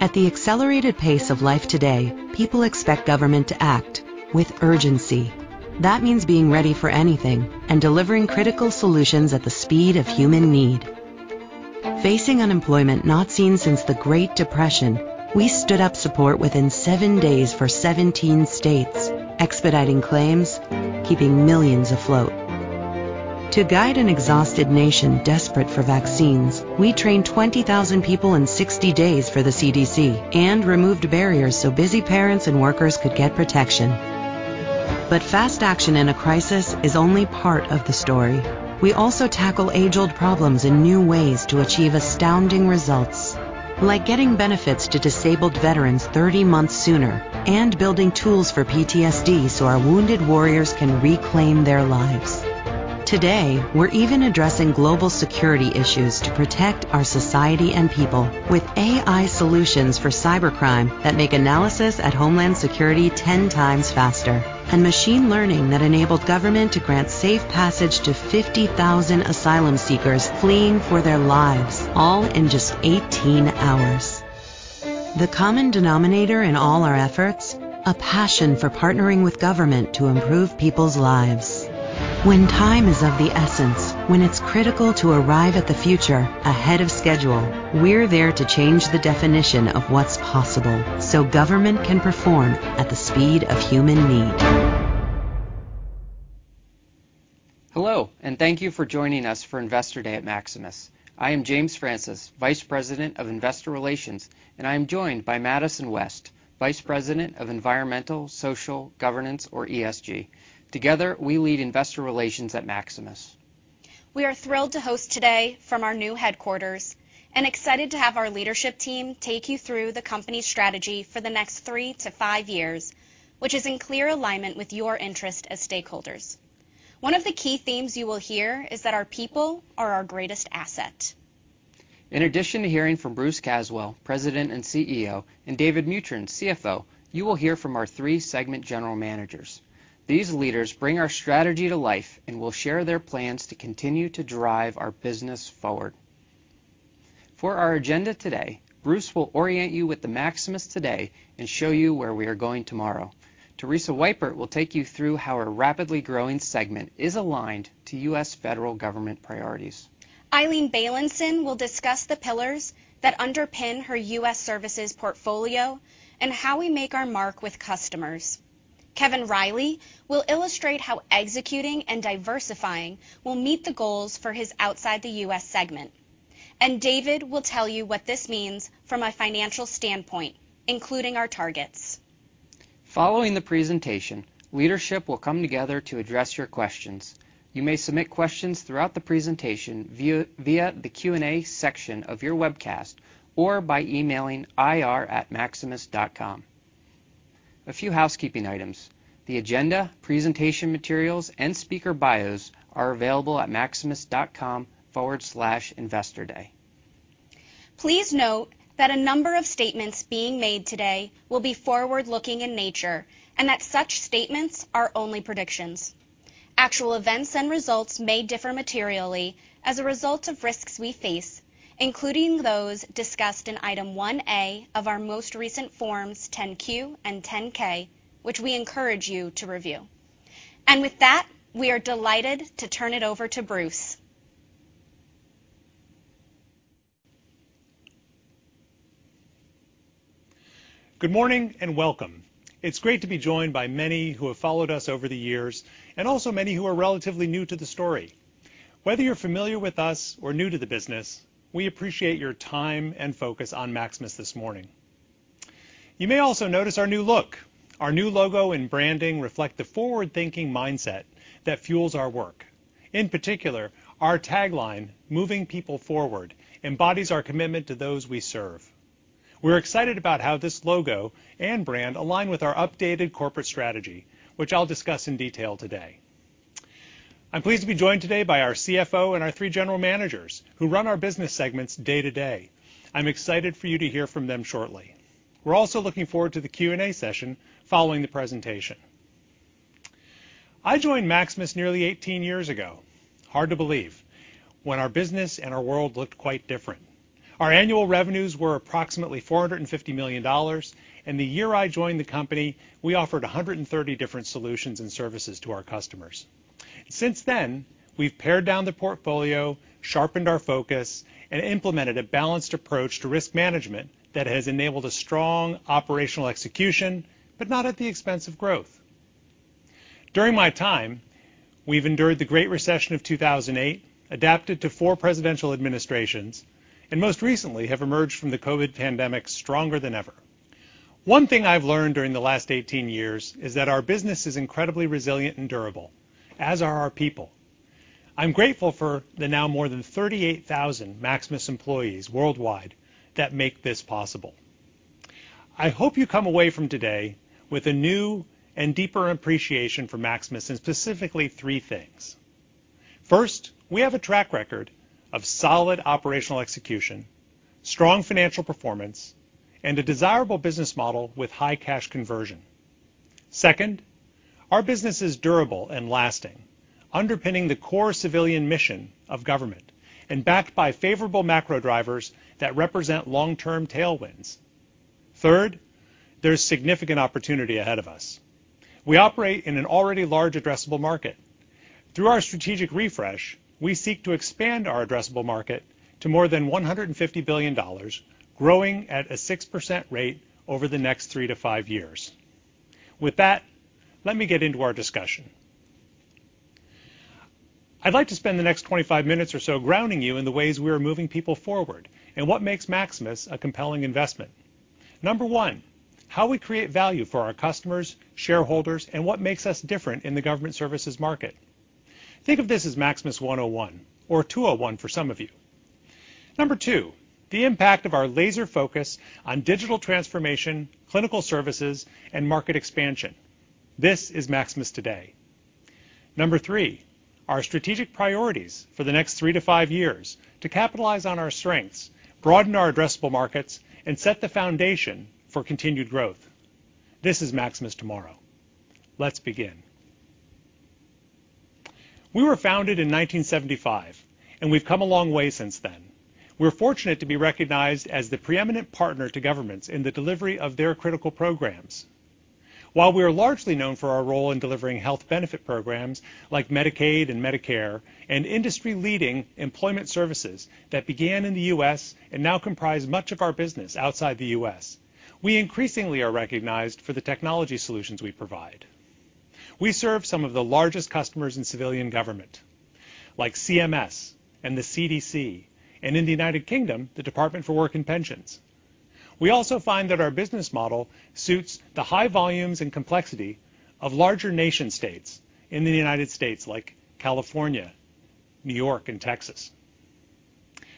At the accelerated pace of life today, people expect government to act with urgency. That means being ready for anything and delivering critical solutions at the speed of human need. Facing unemployment not seen since the Great Depression, we stood up support within seven days for 17 states, expediting claims, keeping millions afloat. To guide an exhausted nation desperate for vaccines, we trained 20,000 people in 60 days for the CDC and removed barriers so busy parents and workers could get protection. Fast action in a crisis is only part of the story. We also tackle age-old problems in new ways to achieve astounding results, like getting benefits to disabled veterans 30 months sooner and building tools for PTSD so our wounded warriors can reclaim their lives. Today, we're even addressing global security issues to protect our society and people with AI solutions for cybercrime that make analysis at Homeland Security 10 times faster, and machine learning that enabled government to grant safe passage to 50,000 asylum seekers fleeing for their lives, all in just 18 hours. The common denominator in all our efforts, a passion for partnering with government to improve people's lives. When time is of the essence, when it's critical to arrive at the future ahead of schedule, we're there to change the definition of what's possible so government can perform at the speed of human need. Hello, and thank you for joining us for Investor Day at Maximus. I am James Francis, Vice President of Investor Relations, and I am joined by Madison West, Vice President of Environmental, Social, Governance, or ESG. Together, we lead investor relations at Maximus. We are thrilled to host today from our new headquarters and excited to have our leadership team take you through the company strategy for the next 3-5 years, which is in clear alignment with your interest as stakeholders. One of the key themes you will hear is that our people are our greatest asset. In addition to hearing from Bruce Caswell, President and CEO, and David Mutryn, CFO, you will hear from our three segment general managers. These leaders bring our strategy to life and will share their plans to continue to drive our business forward. For our agenda today, Bruce will orient you with the Maximus today and show you where we are going tomorrow. Teresa Weipert will take you through how a rapidly growing segment is aligned to U.S. federal government priorities. Ilene Baylinson will discuss the pillars that underpin her U.S. services portfolio and how we make our mark with customers. Kevin Reilly will illustrate how executing and diversifying will meet the goals for his outside the U.S. segment. David will tell you what this means from a financial standpoint, including our targets. Following the presentation, leadership will come together to address your questions. You may submit questions throughout the presentation via the Q&A section of your webcast or by emailing ir@Maximus.com. A few housekeeping items. The agenda, presentation materials, and speaker bios are available at Maximus.com/investorday. Please note that a number of statements being made today will be forward-looking in nature and that such statements are only predictions. Actual events and results may differ materially as a result of risks we face, including those discussed in Item 1A of our most recent Forms 10-Q and 10-K, which we encourage you to review. With that, we are delighted to turn it over to Bruce. Good morning and welcome. It's great to be joined by many who have followed us over the years and also many who are relatively new to the story. Whether you're familiar with us or new to the business, we appreciate your time and focus on Maximus this morning. You may also notice our new look. Our new logo and branding reflect the forward-thinking mindset that fuels our work. In particular, our tagline, Moving People Forward, embodies our commitment to those we serve. We're excited about how this logo and brand align with our updated corporate strategy, which I'll discuss in detail today. I'm pleased to be joined today by our CFO and our three general managers who run our business segments day to day. I'm excited for you to hear from them shortly. We're also looking forward to the Q&A session following the presentation. I joined Maximus nearly 18 years ago. Hard to believe. When our business and our world looked quite different. Our annual revenues were approximately $450 million, and the year I joined the company, we offered 130 different solutions and services to our customers. Since then, we've pared down the portfolio, sharpened our focus, and implemented a balanced approach to risk management that has enabled a strong operational execution, but not at the expense of growth. During my time, we've endured the Great Recession of 2008, adapted to four presidential administrations, and most recently, have emerged from the COVID pandemic stronger than ever. One thing I've learned during the last 18 years is that our business is incredibly resilient and durable, as are our people. I'm grateful for the now more than 38,000 Maximus employees worldwide that make this possible. I hope you come away from today with a new and deeper appreciation for Maximus in specifically three things. First, we have a track record of solid operational execution, strong financial performance, and a desirable business model with high cash conversion. Second, our business is durable and lasting, underpinning the core civilian mission of government and backed by favorable macro drivers that represent long-term tailwinds. Third, there's significant opportunity ahead of us. We operate in an already large addressable market. Through our strategic refresh, we seek to expand our addressable market to more than $150 billion, growing at a 6% rate over the next 3-5 years. With that, let me get into our discussion. I'd like to spend the next 25 minutes or so grounding you in the ways we are moving people forward and what makes Maximus a compelling investment. 1, how we create value for our customers, shareholders, and what makes us different in the government services market. Think of this as Maximus 101 or 201 for some of you. 2, the impact of our laser focus on digital transformation, clinical services, and market expansion. This is Maximus today. 3, our strategic priorities for the next 3-5 years to capitalize on our strengths, broaden our addressable markets, and set the foundation for continued growth. This is Maximus tomorrow. Let's begin. We were founded in 1975, and we've come a long way since then. We're fortunate to be recognized as the preeminent partner to governments in the delivery of their critical programs. While we are largely known for our role in delivering health benefit programs like Medicaid and Medicare and industry-leading employment services that began in the U.S. and now comprise much of our business outside the U.S., we increasingly are recognized for the technology solutions we provide. We serve some of the largest customers in civilian government, like CMS and the CDC, and in the United Kingdom, the Department for Work and Pensions. We also find that our business model suits the high volumes and complexity of larger nation states in the United States, like California, New York, and Texas.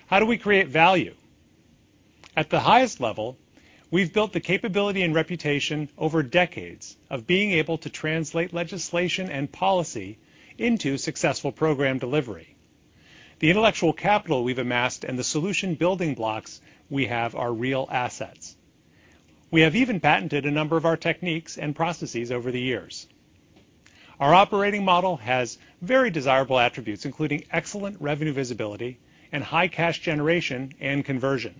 How do we create value? At the highest level, we've built the capability and reputation over decades of being able to translate legislation and policy into successful program delivery. The intellectual capital we've amassed and the solution building blocks we have are real assets. We have even patented a number of our techniques and processes over the years. Our operating model has very desirable attributes, including excellent revenue visibility and high cash generation and conversion.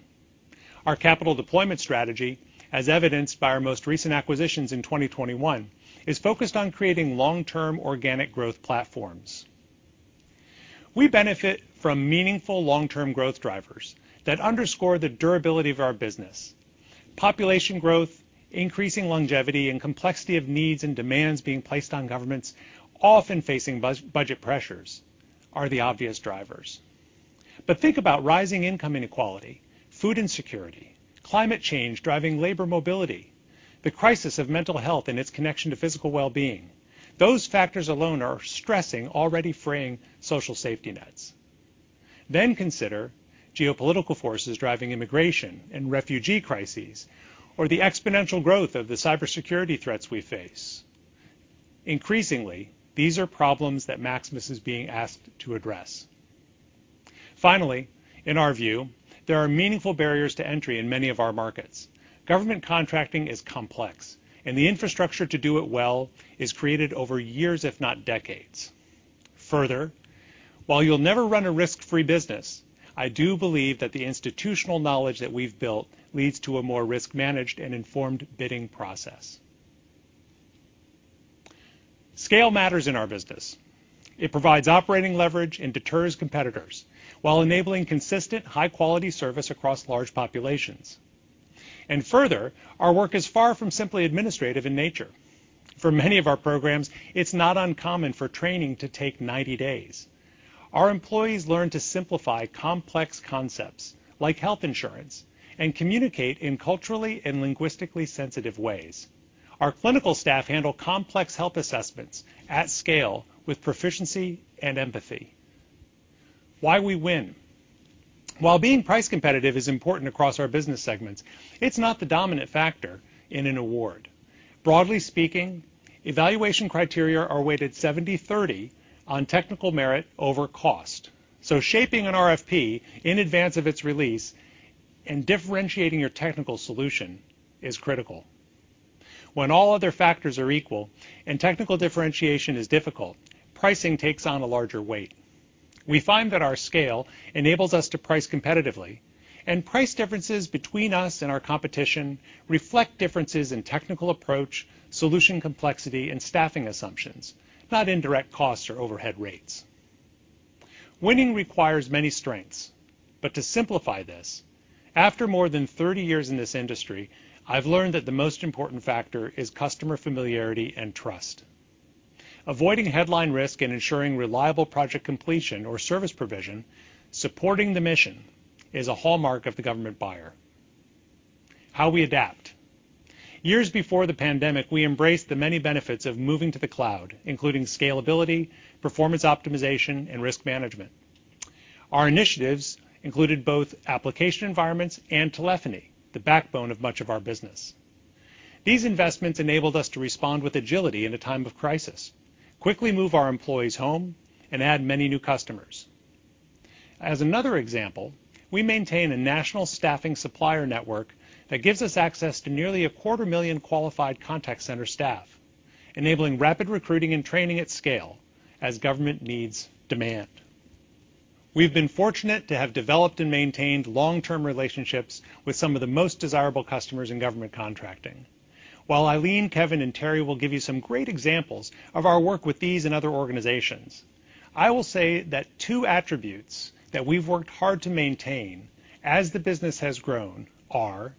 Our capital deployment strategy, as evidenced by our most recent acquisitions in 2021, is focused on creating long-term organic growth platforms. We benefit from meaningful long-term growth drivers that underscore the durability of our business. Population growth, increasing longevity, and complexity of needs and demands being placed on governments often facing budget pressures are the obvious drivers. Think about rising income inequality, food insecurity, climate change driving labor mobility, the crisis of mental health and its connection to physical well-being. Those factors alone are stressing already fraying social safety nets. Consider geopolitical forces driving immigration and refugee crises, or the exponential growth of the cybersecurity threats we face. Increasingly, these are problems that Maximus is being asked to address. Finally, in our view, there are meaningful barriers to entry in many of our markets. Government contracting is complex, and the infrastructure to do it well is created over years, if not decades. Further, while you'll never run a risk-free business, I do believe that the institutional knowledge that we've built leads to a more risk managed and informed bidding process. Scale matters in our business. It provides operating leverage and deters competitors while enabling consistent, high-quality service across large populations. Further, our work is far from simply administrative in nature. For many of our programs, it's not uncommon for training to take 90 days. Our employees learn to simplify complex concepts like health insurance and communicate in culturally and linguistically sensitive ways. Our clinical staff handle complex health assessments at scale with proficiency and empathy. Why we win. While being price competitive is important across our business segments, it's not the dominant factor in an award. Broadly speaking, evaluation criteria are weighted 70/30 on technical merit over cost. Shaping an RFP in advance of its release and differentiating your technical solution is critical. When all other factors are equal and technical differentiation is difficult, pricing takes on a larger weight. We find that our scale enables us to price competitively and price differences between us and our competition reflect differences in technical approach, solution complexity, and staffing assumptions, not indirect costs or overhead rates. Winning requires many strengths. To simplify this, after more than 30 years in this industry, I've learned that the most important factor is customer familiarity and trust. Avoiding headline risk and ensuring reliable project completion or service provision, supporting the mission is a hallmark of the government buyer. How we adapt. Years before the pandemic, we embraced the many benefits of moving to the cloud, including scalability, performance optimization, and risk management. Our initiatives included both application environments and telephony, the backbone of much of our business. These investments enabled us to respond with agility in a time of crisis, quickly move our employees home and add many new customers. As another example, we maintain a national staffing supplier network that gives us access to nearly 250,000 qualified contact center staff, enabling rapid recruiting and training at scale as government needs demand. We've been fortunate to have developed and maintained long-term relationships with some of the most desirable customers in government contracting. While Ilene, Kevin, and Terry will give you some great examples of our work with these and other organizations, I will say that two attributes that we've worked hard to maintain as the business has grown are,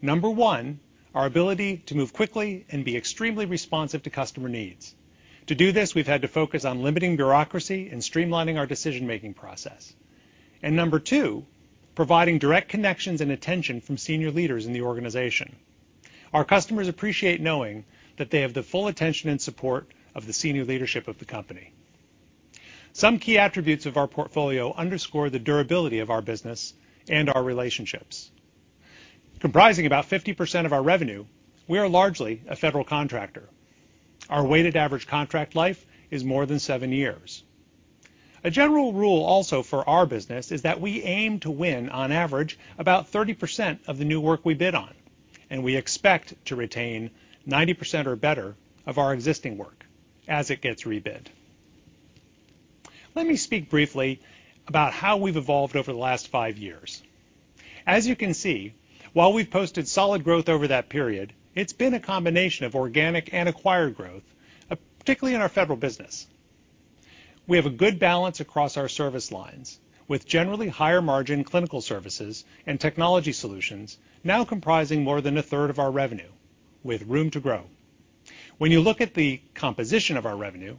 number one, our ability to move quickly and be extremely responsive to customer needs. To do this, we've had to focus on limiting bureaucracy and streamlining our decision-making process. Number two, providing direct connections and attention from senior leaders in the organization. Our customers appreciate knowing that they have the full attention and support of the senior leadership of the company. Some key attributes of our portfolio underscore the durability of our business and our relationships. Comprising about 50% of our revenue, we are largely a federal contractor. Our weighted average contract life is more than seven years. A general rule also for our business is that we aim to win, on average, about 30% of the new work we bid on, and we expect to retain 90% or better of our existing work as it gets rebid. Let me speak briefly about how we've evolved over the last five years. As you can see, while we've posted solid growth over that period, it's been a combination of organic and acquired growth, particularly in our federal business. We have a good balance across our service lines with generally higher margin clinical services and technology solutions now comprising more than a third of our revenue with room to grow. When you look at the composition of our revenue,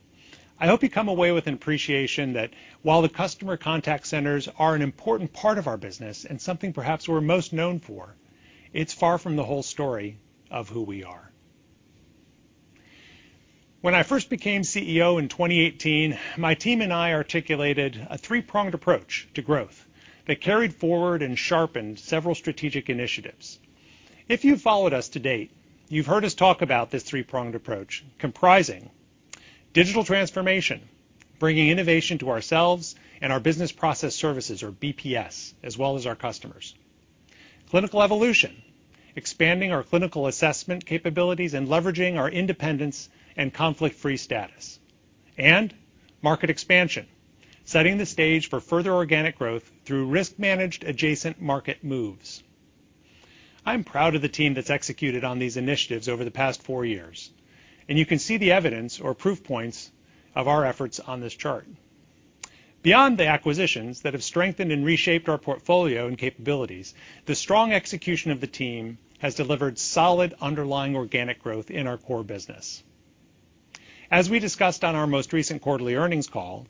I hope you come away with an appreciation that while the customer contact centers are an important part of our business and something perhaps we're most known for, it's far from the whole story of who we are. When I first became CEO in 2018, my team and I articulated a three-pronged approach to growth that carried forward and sharpened several strategic initiatives. If you've followed us to date, you've heard us talk about this three-pronged approach comprising digital transformation, bringing innovation to ourselves and our business process services or BPS as well as our customers. Clinical evolution, expanding our clinical assessment capabilities, and leveraging our independence and conflict-free status. Market expansion, setting the stage for further organic growth through risk-managed adjacent market moves. I'm proud of the team that's executed on these initiatives over the past four years, and you can see the evidence or proof points of our efforts on this chart. Beyond the acquisitions that have strengthened and reshaped our portfolio and capabilities, the strong execution of the team has delivered solid underlying organic growth in our core business. As we discussed on our most recent quarterly earnings call,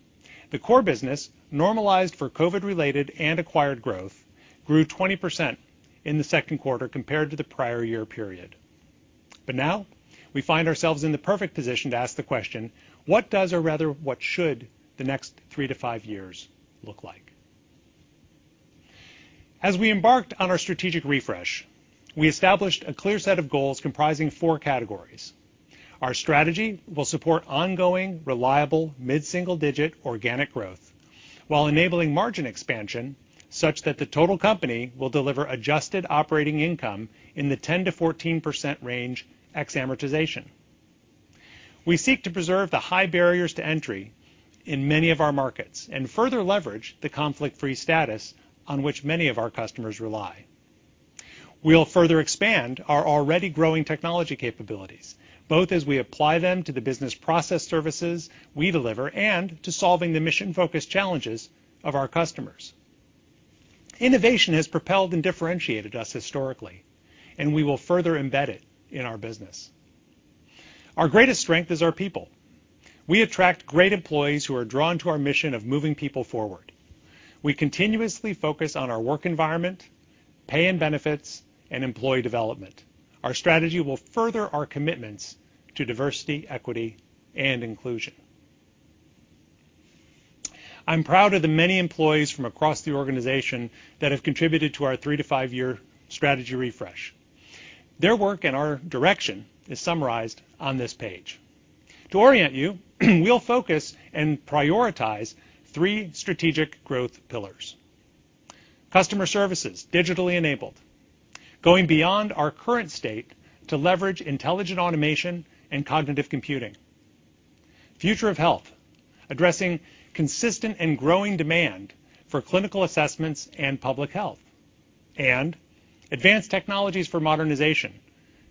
the core business normalized for COVID-related and acquired growth grew 20% in the second quarter compared to the prior year period. Now we find ourselves in the perfect position to ask the question, what does, or rather what should the next 3-5 years look like? As we embarked on our strategic refresh, we established a clear set of goals comprising four categories. Our strategy will support ongoing, reliable, mid-single-digit organic growth while enabling margin expansion such that the total company will deliver adjusted operating income in the 10%-14% range ex-amortization. We seek to preserve the high barriers to entry in many of our markets and further leverage the conflict-free status on which many of our customers rely. We'll further expand our already growing technology capabilities, both as we apply them to the business process services we deliver and to solving the mission-focused challenges of our customers. Innovation has propelled and differentiated us historically, and we will further embed it in our business. Our greatest strength is our people. We attract great employees who are drawn to our mission of moving people forward. We continuously focus on our work environment, pay and benefits, and employee development. Our strategy will further our commitments to diversity, equity, and inclusion. I'm proud of the many employees from across the organization that have contributed to our 3- to 5-year strategy refresh. Their work and our direction is summarized on this page. To orient you, we'll focus and prioritize three strategic growth pillars. Customer services, digitally enabled, going beyond our current state to leverage intelligent automation and cognitive computing. Future of health, addressing consistent and growing demand for clinical assessments and public health. Advanced technologies for modernization,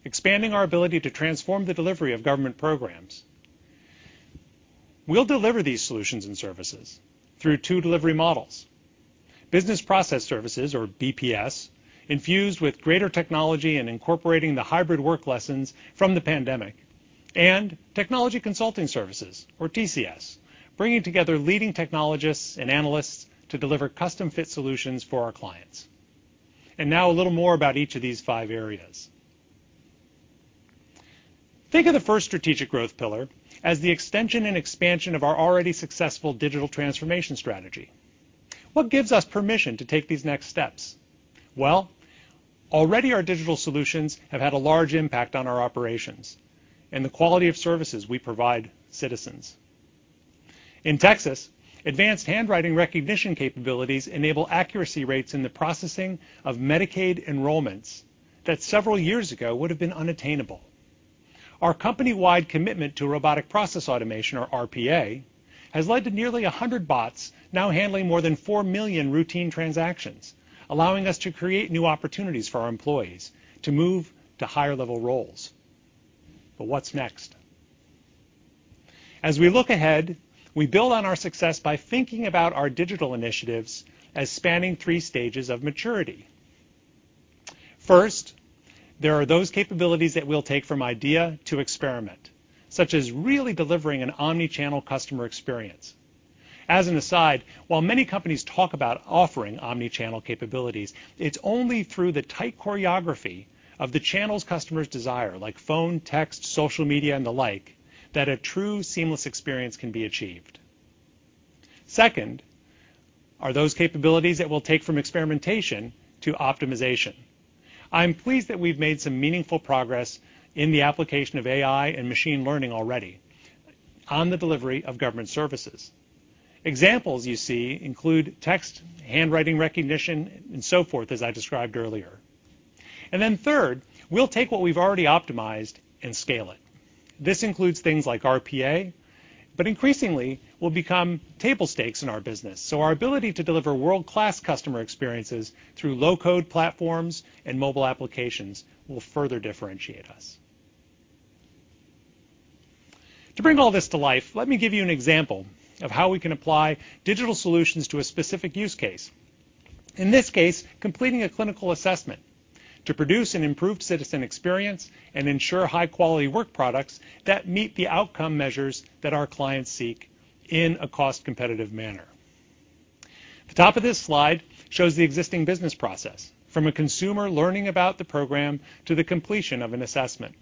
expanding our ability to transform the delivery of government programs. We'll deliver these solutions and services through two delivery models. Business process services or BPS, infused with greater technology and incorporating the hybrid work lessons from the pandemic. Technology consulting services or TCS, bringing together leading technologists and analysts to deliver custom fit solutions for our clients. Now a little more about each of these five areas. Think of the first strategic growth pillar as the extension and expansion of our already successful digital transformation strategy. What gives us permission to take these next steps? Well, already our digital solutions have had a large impact on our operations and the quality of services we provide citizens. In Texas, advanced handwriting recognition capabilities enable accuracy rates in the processing of Medicaid enrollments that several years ago would have been unattainable. Our company-wide commitment to robotic process automation, or RPA, has led to nearly 100 bots now handling more than 4 million routine transactions, allowing us to create new opportunities for our employees to move to higher level roles. What's next? As we look ahead, we build on our success by thinking about our digital initiatives as spanning three stages of maturity. First, there are those capabilities that we'll take from idea to experiment, such as really delivering an omni-channel customer experience. As an aside, while many companies talk about offering omni-channel capabilities, it's only through the tight choreography of the channels customers desire, like phone, text, social media and the like, that a true seamless experience can be achieved. Second are those capabilities that we'll take from experimentation to optimization. I'm pleased that we've made some meaningful progress in the application of AI and machine learning already on the delivery of government services. Examples you see include text, handwriting recognition and so forth as I described earlier. Third, we'll take what we've already optimized and scale it. This includes things like RPA, but increasingly will become table stakes in our business, so our ability to deliver world-class customer experiences through low-code platforms and mobile applications will further differentiate us. To bring all this to life, let me give you an example of how we can apply digital solutions to a specific use case. In this case, completing a clinical assessment to produce an improved citizen experience and ensure high quality work products that meet the outcome measures that our clients seek in a cost competitive manner. The top of this slide shows the existing business process from a consumer learning about the program to the completion of an assessment.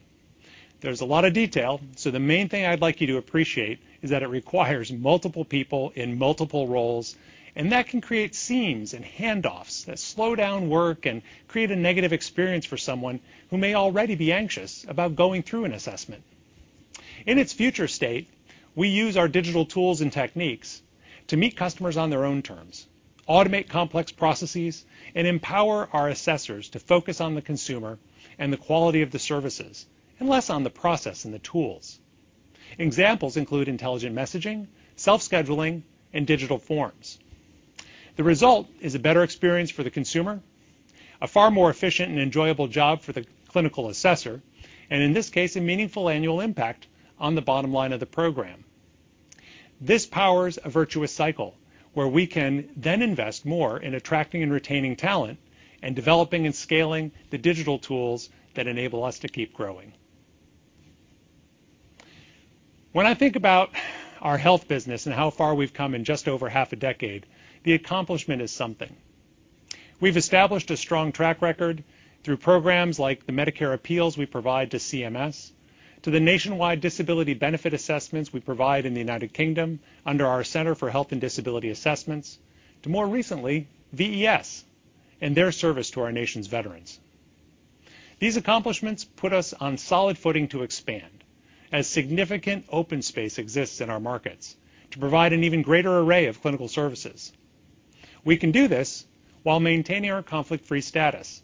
There's a lot of detail, so the main thing I'd like you to appreciate is that it requires multiple people in multiple roles, and that can create seams and handoffs that slow down work and create a negative experience for someone who may already be anxious about going through an assessment. In its future state, we use our digital tools and techniques to meet customers on their own terms, automate complex processes, and empower our assessors to focus on the consumer and the quality of the services, and less on the process and the tools. Examples include intelligent messaging, self-scheduling, and digital forms. The result is a better experience for the consumer, a far more efficient and enjoyable job for the clinical assessor, and in this case, a meaningful annual impact on the bottom line of the program. This powers a virtuous cycle where we can then invest more in attracting and retaining talent and developing and scaling the digital tools that enable us to keep growing. When I think about our health business and how far we've come in just over half a decade, the accomplishment is something. We've established a strong track record through programs like the Medicare appeals we provide to CMS, to the nationwide disability benefit assessments we provide in the United Kingdom under our Centre for Health and Disability Assessments, to more recently, VES and their service to our nation's veterans. These accomplishments put us on solid footing to expand as significant open space exists in our markets to provide an even greater array of clinical services. We can do this while maintaining our conflict-free status.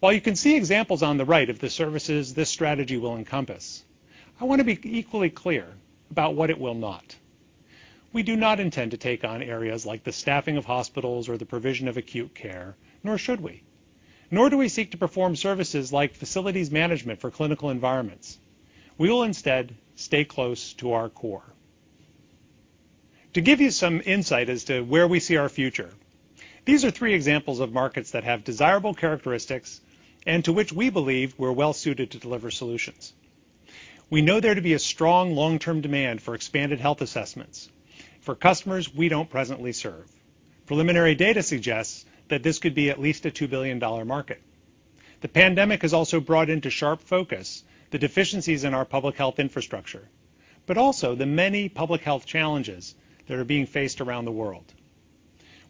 While you can see examples on the right of the services this strategy will encompass, I want to be equally clear about what it will not. We do not intend to take on areas like the staffing of hospitals or the provision of acute care, nor should we. Nor do we seek to perform services like facilities management for clinical environments. We will instead stay close to our core. To give you some insight as to where we see our future, these are three examples of markets that have desirable characteristics and to which we believe we're well-suited to deliver solutions. We know there to be a strong long-term demand for expanded health assessments for customers we don't presently serve. Preliminary data suggests that this could be at least a $2 billion market. The pandemic has also brought into sharp focus the deficiencies in our public health infrastructure, but also the many public health challenges that are being faced around the world.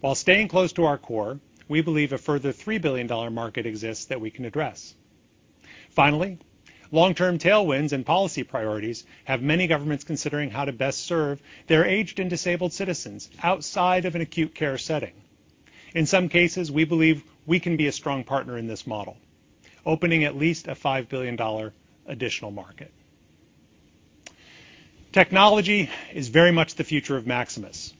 While staying close to our core, we believe a further $3 billion market exists that we can address. Finally, long-term tailwinds and policy priorities have many governments considering how to best serve their aged and disabled citizens outside of an acute care setting. In some cases, we believe we can be a strong partner in this model, opening at least a $5 billion additional market. Technology is very much the future of Maximus.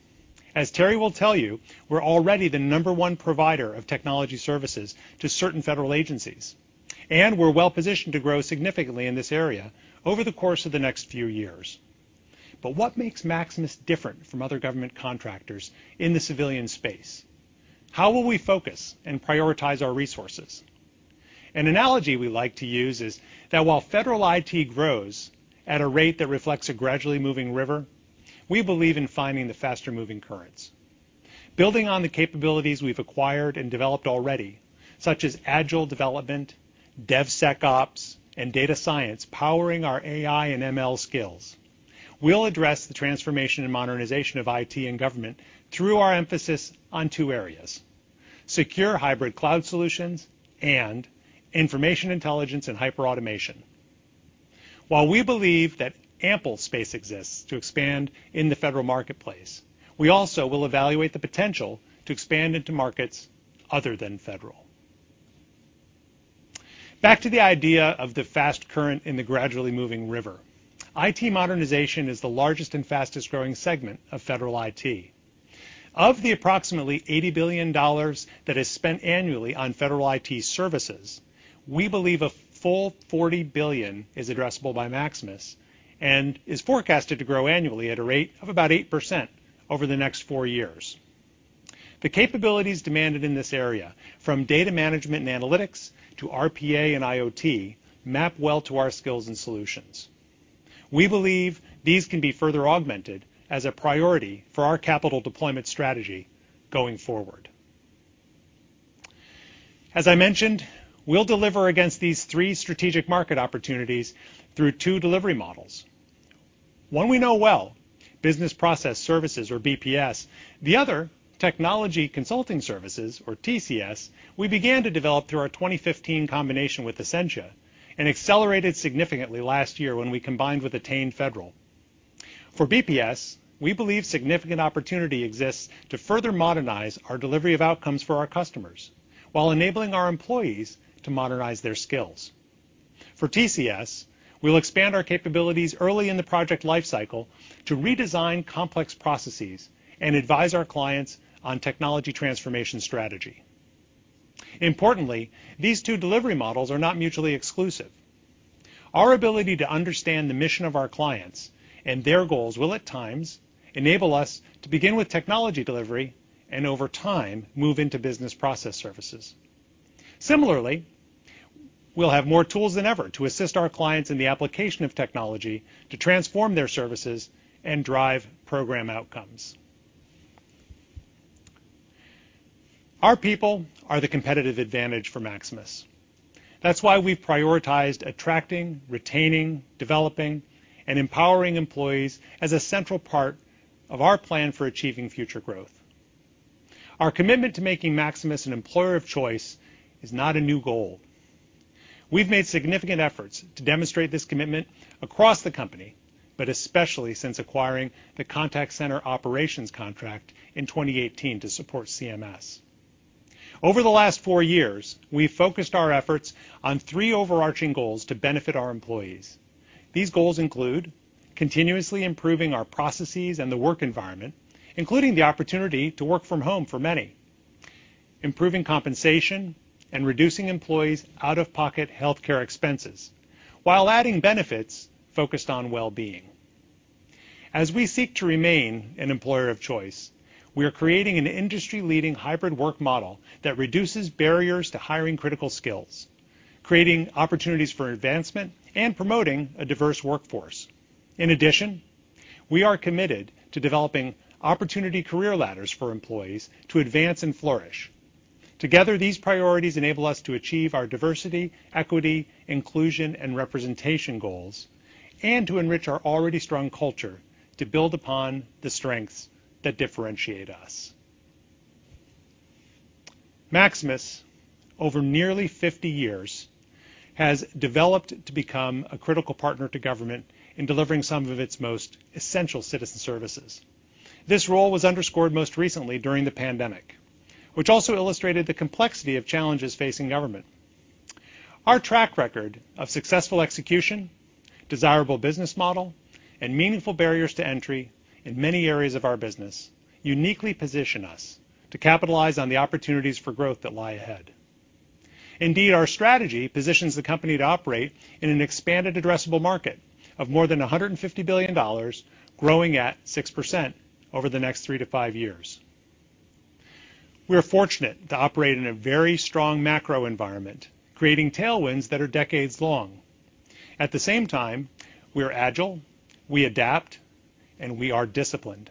As Terry will tell you, we're already the number one provider of technology services to certain federal agencies, and we're well-positioned to grow significantly in this area over the course of the next few years. What makes Maximus different from other government contractors in the civilian space? How will we focus and prioritize our resources? An analogy we like to use is that while federal IT grows at a rate that reflects a gradually moving river, we believe in finding the faster moving currents. Building on the capabilities we've acquired and developed already, such as agile development, DevSecOps, and data science powering our AI and ML skills. We'll address the transformation and modernization of IT and government through our emphasis on two areas, secure hybrid cloud solutions and information intelligence and hyperautomation. While we believe that ample space exists to expand in the federal marketplace, we also will evaluate the potential to expand into markets other than federal. Back to the idea of the fast current in the gradually moving river. IT modernization is the largest and fastest-growing segment of federal IT. Of the approximately $80 billion that is spent annually on federal IT services, we believe a full $40 billion is addressable by Maximus and is forecasted to grow annually at a rate of about 8% over the next four years. The capabilities demanded in this area, from data management and analytics to RPA and IoT, map well to our skills and solutions. We believe these can be further augmented as a priority for our capital deployment strategy going forward. As I mentioned, we'll deliver against these three strategic market opportunities through two delivery models. One we know well, business process services or BPS. The other, technology consulting services or TCS, we began to develop through our 2015 combination with Acentia and accelerated significantly last year when we combined with Attain Federal. For BPS, we believe significant opportunity exists to further modernize our delivery of outcomes for our customers while enabling our employees to modernize their skills. For TCS, we'll expand our capabilities early in the project life cycle to redesign complex processes and advise our clients on technology transformation strategy. Importantly, these two delivery models are not mutually exclusive. Our ability to understand the mission of our clients and their goals will at times enable us to begin with technology delivery and over time, move into business process services. Similarly, we'll have more tools than ever to assist our clients in the application of technology to transform their services and drive program outcomes. Our people are the competitive advantage for Maximus. That's why we've prioritized attracting, retaining, developing, and empowering employees as a central part of our plan for achieving future growth. Our commitment to making Maximus an employer of choice is not a new goal. We've made significant efforts to demonstrate this commitment across the company, but especially since acquiring the contact center operations contract in 2018 to support CMS. Over the last four years, we focused our efforts on three overarching goals to benefit our employees. These goals include continuously improving our processes and the work environment, including the opportunity to work from home for many, improving compensation, and reducing employees' out-of-pocket healthcare expenses while adding benefits focused on well-being. As we seek to remain an employer of choice, we are creating an industry-leading hybrid work model that reduces barriers to hiring critical skills, creating opportunities for advancement, and promoting a diverse workforce. In addition, we are committed to developing opportunity career ladders for employees to advance and flourish. Together, these priorities enable us to achieve our diversity, equity, inclusion, and representation goals and to enrich our already strong culture to build upon the strengths that differentiate us. Maximus, over nearly 50 years, has developed to become a critical partner to government in delivering some of its most essential citizen services. This role was underscored most recently during the pandemic, which also illustrated the complexity of challenges facing government. Our track record of successful execution, desirable business model, and meaningful barriers to entry in many areas of our business uniquely position us to capitalize on the opportunities for growth that lie ahead. Indeed, our strategy positions the company to operate in an expanded addressable market of more than $150 billion, growing at 6% over the next 3-5 years. We are fortunate to operate in a very strong macro environment, creating tailwinds that are decades long. At the same time, we are agile, we adapt, and we are disciplined.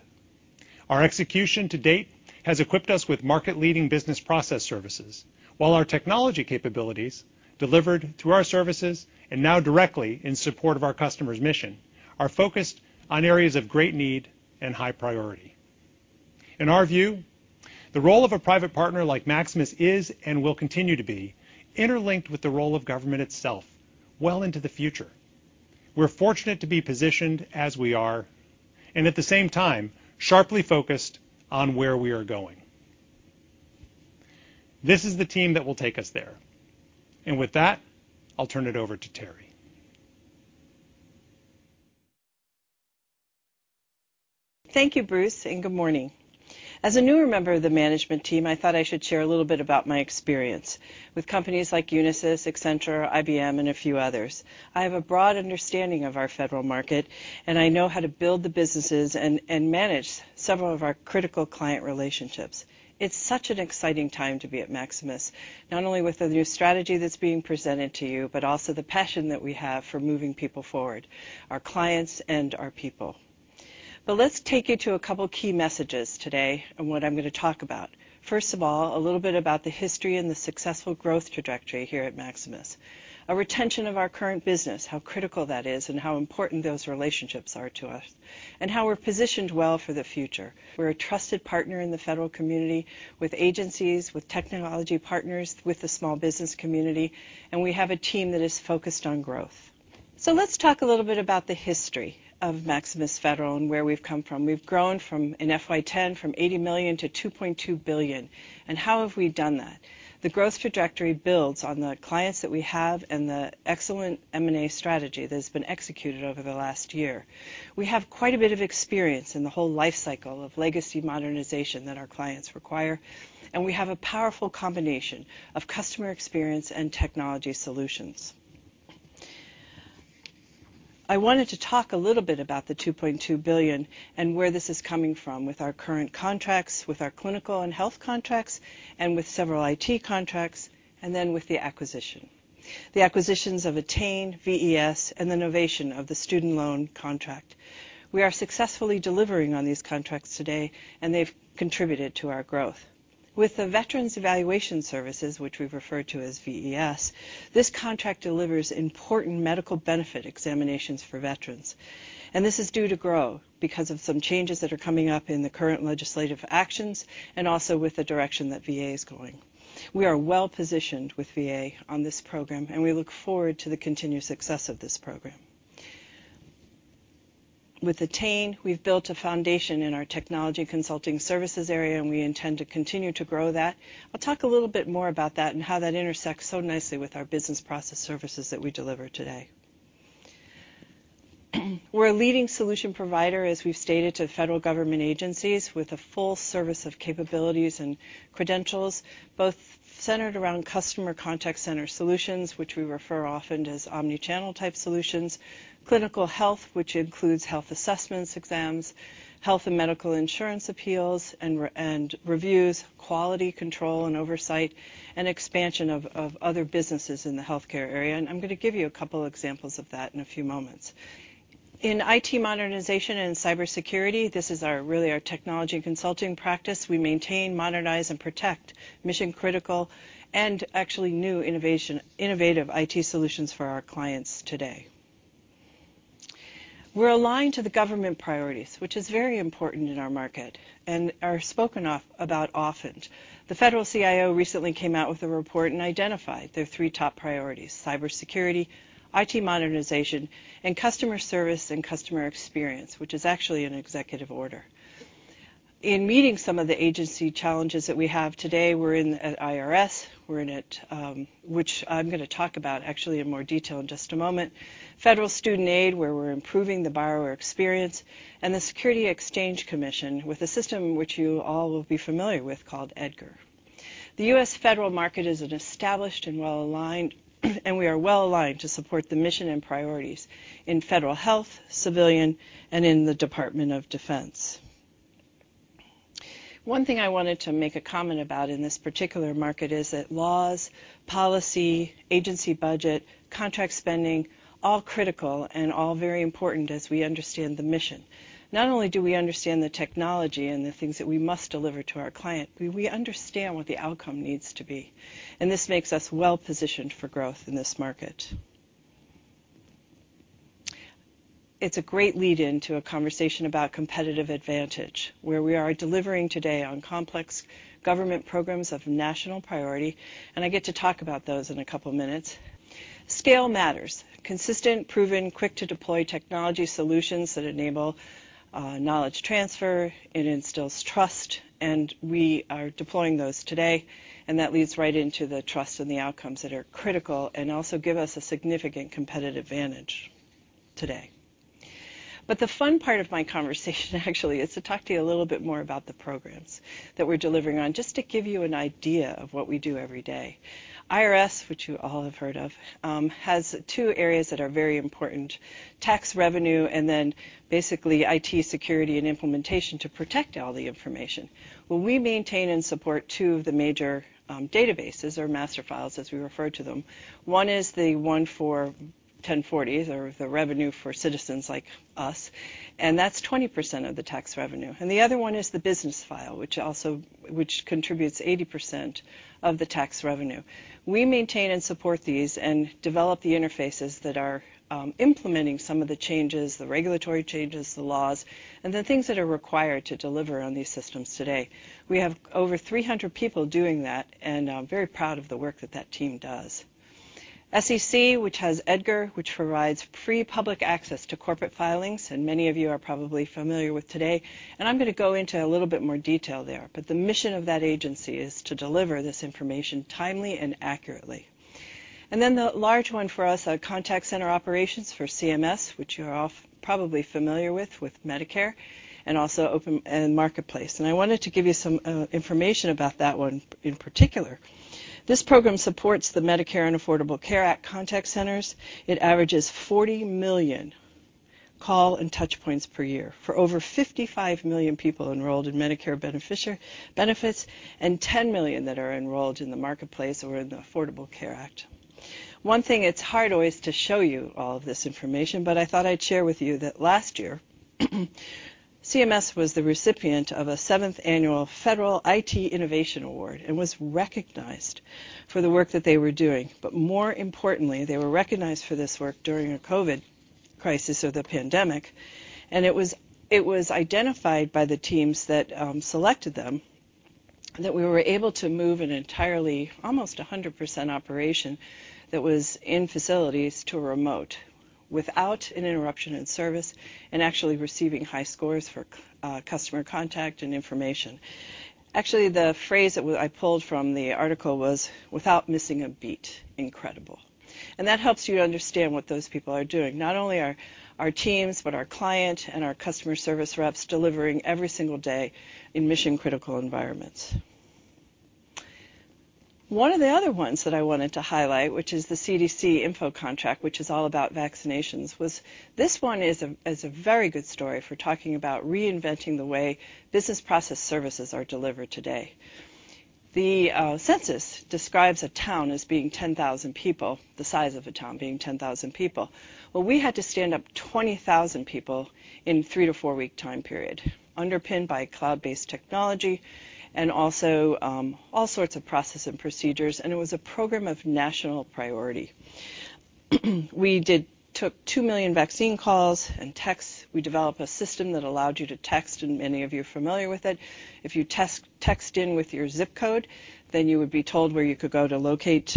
Our execution to date has equipped us with market-leading business process services. While our technology capabilities delivered through our services and now directly in support of our customer's mission, are focused on areas of great need and high priority. In our view, the role of a private partner like Maximus is and will continue to be interlinked with the role of government itself well into the future. We're fortunate to be positioned as we are, and at the same time, sharply focused on where we are going. This is the team that will take us there. With that, I'll turn it over to Terry. Thank you, Bruce, and good morning. As a newer member of the management team, I thought I should share a little bit about my experience with companies like Unisys, Accenture, IBM, and a few others. I have a broad understanding of our federal market, and I know how to build the businesses and manage some of our critical client relationships. It's such an exciting time to be at Maximus, not only with the new strategy that's being presented to you, but also the passion that we have for moving people forward, our clients and our people. Let's take you to a couple key messages today on what I'm gonna talk about. First of all, a little bit about the history and the successful growth trajectory here at Maximus. Our retention of our current business, how critical that is and how important those relationships are to us, and how we're positioned well for the future. We're a trusted partner in the federal community with agencies, with technology partners, with the small business community, and we have a team that is focused on growth. Let's talk a little bit about the history of Maximus Federal and where we've come from. We've grown from, in FY10, from $80 million to $2.2 billion. How have we done that? The growth trajectory builds on the clients that we have and the excellent M&A strategy that has been executed over the last year. We have quite a bit of experience in the whole life cycle of legacy modernization that our clients require, and we have a powerful combination of customer experience and technology solutions. I wanted to talk a little bit about the $2.2 billion and where this is coming from with our current contracts, with our clinical and health contracts, and with several IT contracts, and then with the acquisition. The acquisitions of Attain, VES, and the novation of the student loan contract. We are successfully delivering on these contracts today, and they've contributed to our growth. With the Veterans Evaluation Services, which we've referred to as VES, this contract delivers important medical benefit examinations for veterans, and this is due to grow because of some changes that are coming up in the current legislative actions and also with the direction that VA is going. We are well-positioned with VA on this program, and we look forward to the continued success of this program. With Attain, we've built a foundation in our technology consulting services area, and we intend to continue to grow that. I'll talk a little bit more about that and how that intersects so nicely with our business process services that we deliver today. We're a leading solution provider, as we've stated, to federal government agencies with a full service of capabilities and credentials, both centered around customer contact center solutions, which we refer often as omni-channel type solutions, clinical health, which includes health assessments, exams, health and medical insurance appeals and reviews, quality control and oversight, and expansion of other businesses in the healthcare area. I'm gonna give you a couple examples of that in a few moments. In IT modernization and cybersecurity, this is our, really our technology consulting practice. We maintain, modernize, and protect mission-critical and actually new innovative IT solutions for our clients today. We're aligned to the government priorities, which is very important in our market and are spoken about often. The federal CIO recently came out with a report and identified their three top priorities, cybersecurity, IT modernization, and customer service and customer experience, which is actually an executive order. In meeting some of the agency challenges that we have today, we're in at IRS, we're in at Federal Student Aid, which I'm gonna talk about actually in more detail in just a moment, where we're improving the borrower experience, and the Securities and Exchange Commission with a system which you all will be familiar with called EDGAR. The U.S. federal market is an established and well-aligned, and we are well-aligned to support the mission and priorities in federal health, civilian, and in the Department of Defense. One thing I wanted to make a comment about in this particular market is that laws, policy, agency budget, contract spending, all critical and all very important as we understand the mission. Not only do we understand the technology and the things that we must deliver to our client, we understand what the outcome needs to be, and this makes us well-positioned for growth in this market. It's a great lead-in to a conversation about competitive advantage, where we are delivering today on complex government programs of national priority, and I get to talk about those in a couple minutes. Scale matters. Consistent, proven, quick-to-deploy technology solutions that enable knowledge transfer, it instills trust, and we are deploying those today, and that leads right into the trust and the outcomes that are critical and also give us a significant competitive advantage today. The fun part of my conversation actually is to talk to you a little bit more about the programs that we're delivering on, just to give you an idea of what we do every day. IRS, which you all have heard of, has two areas that are very important, tax revenue and then basically IT security and implementation to protect all the information. Well, we maintain and support two of the major databases or master files, as we refer to them. One is the one for 1040, or the revenue for citizens like us, and that's 20% of the tax revenue. The other one is the business file, which also contributes 80% of the tax revenue. We maintain and support these and develop the interfaces that are implementing some of the changes, the regulatory changes, the laws, and the things that are required to deliver on these systems today. We have over 300 people doing that, and I'm very proud of the work that team does. SEC, which has EDGAR, which provides free public access to corporate filings, and many of you are probably familiar with today. I'm gonna go into a little bit more detail there. The mission of that agency is to deliver this information timely and accurately. Then the large one for us, our contact center operations for CMS, which you're all probably familiar with Medicare and also Marketplace. I wanted to give you some information about that one in particular. This program supports the Medicare and Affordable Care Act contact centers. It averages 40 million call and touch points per year for over 55 million people enrolled in Medicare benefits and 10 million that are enrolled in the Marketplace or in the Affordable Care Act. One thing, it's hard always to show you all of this information, but I thought I'd share with you that last year, CMS was the recipient of a seventh annual FedHealthIT Innovation Award and was recognized for the work that they were doing. More importantly, they were recognized for this work during a COVID crisis of the pandemic. It was identified by the teams that selected them that we were able to move an entirely almost 100% operation that was in facilities to remote without an interruption in service and actually receiving high scores for customer contact and information. Actually, the phrase that I pulled from the article was "without missing a beat." Incredible. That helps you to understand what those people are doing, not only our teams, but our client and our customer service reps delivering every single day in mission-critical environments. One of the other ones that I wanted to highlight, which is the CDC-INFO contract, which is all about vaccinations, is a very good story for talking about reinventing the way business process services are delivered today. The census describes a town as being 10,000 people, the size of a town being 10,000 people. Well, we had to stand up 20,000 people in 3-4 week time period, underpinned by cloud-based technology and also all sorts of process and procedures, and it was a program of national priority. We took 2 million vaccine calls and texts. We developed a system that allowed you to text, and many of you are familiar with it. If you text in with your zip code, then you would be told where you could go to locate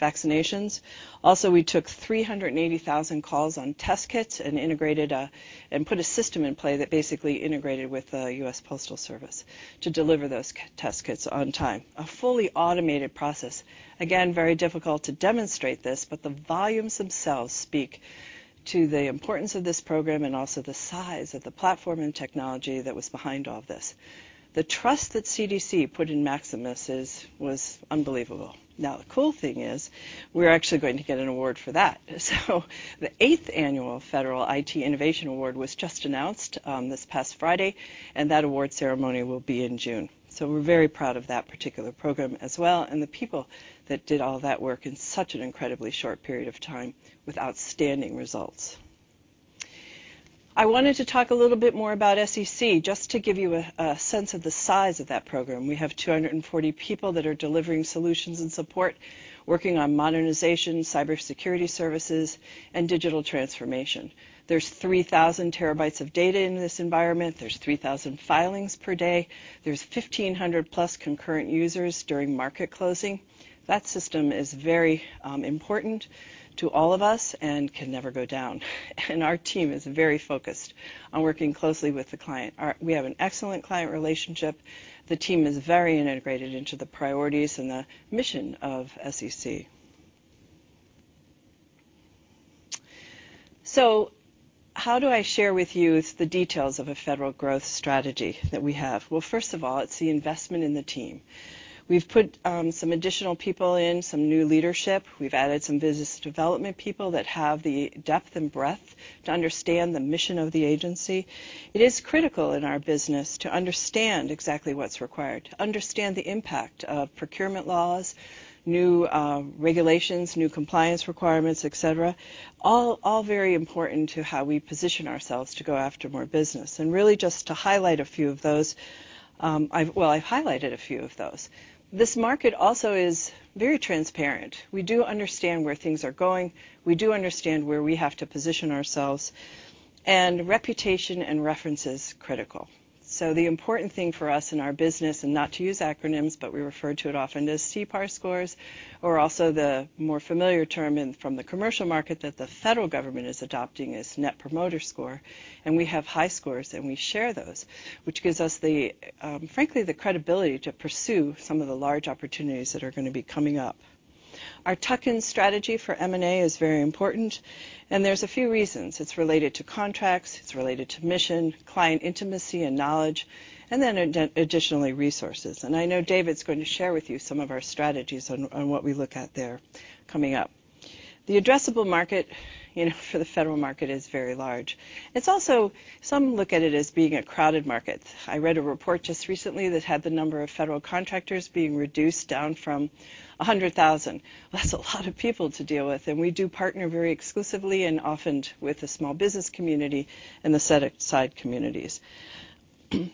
vaccinations. Also, we took 380,000 calls on test kits and put a system in play that basically integrated with the U.S. Postal Service to deliver those COVID test kits on time. A fully automated process. Again, very difficult to demonstrate this, but the volumes themselves speak to the importance of this program and also the size of the platform and technology that was behind all this. The trust that CDC put in Maximus was unbelievable. Now, the cool thing is we're actually going to get an award for that. The eighth annual FedHealthIT Innovation Award was just announced this past Friday, and that award ceremony will be in June. We're very proud of that particular program as well, and the people that did all that work in such an incredibly short period of time with outstanding results. I wanted to talk a little bit more about SEC, just to give you a sense of the size of that program. We have 240 people that are delivering solutions and support, working on modernization, cybersecurity services, and digital transformation. There's 3,000 terabytes of data in this environment, there's 3,000 filings per day, there's 1,500+ concurrent users during market closing. That system is very important to all of us and can never go down. Our team is very focused on working closely with the client. We have an excellent client relationship. The team is very integrated into the priorities and the mission of SEC. How do I share with you the details of a federal growth strategy that we have? First of all, it's the investment in the team. We've put some additional people in, some new leadership. We've added some business development people that have the depth and breadth to understand the mission of the agency. It is critical in our business to understand exactly what's required, to understand the impact of procurement laws, new regulations, new compliance requirements, et cetera. All very important to how we position ourselves to go after more business. Really just to highlight a few of those, I've highlighted a few of those. This market also is very transparent. We do understand where things are going. We do understand where we have to position ourselves, and reputation and reference is critical. The important thing for us in our business, and not to use acronyms, but we refer to it often as CPAR scores or also the more familiar term from the commercial market that the federal government is adopting is Net Promoter Score, and we have high scores, and we share those, which gives us, frankly, the credibility to pursue some of the large opportunities that are gonna be coming up. Our tuck-in strategy for M&A is very important, and there's a few reasons. It's related to contracts. It's related to mission, client intimacy and knowledge, and then additionally, resources. I know David's going to share with you some of our strategies on what we look at there coming up. The addressable market, you know, for the federal market is very large. It's also. Some look at it as being a crowded market. I read a report just recently that had the number of federal contractors being reduced down from 100,000. Well, that's a lot of people to deal with, and we do partner very exclusively and often with the small business community and the set-aside communities.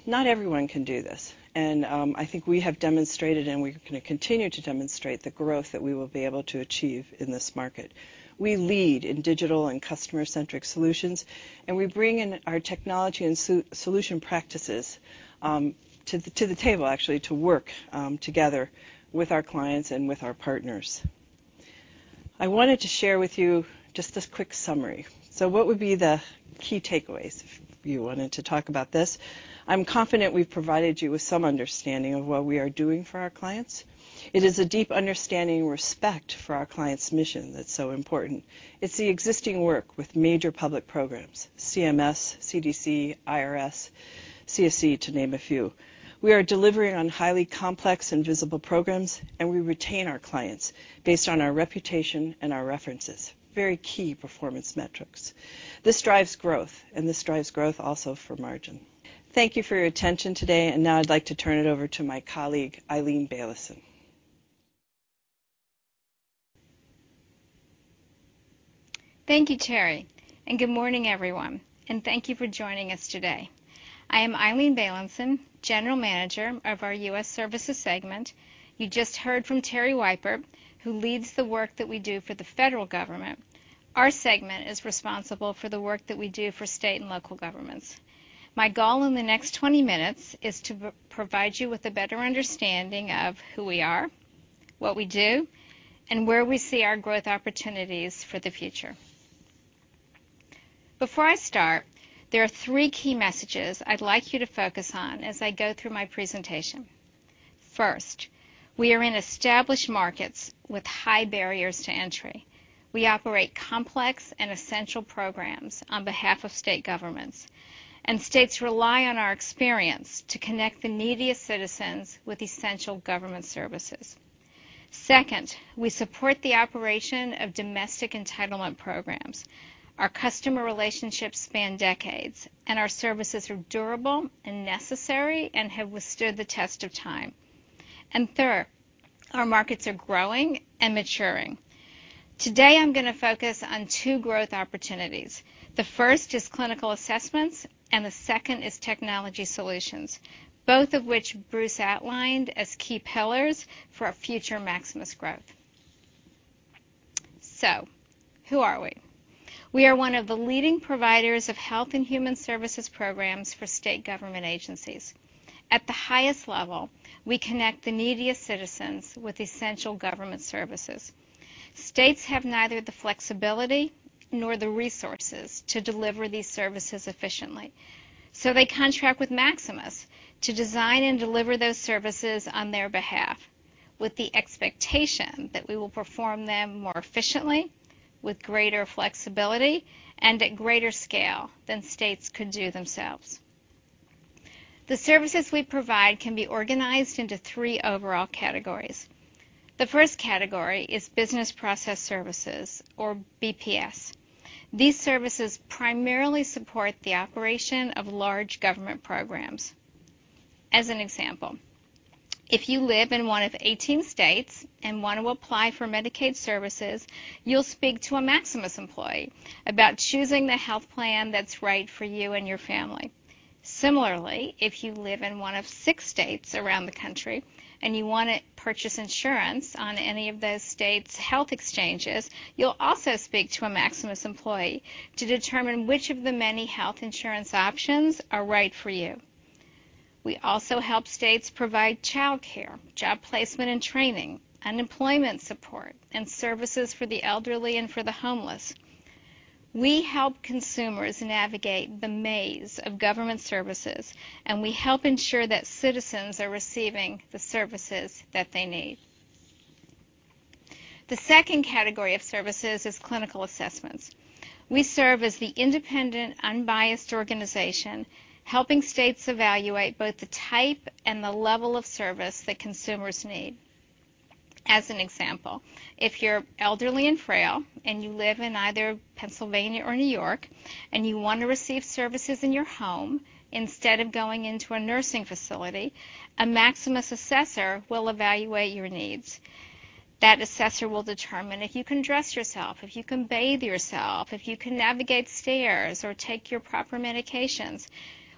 Not everyone can do this, and I think we have demonstrated, and we're gonna continue to demonstrate the growth that we will be able to achieve in this market. We lead in digital and customer-centric solutions, and we bring in our technology and solution practices to the table actually to work together with our clients and with our partners. I wanted to share with you just this quick summary. What would be the key takeaways if you wanted to talk about this? I'm confident we've provided you with some understanding of what we are doing for our clients. It is a deep understanding and respect for our clients' mission that's so important. It's the existing work with major public programs, CMS, CDC, IRS, CEC, to name a few. We are delivering on highly complex and visible programs, and we retain our clients based on our reputation and our references. Very key performance metrics. This drives growth and this drives growth also for margin. Thank you for your attention today, and now I'd like to turn it over to my colleague, Ilene Baylinson. Thank you, Terry, and good morning, everyone, and thank you for joining us today. I am Ilene Baylinson, General Manager of our U.S. Services segment. You just heard from Teresa Weipert, who leads the work that we do for the federal government. Our segment is responsible for the work that we do for state and local governments. My goal in the next 20 minutes is to provide you with a better understanding of who we are, what we do, and where we see our growth opportunities for the future. Before I start, there are three key messages I'd like you to focus on as I go through my presentation. First, we are in established markets with high barriers to entry. We operate complex and essential programs on behalf of state governments, and states rely on our experience to connect the neediest citizens with essential government services. Second, we support the operation of domestic entitlement programs. Our customer relationships span decades, and our services are durable and necessary and have withstood the test of time. Third, our markets are growing and maturing. Today, I'm gonna focus on two growth opportunities. The first is clinical assessments, and the second is technology solutions, both of which Bruce outlined as key pillars for our future Maximus growth. Who are we? We are one of the leading providers of health and human services programs for state government agencies. At the highest level, we connect the neediest citizens with essential government services. States have neither the flexibility nor the resources to deliver these services efficiently, so they contract with Maximus to design and deliver those services on their behalf with the expectation that we will perform them more efficiently, with greater flexibility, and at greater scale than states could do themselves. The services we provide can be organized into three overall categories. The first category is business process services or BPS. These services primarily support the operation of large government programs. As an example, if you live in one of 18 states and want to apply for Medicaid services, you'll speak to a Maximus employee about choosing the health plan that's right for you and your family. Similarly, if you live in one of six states around the country, and you wanna purchase insurance on any of those states' health exchanges, you'll also speak to a Maximus employee to determine which of the many health insurance options are right for you. We also help states provide childcare, job placement and training, unemployment support, and services for the elderly and for the homeless. We help consumers navigate the maze of government services, and we help ensure that citizens are receiving the services that they need. The second category of services is clinical assessments. We serve as the independent, unbiased organization, helping states evaluate both the type and the level of service that consumers need. As an example, if you're elderly and frail and you live in either Pennsylvania or New York and you want to receive services in your home instead of going into a nursing facility, a Maximus assessor will evaluate your needs. That assessor will determine if you can dress yourself, if you can bathe yourself, if you can navigate stairs or take your proper medications.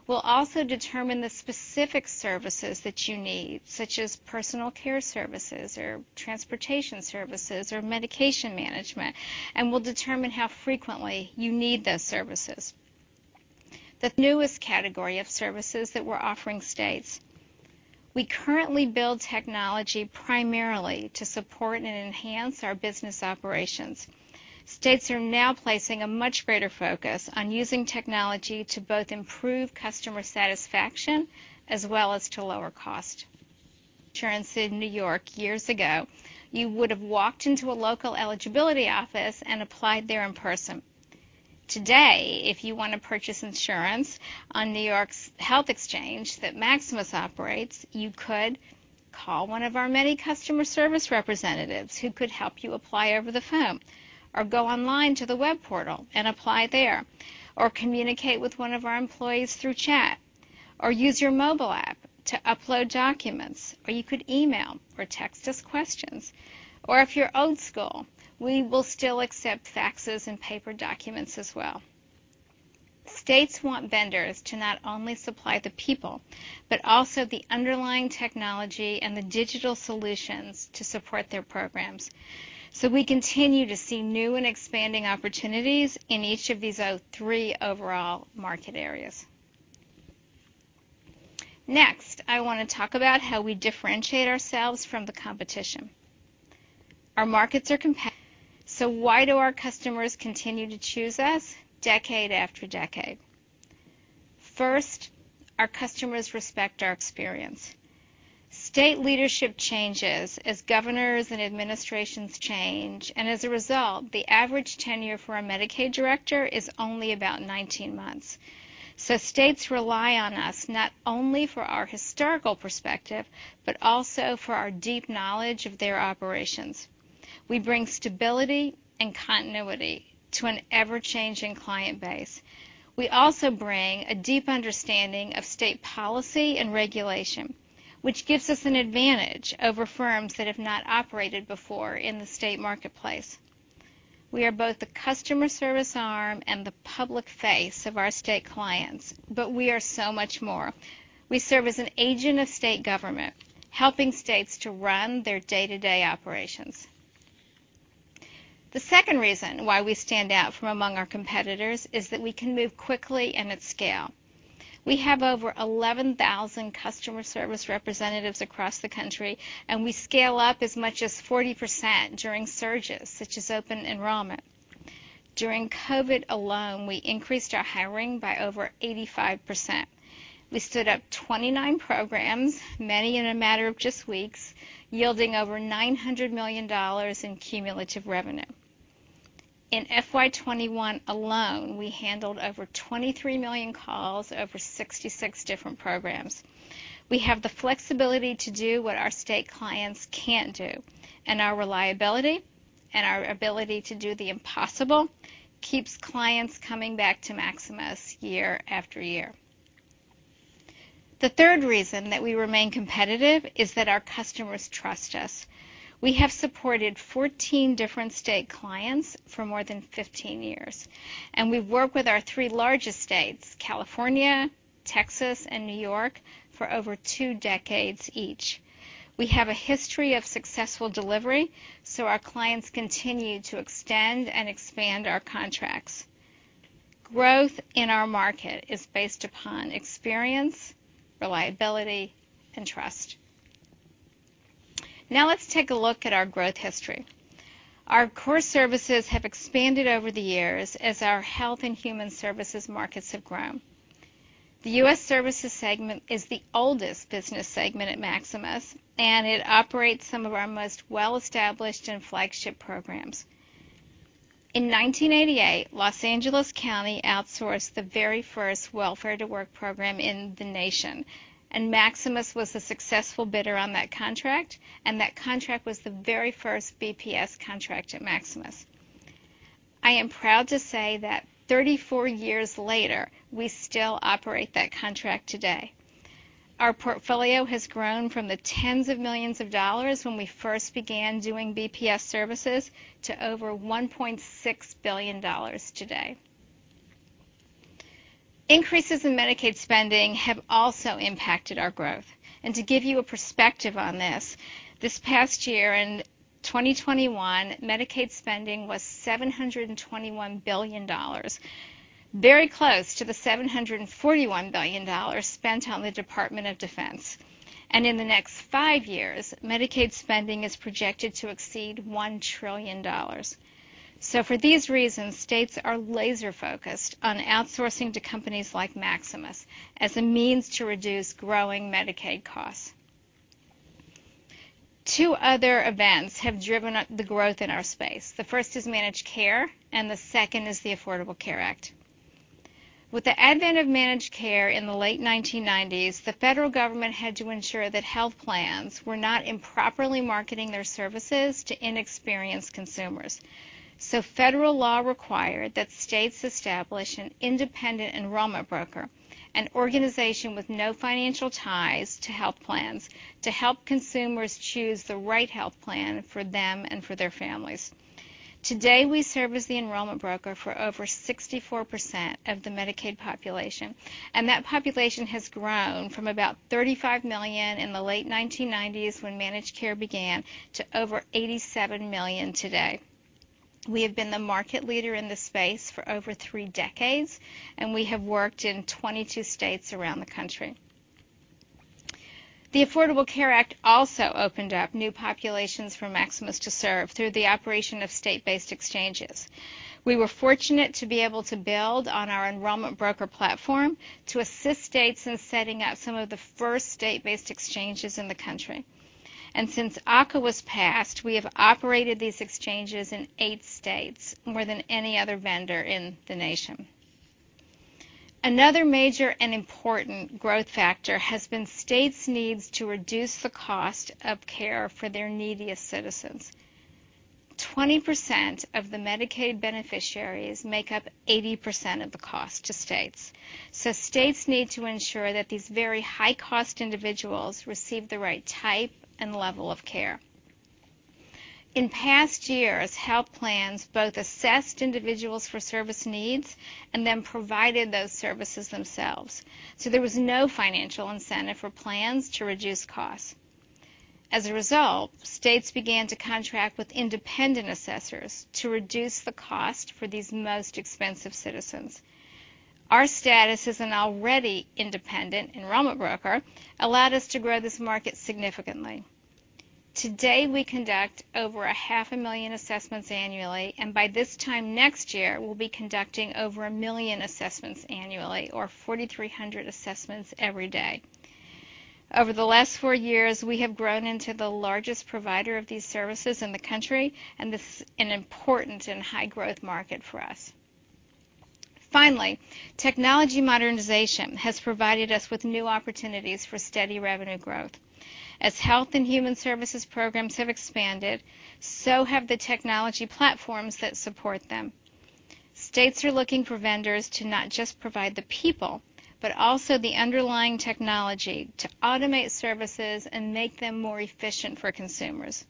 We'll also determine the specific services that you need, such as personal care services or transportation services or medication management, and we'll determine how frequently you need those services. The newest category of services that we're offering states. We currently build technology primarily to support and enhance our business operations. States are now placing a much greater focus on using technology to both improve customer satisfaction as well as to lower cost. Insurance in New York years ago, you would have walked into a local eligibility office and applied there in person. Today, if you want to purchase insurance on New York's Health Exchange that Maximus operates, you could call one of our many customer service representatives who could help you apply over the phone or go online to the web portal and apply there or communicate with one of our employees through chat or use your mobile app to upload documents, or you could email or text us questions. If you're old school, we will still accept faxes and paper documents as well. States want vendors to not only supply the people, but also the underlying technology and the digital solutions to support their programs. We continue to see new and expanding opportunities in each of these, three overall market areas. Next, I wanna talk about how we differentiate ourselves from the competition. Why do our customers continue to choose us decade after decade? First, our customers respect our experience. State leadership changes as governors and administrations change, and as a result, the average tenure for a Medicaid director is only about 19 months. States rely on us not only for our historical perspective, but also for our deep knowledge of their operations. We bring stability and continuity to an ever-changing client base. We also bring a deep understanding of state policy and regulation, which gives us an advantage over firms that have not operated before in the state marketplace. We are both the customer service arm and the public face of our state clients, but we are so much more. We serve as an agent of state government, helping states to run their day-to-day operations. The second reason why we stand out from among our competitors is that we can move quickly and at scale. We have over 11,000 customer service representatives across the country, and we scale up as much as 40% during surges, such as open enrollment. During COVID alone, we increased our hiring by over 85%. We stood up 29 programs, many in a matter of just weeks, yielding over $900 million in cumulative revenue. In FY 2021 alone, we handled over 23 million calls over 66 different programs. We have the flexibility to do what our state clients can't do, and our reliability and our ability to do the impossible keeps clients coming back to Maximus year after year. The third reason that we remain competitive is that our customers trust us. We have supported 14 different state clients for more than 15 years, and we've worked with our three largest states, California, Texas, and New York, for over two decades each. We have a history of successful delivery, so our clients continue to extend and expand our contracts. Growth in our market is based upon experience, reliability, and trust. Now let's take a look at our growth history. Our core services have expanded over the years as our health and human services markets have grown. The U.S. services segment is the oldest business segment at Maximus, and it operates some of our most well-established and flagship programs. In 1988, Los Angeles County outsourced the very first Welfare-to-Work program in the nation, and Maximus was the successful bidder on that contract, and that contract was the very first BPS contract at Maximus. I am proud to say that 34 years later, we still operate that contract today. Our portfolio has grown from the tens of millions of dollars when we first began doing BPS services to over $1.6 billion today. Increases in Medicaid spending have also impacted our growth. To give you a perspective on this past year in 2021, Medicaid spending was $721 billion, very close to the $741 billion spent on the Department of Defense. In the next five years, Medicaid spending is projected to exceed $1 trillion. For these reasons, states are laser-focused on outsourcing to companies like Maximus as a means to reduce growing Medicaid costs. Two other events have driven up the growth in our space. The first is managed care, and the second is the Affordable Care Act. With the advent of managed care in the late 1990s, the federal government had to ensure that health plans were not improperly marketing their services to inexperienced consumers. Federal law required that states establish an independent enrollment broker, an organization with no financial ties to health plans, to help consumers choose the right health plan for them and for their families. Today, we serve as the enrollment broker for over 64% of the Medicaid population, and that population has grown from about 35 million in the late 1990s when managed care began to over 87 million today. We have been the market leader in this space for over three decades, and we have worked in 22 states around the country. The Affordable Care Act also opened up new populations for Maximus to serve through the operation of state-based exchanges. We were fortunate to be able to build on our enrollment broker platform to assist states in setting up some of the first state-based exchanges in the country. Since ACA was passed, we have operated these exchanges in eight states, more than any other vendor in the nation. Another major and important growth factor has been states' needs to reduce the cost of care for their neediest citizens. 20% of the Medicaid beneficiaries make up 80% of the cost to states. States need to ensure that these very high-cost individuals receive the right type and level of care. In past years, health plans both assessed individuals for service needs and then provided those services themselves. There was no financial incentive for plans to reduce costs. As a result, states began to contract with independent assessors to reduce the cost for these most expensive citizens. Our status as an already independent enrollment broker allowed us to grow this market significantly. Today, we conduct over 500,000 assessments annually, and by this time next year, we'll be conducting over 1 million assessments annually or 4,300 assessments every day. Over the last four years, we have grown into the largest provider of these services in the country, and this is an important and high-growth market for us. Finally, technology modernization has provided us with new opportunities for steady revenue growth. As health and human services programs have expanded, so have the technology platforms that support them. States are looking for vendors to not just provide the people, but also the underlying technology to automate services and make them more efficient for consumers.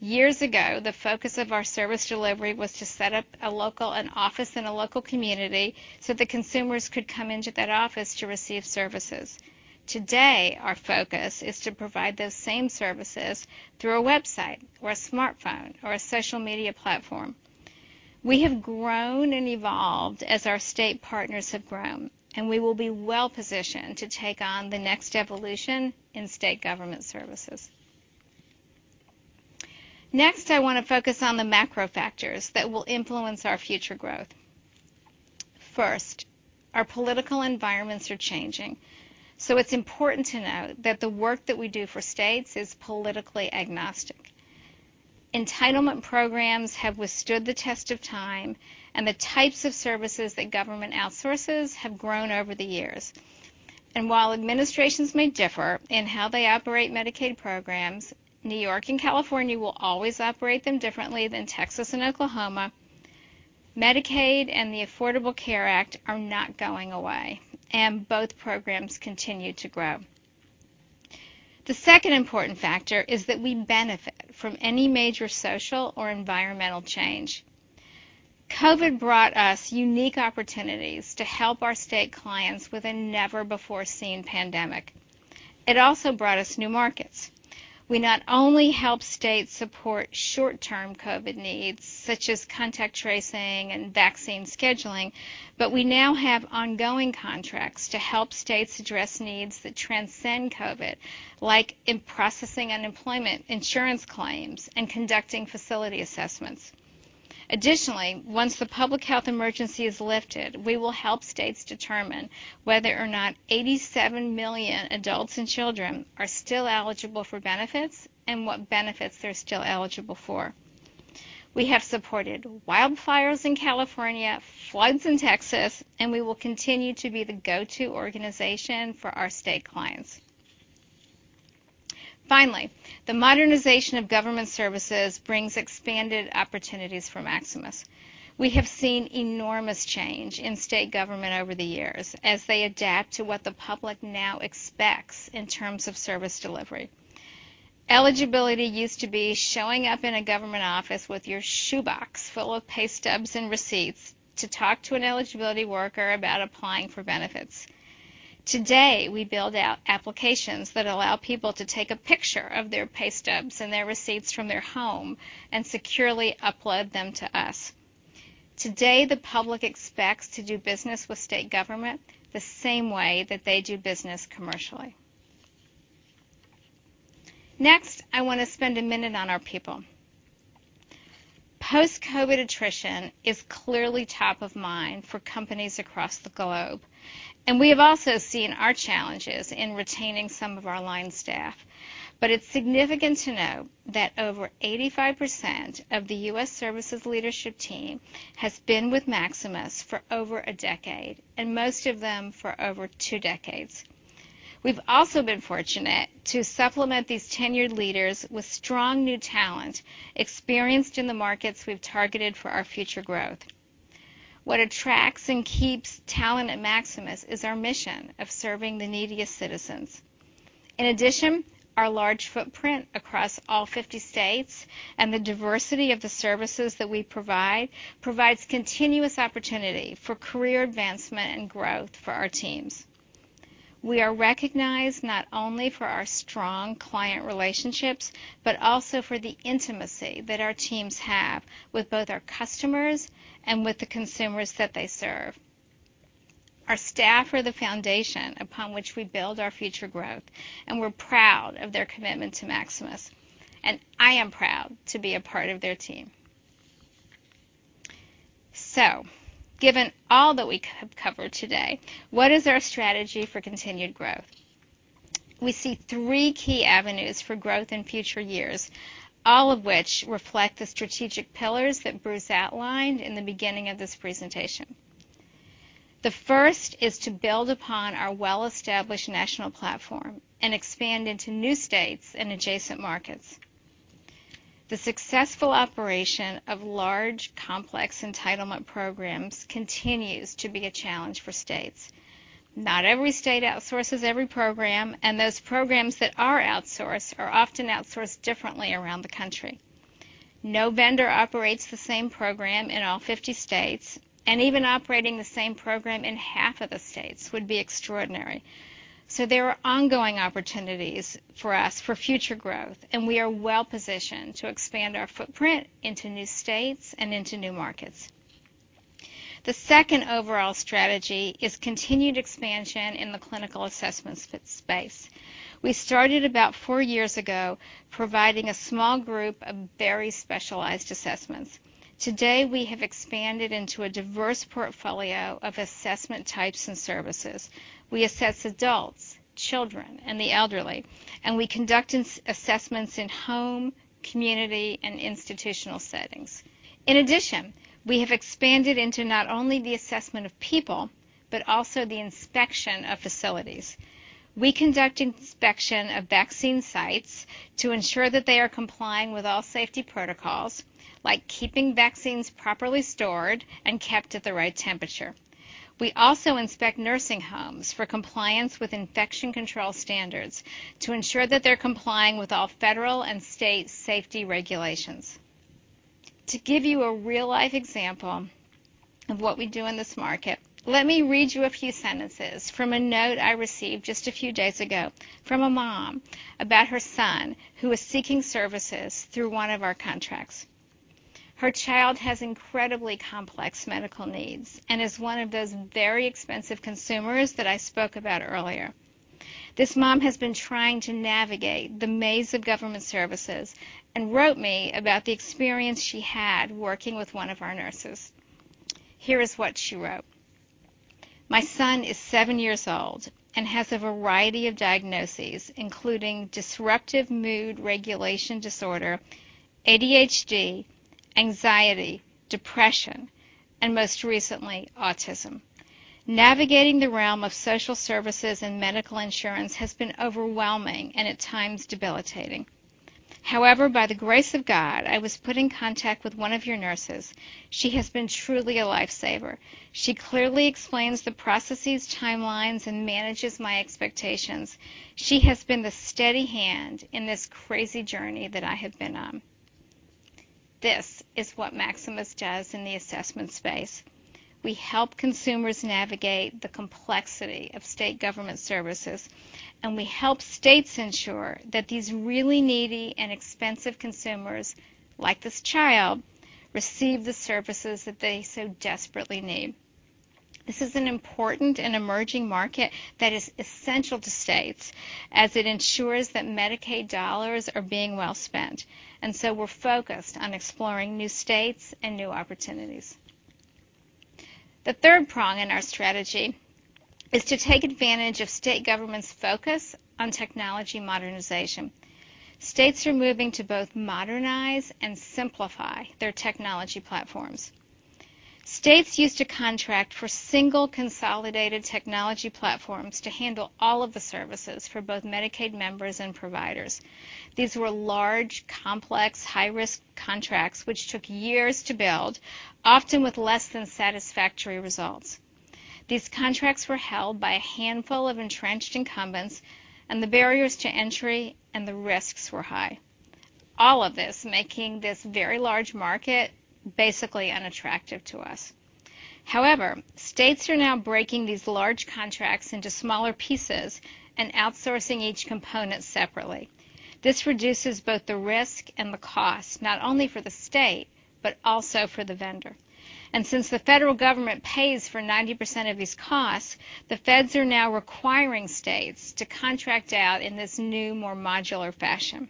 Years ago, the focus of our service delivery was to set up an office in a local community so the consumers could come into that office to receive services. Today, our focus is to provide those same services through a website or a smartphone or a social media platform. We have grown and evolved as our state partners have grown, and we will be well-positioned to take on the next evolution in state government services. Next, I wanna focus on the macro factors that will influence our future growth. First, our political environments are changing, so it's important to note that the work that we do for states is politically agnostic. Entitlement programs have withstood the test of time, and the types of services that government outsources have grown over the years. While administrations may differ in how they operate Medicaid programs, New York and California will always operate them differently than Texas and Oklahoma. Medicaid and the Affordable Care Act are not going away, and both programs continue to grow. The second important factor is that we benefit from any major social or environmental change. COVID brought us unique opportunities to help our state clients with a never-before-seen pandemic. It also brought us new markets. We not only help states support short-term COVID needs, such as contact tracing and vaccine scheduling, but we now have ongoing contracts to help states address needs that transcend COVID, like in processing unemployment insurance claims and conducting facility assessments. Additionally, once the Public Health Emergency is lifted, we will help states determine whether or not 87 million adults and children are still eligible for benefits and what benefits they're still eligible for. We have supported wildfires in California, floods in Texas, and we will continue to be the go-to organization for our state clients. Finally, the modernization of government services brings expanded opportunities for Maximus. We have seen enormous change in state government over the years as they adapt to what the public now expects in terms of service delivery. Eligibility used to be showing up in a government office with your shoebox full of pay stubs and receipts to talk to an eligibility worker about applying for benefits. Today, we build out applications that allow people to take a picture of their pay stubs and their receipts from their home and securely upload them to us. Today, the public expects to do business with state government the same way that they do business commercially. Next, I wanna spend a minute on our people. Post-COVID attrition is clearly top of mind for companies across the globe, and we have also seen our challenges in retaining some of our line staff. It's significant to know that over 85% of the U.S. Services leadership team has been with Maximus for over a decade, and most of them for over two decades. We've also been fortunate to supplement these tenured leaders with strong new talent, experienced in the markets we've targeted for our future growth. What attracts and keeps talent at Maximus is our mission of serving the neediest citizens. In addition, our large footprint across all 50 states and the diversity of the services that we provide provides continuous opportunity for career advancement and growth for our teams. We are recognized not only for our strong client relationships, but also for the intimacy that our teams have with both our customers and with the consumers that they serve. Our staff are the foundation upon which we build our future growth, and we're proud of their commitment to Maximus, and I am proud to be a part of their team. Given all that we have covered today, what is our strategy for continued growth? We see three key avenues for growth in future years, all of which reflect the strategic pillars that Bruce outlined in the beginning of this presentation. The first is to build upon our well-established national platform and expand into new states and adjacent markets. The successful operation of large, complex entitlement programs continues to be a challenge for states. Not every state outsources every program, and those programs that are outsourced are often outsourced differently around the country. No vendor operates the same program in all 50 states, and even operating the same program in half of the states would be extraordinary. There are ongoing opportunities for us for future growth, and we are well-positioned to expand our footprint into new states and into new markets. The second overall strategy is continued expansion in the clinical assessments space. We started about four years ago providing a small group of very specialized assessments. Today, we have expanded into a diverse portfolio of assessment types and services. We assess adults, children and the elderly. We conduct assessments in home, community, and institutional settings. In addition, we have expanded into not only the assessment of people, but also the inspection of facilities. We conduct inspection of vaccine sites to ensure that they are complying with all safety protocols, like keeping vaccines properly stored and kept at the right temperature. We also inspect nursing homes for compliance with infection control standards to ensure that they're complying with all federal and state safety regulations. To give you a real-life example of what we do in this market, let me read you a few sentences from a note I received just a few days ago from a mom about her son who was seeking services through one of our contracts. Her child has incredibly complex medical needs and is one of those very expensive consumers that I spoke about earlier. This mom has been trying to navigate the maze of government services and wrote me about the experience she had working with one of our nurses. Here is what she wrote: "My son is seven years old and has a variety of diagnoses, including Disruptive Mood Regulation Disorder, ADHD, anxiety, depression, and most recently, autism. Navigating the realm of social services and medical insurance has been overwhelming and, at times, debilitating. However, by the grace of God, I was put in contact with one of your nurses. She has been truly a lifesaver. She clearly explains the processes, timelines, and manages my expectations. She has been the steady hand in this crazy journey that I have been on." This is what Maximus does in the assessment space. We help consumers navigate the complexity of state government services, and we help states ensure that these really needy and expensive consumers, like this child, receive the services that they so desperately need. This is an important and emerging market that is essential to states as it ensures that Medicaid dollars are being well spent. We're focused on exploring new states and new opportunities. The third prong in our strategy is to take advantage of state government's focus on technology modernization. States are moving to both modernize and simplify their technology platforms. States used to contract for single consolidated technology platforms to handle all of the services for both Medicaid members and providers. These were large, complex, high-risk contracts which took years to build, often with less than satisfactory results. These contracts were held by a handful of entrenched incumbents, and the barriers to entry and the risks were high. All of this making this very large market basically unattractive to us. However, states are now breaking these large contracts into smaller pieces and outsourcing each component separately. This reduces both the risk and the cost, not only for the state, but also for the vendor. Since the federal government pays for 90% of these costs, the feds are now requiring states to contract out in this new, more modular fashion.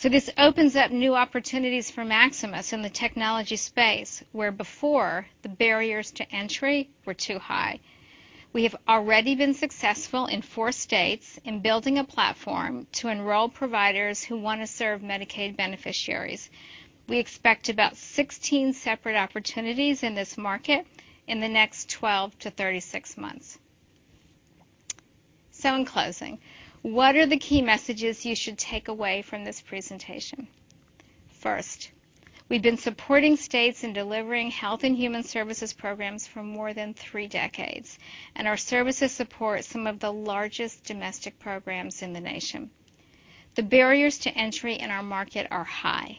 This opens up new opportunities for Maximus in the technology space, where before the barriers to entry were too high. We have already been successful in four states in building a platform to enroll providers who wanna serve Medicaid beneficiaries. We expect about 16 separate opportunities in this market in the next 12-36 months. In closing, what are the key messages you should take away from this presentation? First, we've been supporting states in delivering health and human services programs for more than three decades, and our services support some of the largest domestic programs in the nation. The barriers to entry in our market are high.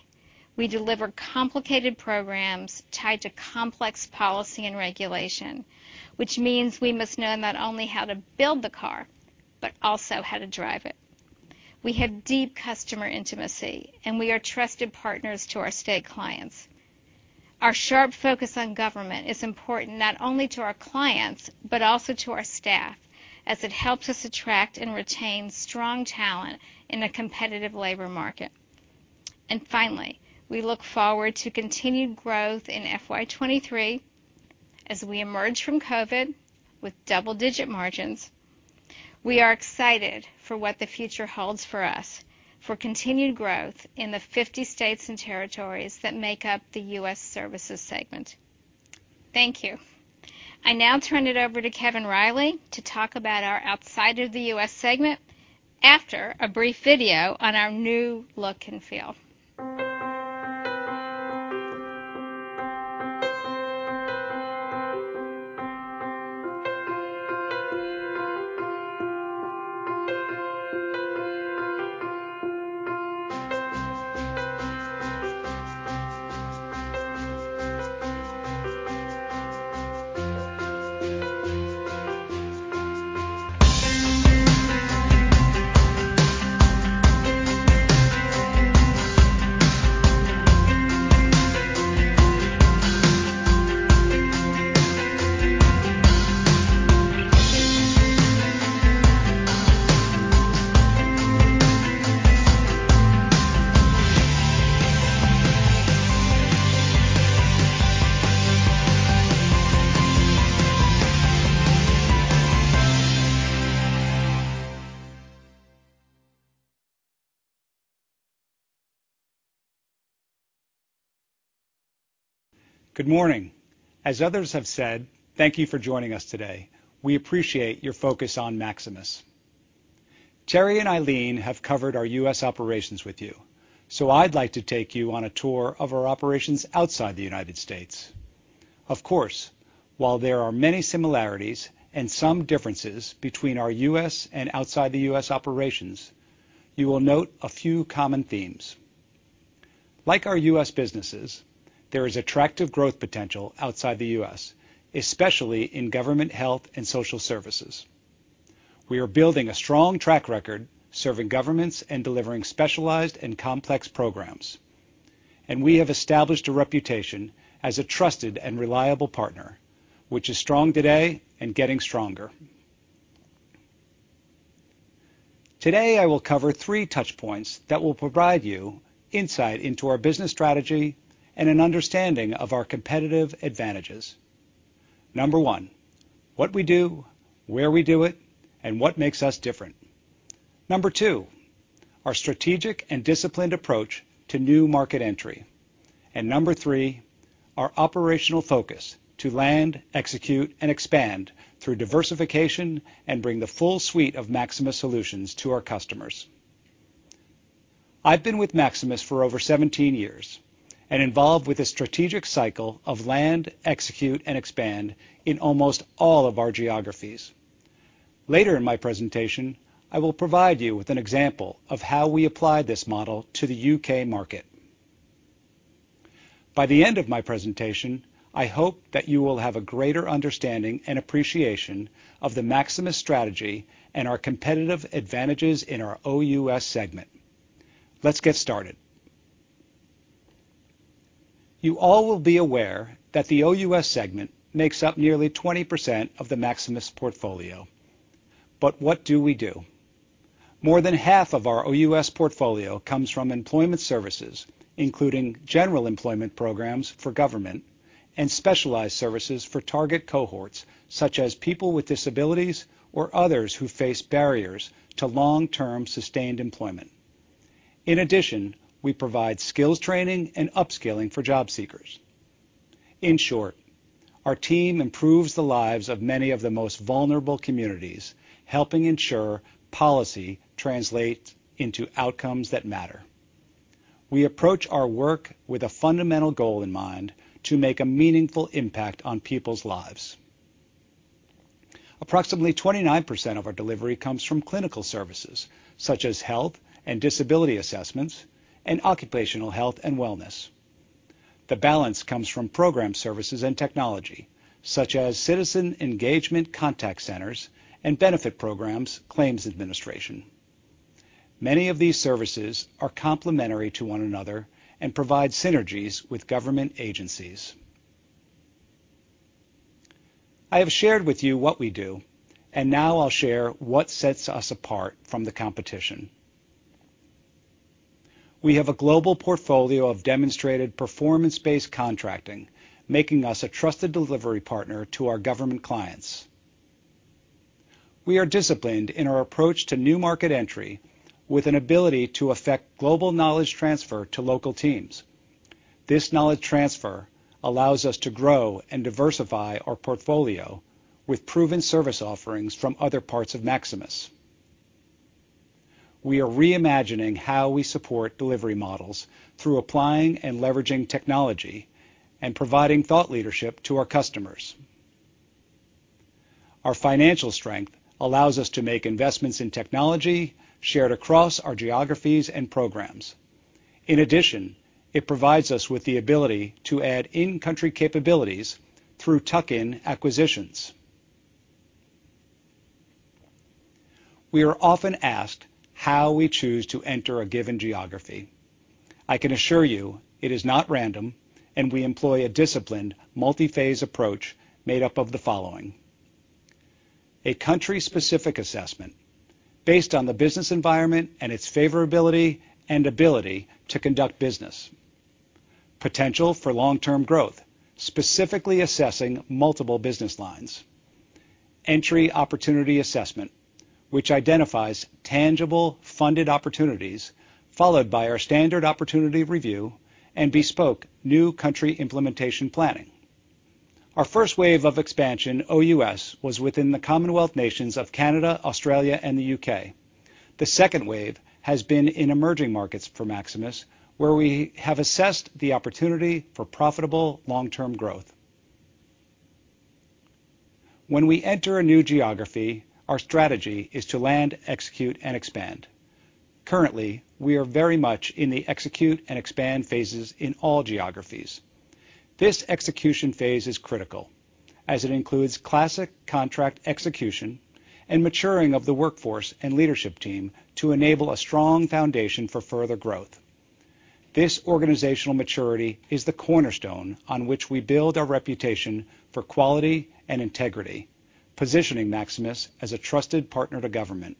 We deliver complicated programs tied to complex policy and regulation, which means we must know not only how to build the car, but also how to drive it. We have deep customer intimacy, and we are trusted partners to our state clients. Our sharp focus on government is important not only to our clients, but also to our staff, as it helps us attract and retain strong talent in a competitive labor market. Finally, we look forward to continued growth in FY 2023 as we emerge from COVID with double-digit margins. We are excited for what the future holds for us for continued growth in the 50 states and territories that make up the U.S. services segment. Thank you. I now turn it over to Kevin Reilly to talk about our outside of the U.S. Segment after a brief video on our new look and feel. Good morning. As others have said, thank you for joining us today. We appreciate your focus on Maximus. Terry and Ilene have covered our U.S. operations with you, so I'd like to take you on a tour of our operations outside the United States. Of course, while there are many similarities and some differences between our U.S. and outside the U.S. operations, you will note a few common themes. Like our U.S. businesses, there is attractive growth potential outside the U.S., especially in government, health and social services. We are building a strong track record serving governments and delivering specialized and complex programs. We have established a reputation as a trusted and reliable partner, which is strong today and getting stronger. Today, I will cover three touch points that will provide you insight into our business strategy and an understanding of our competitive advantages. 1, what we do, where we do it, and what makes us different. 2, our strategic and disciplined approach to new market entry. 3, our operational focus to land, execute and expand through diversification and bring the full suite of Maximus solutions to our customers. I've been with Maximus for over 17 years and involved with the strategic cycle of land, execute and expand in almost all of our geographies. Later in my presentation, I will provide you with an example of how we apply this model to the U.K. market. By the end of my presentation, I hope that you will have a greater understanding and appreciation of the Maximus strategy and our competitive advantages in our OUS segment. Let's get started. You all will be aware that the OUS segment makes up nearly 20% of the Maximus portfolio. But what do we do? More than half of our OUS portfolio comes from employment services, including general employment programs for government and specialized services for target cohorts such as people with disabilities or others who face barriers to long-term sustained employment. In addition, we provide skills training and upskilling for job seekers. In short, our team improves the lives of many of the most vulnerable communities, helping ensure policy translate into outcomes that matter. We approach our work with a fundamental goal in mind to make a meaningful impact on people's lives. Approximately 29% of our delivery comes from clinical services such as health and disability assessments, and occupational health and wellness. The balance comes from program services and technology such as citizen engagement contact centers, and benefit programs claims administration. Many of these services are complementary to one another and provide synergies with government agencies. I have shared with you what we do, and now I'll share what sets us apart from the competition. We have a global portfolio of demonstrated performance-based contracting, making us a trusted delivery partner to our government clients. We are disciplined in our approach to new market entry with an ability to affect global knowledge transfer to local teams. This knowledge transfer allows us to grow and diversify our portfolio with proven service offerings from other parts of Maximus. We are reimagining how we support delivery models through applying and leveraging technology and providing thought leadership to our customers. Our financial strength allows us to make investments in technology shared across our geographies and programs. In addition, it provides us with the ability to add in-country capabilities through tuck-in acquisitions. We are often asked how we choose to enter a given geography. I can assure you it is not random, and we employ a disciplined multi-phase approach made up of the following. A country-specific assessment based on the business environment and its favorability and ability to conduct business. Potential for long-term growth, specifically assessing multiple business lines. Entry opportunity assessment, which identifies tangible funded opportunities followed by our standard opportunity review and bespoke new country implementation planning. Our first wave of expansion, OUS, was within the Commonwealth Nations of Canada, Australia and the U.K. The second wave has been in emerging markets for Maximus, where we have assessed the opportunity for profitable long-term growth. When we enter a new geography, our strategy is to land, execute, and expand. Currently, we are very much in the execute and expand phases in all geographies. This execution phase is critical as it includes classic contract execution and maturing of the workforce and leadership team to enable a strong foundation for further growth. This organizational maturity is the cornerstone on which we build our reputation for quality and integrity, positioning Maximus as a trusted partner to government.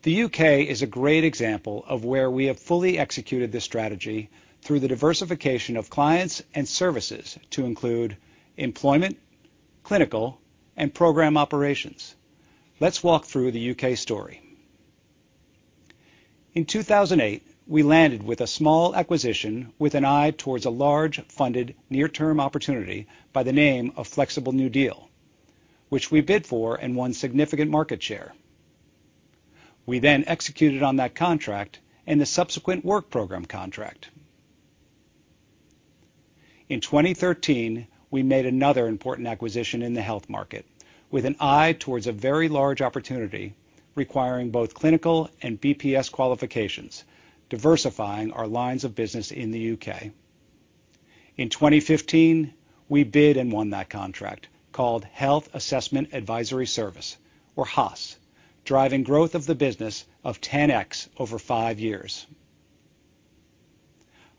The U.K. is a great example of where we have fully executed this strategy through the diversification of clients and services to include employment, clinical, and program operations. Let's walk through the U.K. story. In 2008, we landed with a small acquisition with an eye towards a large funded near-term opportunity by the name of Flexible New Deal, which we bid for and won significant market share. We then executed on that contract and the subsequent Work Programme contract. In 2013, we made another important acquisition in the health market with an eye towards a very large opportunity requiring both clinical and BPS qualifications, diversifying our lines of business in the U.K. In 2015, we bid and won that contract, called Health Assessment Advisory Service, or HAAS, driving growth of the business of 10x over five years.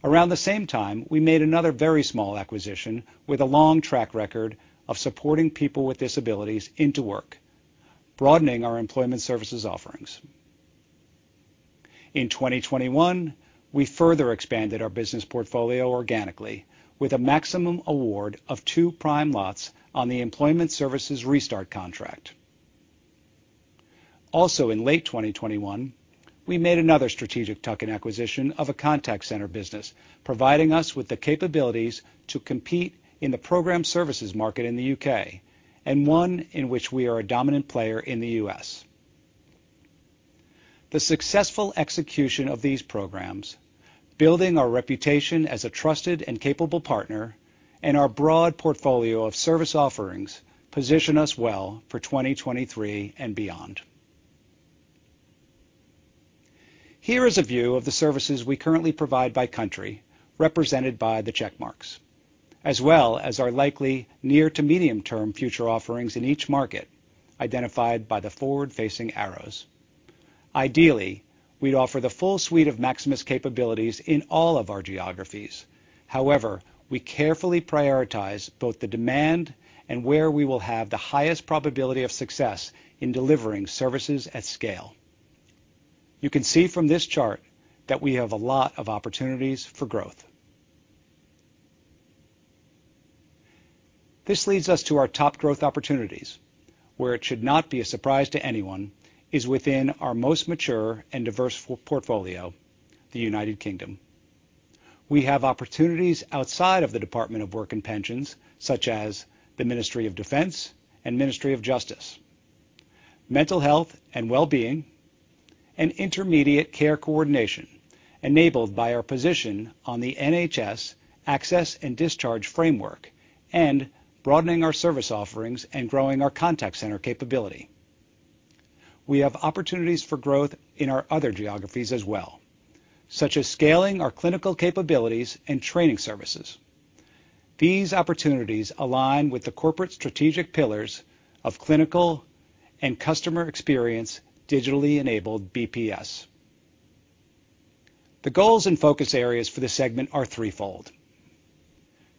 Around the same time, we made another very small acquisition with a long track record of supporting people with disabilities into work, broadening our employment services offerings. In 2021, we further expanded our business portfolio organically with a Maximus award of two prime lots on the employment services restart contract. Also in late 2021, we made another strategic tuck-in acquisition of a contact center business, providing us with the capabilities to compete in the program services market in the U.K. and one in which we are a dominant player in the U.S. The successful execution of these programs, building our reputation as a trusted and capable partner, and our broad portfolio of service offerings position us well for 2023 and beyond. Here is a view of the services we currently provide by country, represented by the check marks, as well as our likely near- to medium-term future offerings in each market, identified by the forward-facing arrows. Ideally, we'd offer the full suite of Maximus capabilities in all of our geographies. However, we carefully prioritize both the demand and where we will have the highest probability of success in delivering services at scale. You can see from this chart that we have a lot of opportunities for growth. This leads us to our top growth opportunities, where it should not be a surprise to anyone is within our most mature and diverse portfolio, the United Kingdom. We have opportunities outside of the Department for Work and Pensions, such as the Ministry of Defence and Ministry of Justice, mental health and wellbeing, and intermediate care coordination, enabled by our position on the NHS access and discharge framework, and broadening our service offerings and growing our contact center capability. We have opportunities for growth in our other geographies as well, such as scaling our clinical capabilities and training services. These opportunities align with the corporate strategic pillars of clinical and customer experience digitally enabled BPS. The goals and focus areas for this segment are threefold.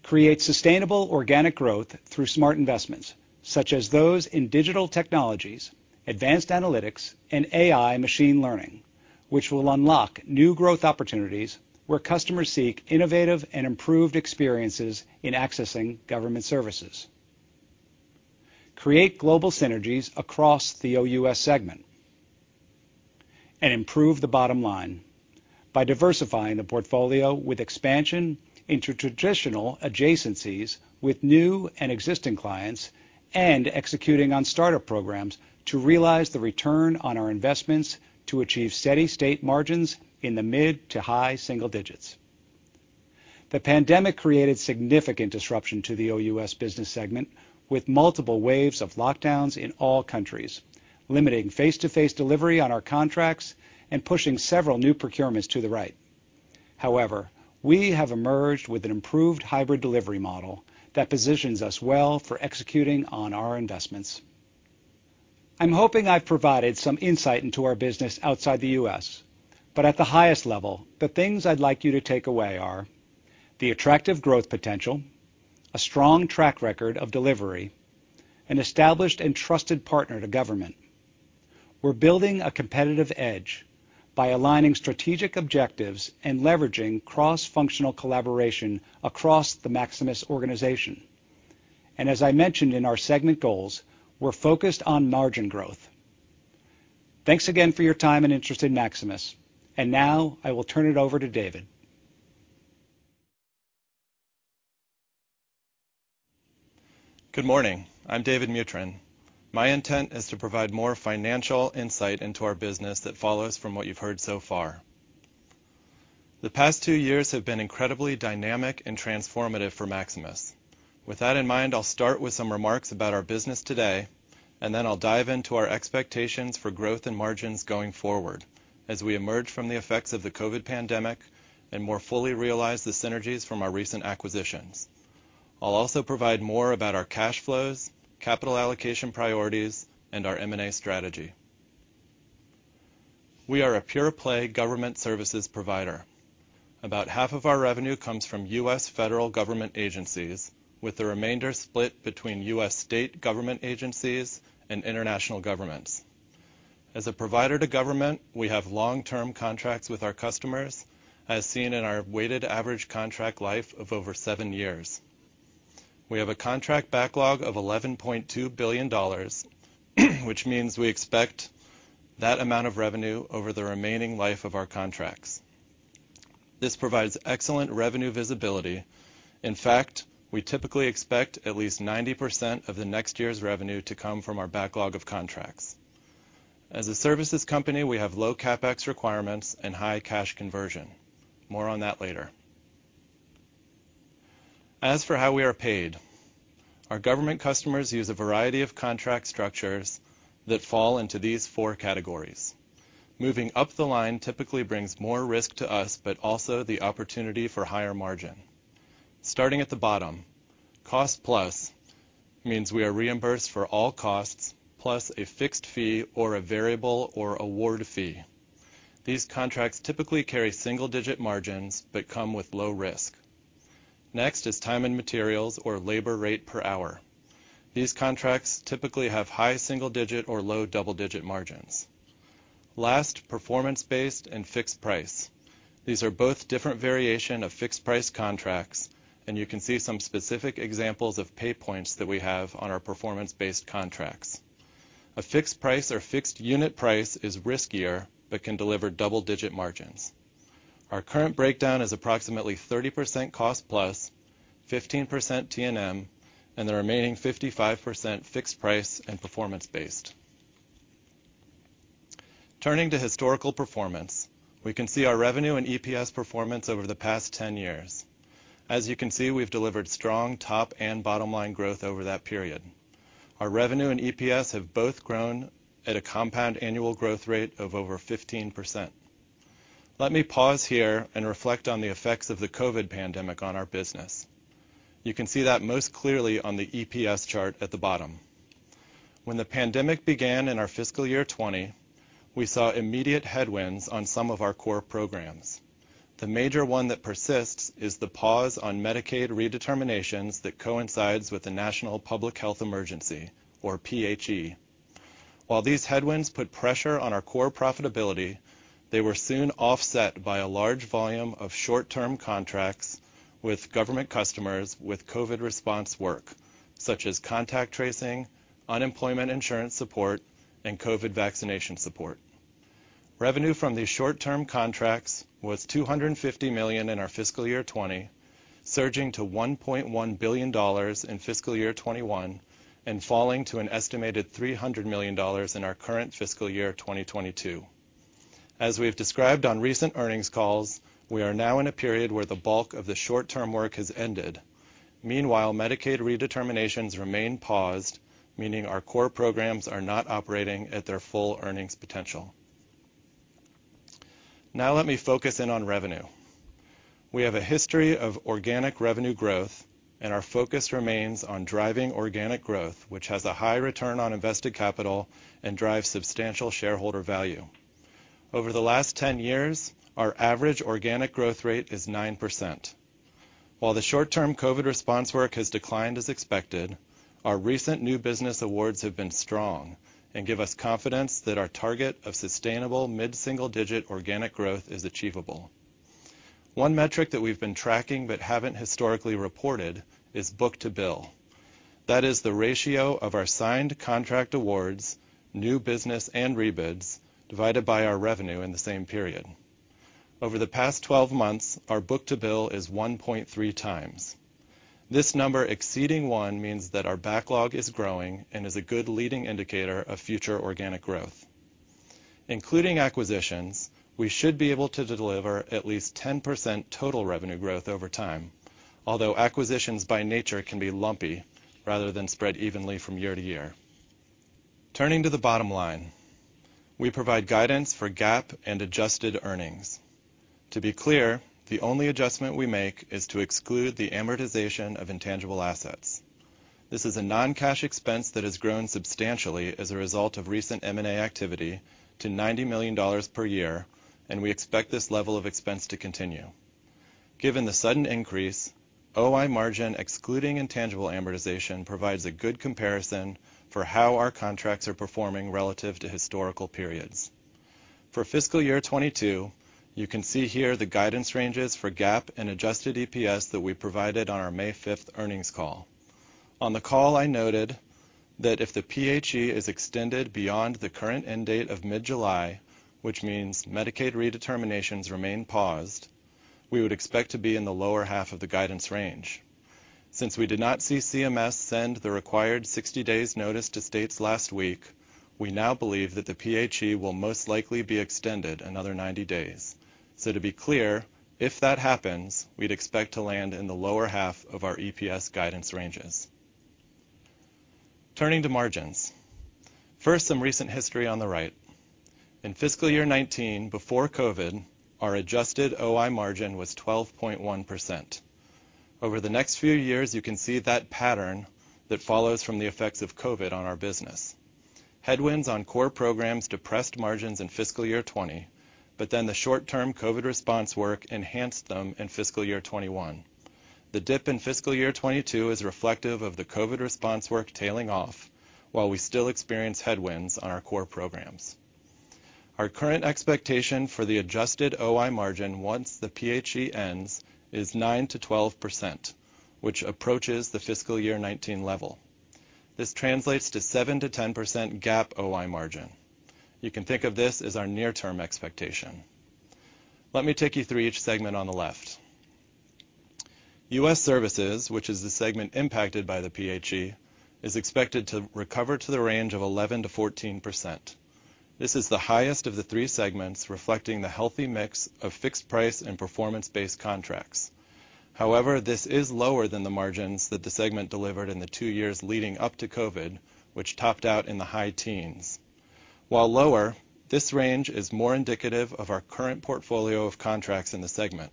Create sustainable organic growth through smart investments, such as those in digital technologies, advanced analytics, and AI machine learning, which will unlock new growth opportunities where customers seek innovative and improved experiences in accessing government services. Create global synergies across the OUS segment. Improve the bottom line by diversifying the portfolio with expansion into traditional adjacencies with new and existing clients, and executing on startup programs to realize the return on our investments to achieve steady state margins in the mid- to high single digits%. The pandemic created significant disruption to the OUS business segment with multiple waves of lockdowns in all countries, limiting face-to-face delivery on our contracts and pushing several new procurements to the right. However, we have emerged with an improved hybrid delivery model that positions us well for executing on our investments. I'm hoping I've provided some insight into our business outside the U.S., but at the highest level, the things I'd like you to take away are the attractive growth potential, a strong track record of delivery, an established and trusted partner to government. We're building a competitive edge by aligning strategic objectives and leveraging cross-functional collaboration across the Maximus organization. As I mentioned in our segment goals, we're focused on margin growth. Thanks again for your time and interest in Maximus. Now I will turn it over to David. Good morning. I'm David Mutryn. My intent is to provide more financial insight into our business that follows from what you've heard so far. The past two years have been incredibly dynamic and transformative for Maximus. With that in mind, I'll start with some remarks about our business today, and then I'll dive into our expectations for growth and margins going forward as we emerge from the effects of the COVID pandemic and more fully realize the synergies from our recent acquisitions. I'll also provide more about our cash flows, capital allocation priorities, and our M&A strategy. We are a pure play government services provider. About half of our revenue comes from U.S. federal government agencies, with the remainder split between U.S. state government agencies and international governments. As a provider to government, we have long-term contracts with our customers, as seen in our weighted average contract life of over seven years. We have a contract backlog of $11.2 billion, which means we expect that amount of revenue over the remaining life of our contracts. This provides excellent revenue visibility. In fact, we typically expect at least 90% of the next year's revenue to come from our backlog of contracts. As a services company, we have low CapEx requirements and high cash conversion. More on that later. As for how we are paid, our government customers use a variety of contract structures that fall into these four categories. Moving up the line typically brings more risk to us, but also the opportunity for higher margin. Starting at the bottom. Cost plus means we are reimbursed for all costs, plus a fixed fee or a variable or award fee. These contracts typically carry single-digit margins but come with low risk. Next is time and materials or labor rate per hour. These contracts typically have high single-digit or low double-digit margins. Last, performance-based and fixed price. These are both different variation of fixed price contracts, and you can see some specific examples of pay points that we have on our performance-based contracts. A fixed price or fixed unit price is riskier but can deliver double-digit margins. Our current breakdown is approximately 30% cost plus, 15% T&M, and the remaining 55% fixed price and performance-based. Turning to historical performance, we can see our revenue and EPS performance over the past 10 years. As you can see, we've delivered strong top and bottom-line growth over that period. Our revenue and EPS have both grown at a compound annual growth rate of over 15%. Let me pause here and reflect on the effects of the COVID pandemic on our business. You can see that most clearly on the EPS chart at the bottom. When the pandemic began in our fiscal year 2020, we saw immediate headwinds on some of our core programs. The major one that persists is the pause on Medicaid redeterminations that coincides with the National Public Health Emergency, or PHE. While these headwinds put pressure on our core profitability, they were soon offset by a large volume of short-term contracts with government customers with COVID response work, such as contact tracing, unemployment insurance support, and COVID vaccination support. Revenue from these short-term contracts was $250 million in our fiscal year 2020, surging to $1.1 billion in fiscal year 2021, and falling to an estimated $300 million in our current fiscal year of 2022. As we've described on recent earnings calls, we are now in a period where the bulk of the short-term work has ended. Meanwhile, Medicaid redeterminations remain paused, meaning our core programs are not operating at their full earnings potential. Now let me focus in on revenue. We have a history of organic revenue growth, and our focus remains on driving organic growth, which has a high return on invested capital and drives substantial shareholder value. Over the last 10 years, our average organic growth rate is 9%. While the short-term COVID response work has declined as expected, our recent new business awards have been strong and give us confidence that our target of sustainable mid-single digit organic growth is achievable. One metric that we've been tracking but haven't historically reported is book-to-bill. That is the ratio of our signed contract awards, new business, and rebids divided by our revenue in the same period. Over the past 12 months, our book-to-bill is 1.3 times. This number exceeding one means that our backlog is growing and is a good leading indicator of future organic growth. Including acquisitions, we should be able to deliver at least 10% total revenue growth over time. Although acquisitions by nature can be lumpy rather than spread evenly from year to year. Turning to the bottom line. We provide guidance for GAAP and adjusted earnings. To be clear, the only adjustment we make is to exclude the amortization of intangible assets. This is a non-cash expense that has grown substantially as a result of recent M&A activity to $90 million per year, and we expect this level of expense to continue. Given the sudden increase, OI margin excluding intangible amortization provides a good comparison for how our contracts are performing relative to historical periods. For fiscal year 2022, you can see here the guidance ranges for GAAP and adjusted EPS that we provided on our May 5 earnings call. On the call, I noted that if the PHE is extended beyond the current end date of mid-July, which means Medicaid redeterminations remain paused, we would expect to be in the lower half of the guidance range. Since we did not see CMS send the required 60 days notice to states last week, we now believe that the PHE will most likely be extended another 90 days. To be clear, if that happens, we'd expect to land in the lower half of our EPS guidance ranges. Turning to margins. First, some recent history on the right. In fiscal year 2019, before COVID, our adjusted OI margin was 12.1%. Over the next few years, you can see that pattern that follows from the effects of COVID on our business. Headwinds on core programs depressed margins in fiscal year 2020, but then the short-term COVID response work enhanced them in fiscal year 2021. The dip in fiscal year 2022 is reflective of the COVID response work tailing off while we still experience headwinds on our core programs. Our current expectation for the adjusted OI margin once the PHE ends is 9%-12%, which approaches the fiscal year 2019 level. This translates to 7%-10% GAAP OI margin. You can think of this as our near-term expectation. Let me take you through each segment on the left. U.S. Services, which is the segment impacted by the PHE, is expected to recover to the range of 11%-14%. This is the highest of the three segments, reflecting the healthy mix of fixed price and performance-based contracts. However, this is lower than the margins that the segment delivered in the two years leading up to COVID, which topped out in the high teens. While lower, this range is more indicative of our current portfolio of contracts in the segment.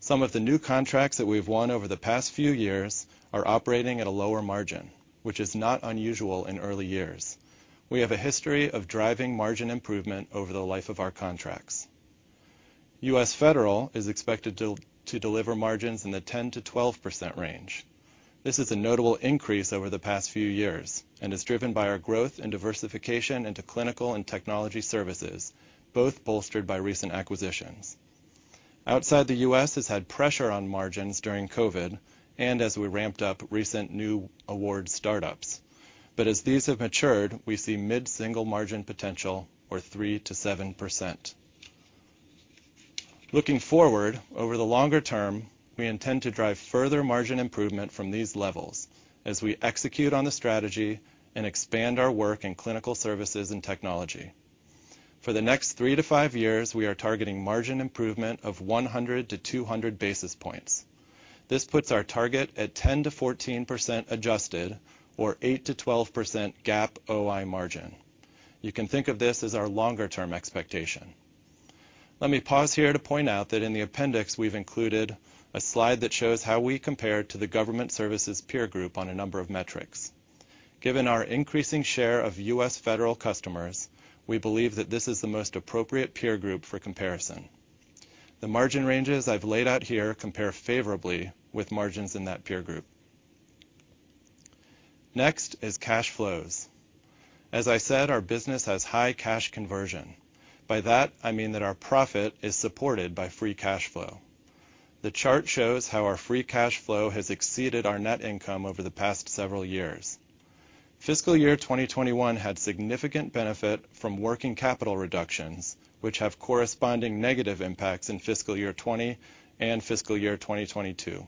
Some of the new contracts that we've won over the past few years are operating at a lower margin, which is not unusual in early years. We have a history of driving margin improvement over the life of our contracts. U.S. Federal is expected to deliver margins in the 10%-12% range. This is a notable increase over the past few years and is driven by our growth and diversification into clinical and technology services, both bolstered by recent acquisitions. Outside the U.S. has had pressure on margins during COVID and as we ramped up recent new award startups. As these have matured, we see mid-single margin potential or 3%-7%. Looking forward, over the longer term, we intend to drive further margin improvement from these levels as we execute on the strategy and expand our work in clinical services and technology. For the next 3-5 years, we are targeting margin improvement of 100-200 basis points. This puts our target at 10%-14% adjusted or 8%-12% GAAP OI margin. You can think of this as our longer-term expectation. Let me pause here to point out that in the appendix, we've included a slide that shows how we compare to the government services peer group on a number of metrics. Given our increasing share of U.S. federal customers, we believe that this is the most appropriate peer group for comparison. The margin ranges I've laid out here compare favorably with margins in that peer group. Next is cash flows. As I said, our business has high cash conversion. By that, I mean that our profit is supported by free cash flow. The chart shows how our free cash flow has exceeded our net income over the past several years. Fiscal year 2021 had significant benefit from working capital reductions, which have corresponding negative impacts in fiscal year 2020 and fiscal year 2022.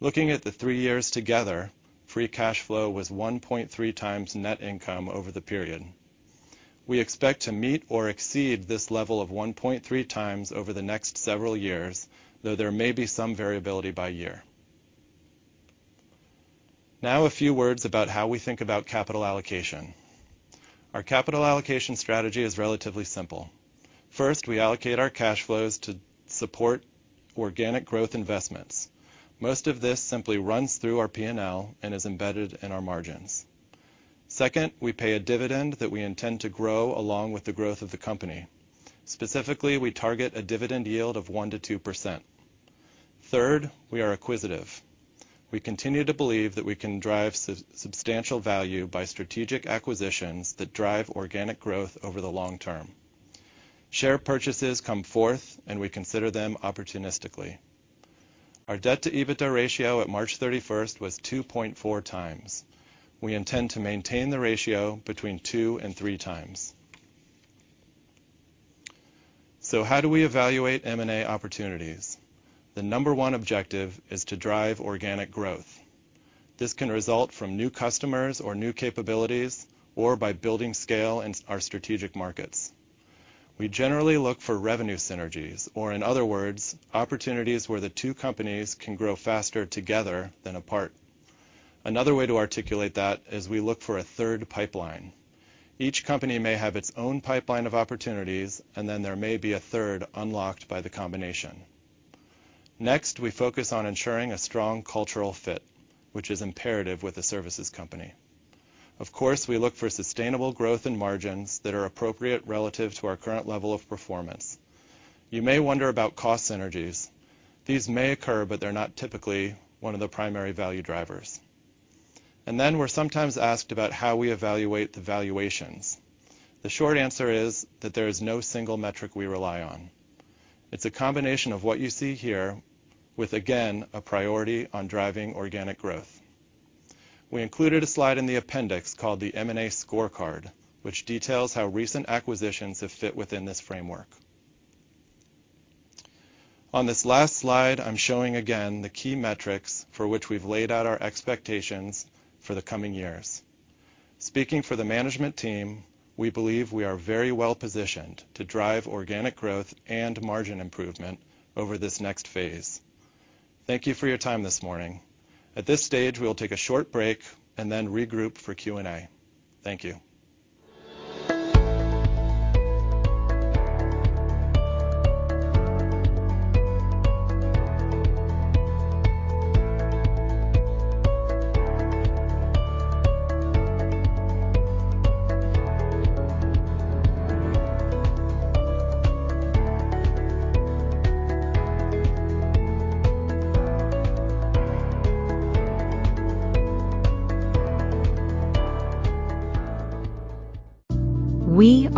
Looking at the three years together, free cash flow was 1.3 times net income over the period. We expect to meet or exceed this level of 1.3 times over the next several years, though there may be some variability by year. Now a few words about how we think about capital allocation. Our capital allocation strategy is relatively simple. First, we allocate our cash flows to support organic growth investments. Most of this simply runs through our P&L and is embedded in our margins. Second, we pay a dividend that we intend to grow along with the growth of the company. Specifically, we target a dividend yield of 1%-2%. Third, we are acquisitive. We continue to believe that we can drive substantial value by strategic acquisitions that drive organic growth over the long term. Share purchases come fourth, and we consider them opportunistically. Our debt to EBITDA ratio at March 31 was 2.4 times. We intend to maintain the ratio between 2 and 3 times. How do we evaluate M&A opportunities? The number one objective is to drive organic growth. This can result from new customers or new capabilities, or by building scale in our strategic markets. We generally look for revenue synergies, or in other words, opportunities where the two companies can grow faster together than apart. Another way to articulate that is we look for a third pipeline. Each company may have its own pipeline of opportunities, and then there may be a third unlocked by the combination. Next, we focus on ensuring a strong cultural fit, which is imperative with a services company. Of course, we look for sustainable growth in margins that are appropriate relative to our current level of performance. You may wonder about cost synergies. These may occur, but they're not typically one of the primary value drivers. We're sometimes asked about how we evaluate the valuations. The short answer is that there is no single metric we rely on. It's a combination of what you see here with, again, a priority on driving organic growth. We included a slide in the appendix called the M&A scorecard, which details how recent acquisitions have fit within this framework. On this last slide, I'm showing again the key metrics for which we've laid out our expectations for the coming years. Speaking for the management team, we believe we are very well positioned to drive organic growth and margin improvement over this next phase. Thank you for your time this morning. At this stage, we'll take a short break and then regroup for Q&A. Thank you.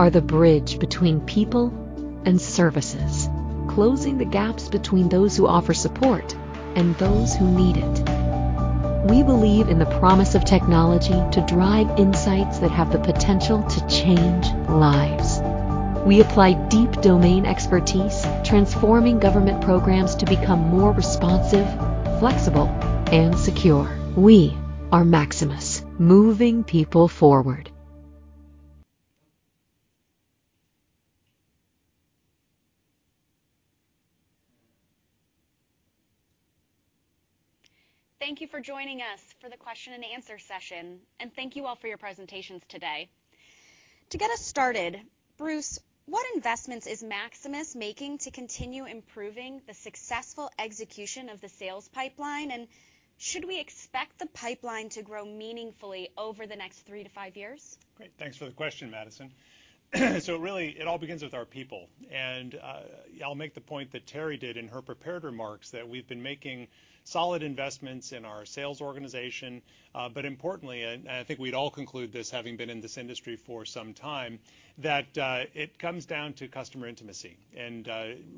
We are the bridge between people and services. Closing the gaps between those who offer support and those who need it. We believe in the promise of technology to drive insights that have the potential to change lives. We apply deep domain expertise, transforming government programs to become more responsive, flexible, and secure. We are Maximus, moving people forward. Thank you for joining us for the question and answer session, and thank you all for your presentations today. To get us started, Bruce, what investments is Maximus making to continue improving the successful execution of the sales pipeline? Should we expect the pipeline to grow meaningfully over the next three to five years? Great. Thanks for the question, Madison. Really, it all begins with our people. I'll make the point that Terry did in her prepared remarks that we've been making solid investments in our sales organization. But importantly, and I think we'd all conclude this having been in this industry for some time, that it comes down to customer intimacy and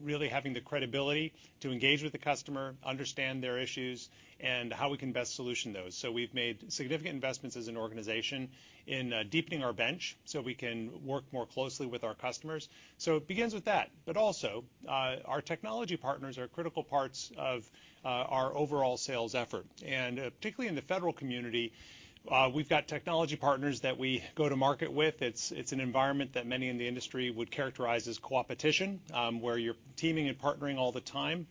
really having the credibility to engage with the customer, understand their issues, and how we can best solution those. We've made significant investments as an organization in deepening our bench so we can work more closely with our customers. It begins with that, but also our technology partners are critical parts of our overall sales effort. Particularly in the federal community, we've got technology partners that we go to market with. It's an environment that many in the industry would characterize as coopetition, where you're teaming and partnering all the time.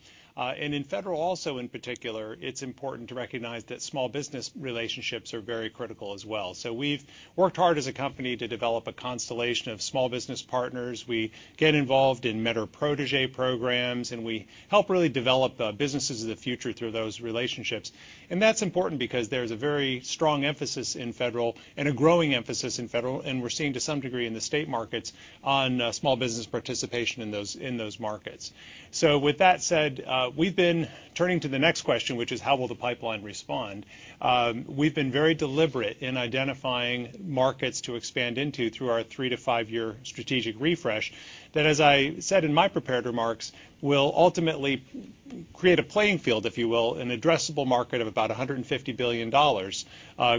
In federal also in particular, it's important to recognize that small business relationships are very critical as well. We've worked hard as a company to develop a constellation of small business partners. We get involved in mentor-protégé programs, and we help really develop the businesses of the future through those relationships. That's important because there's a very strong emphasis in federal and a growing emphasis in federal, and we're seeing to some degree in the state markets on small business participation in those markets. With that said, turning to the next question, which is how will the pipeline respond? We've been very deliberate in identifying markets to expand into through our 3- to 5-year strategic refresh that, as I said in my prepared remarks, will ultimately create a playing field, if you will, an addressable market of about $150 billion,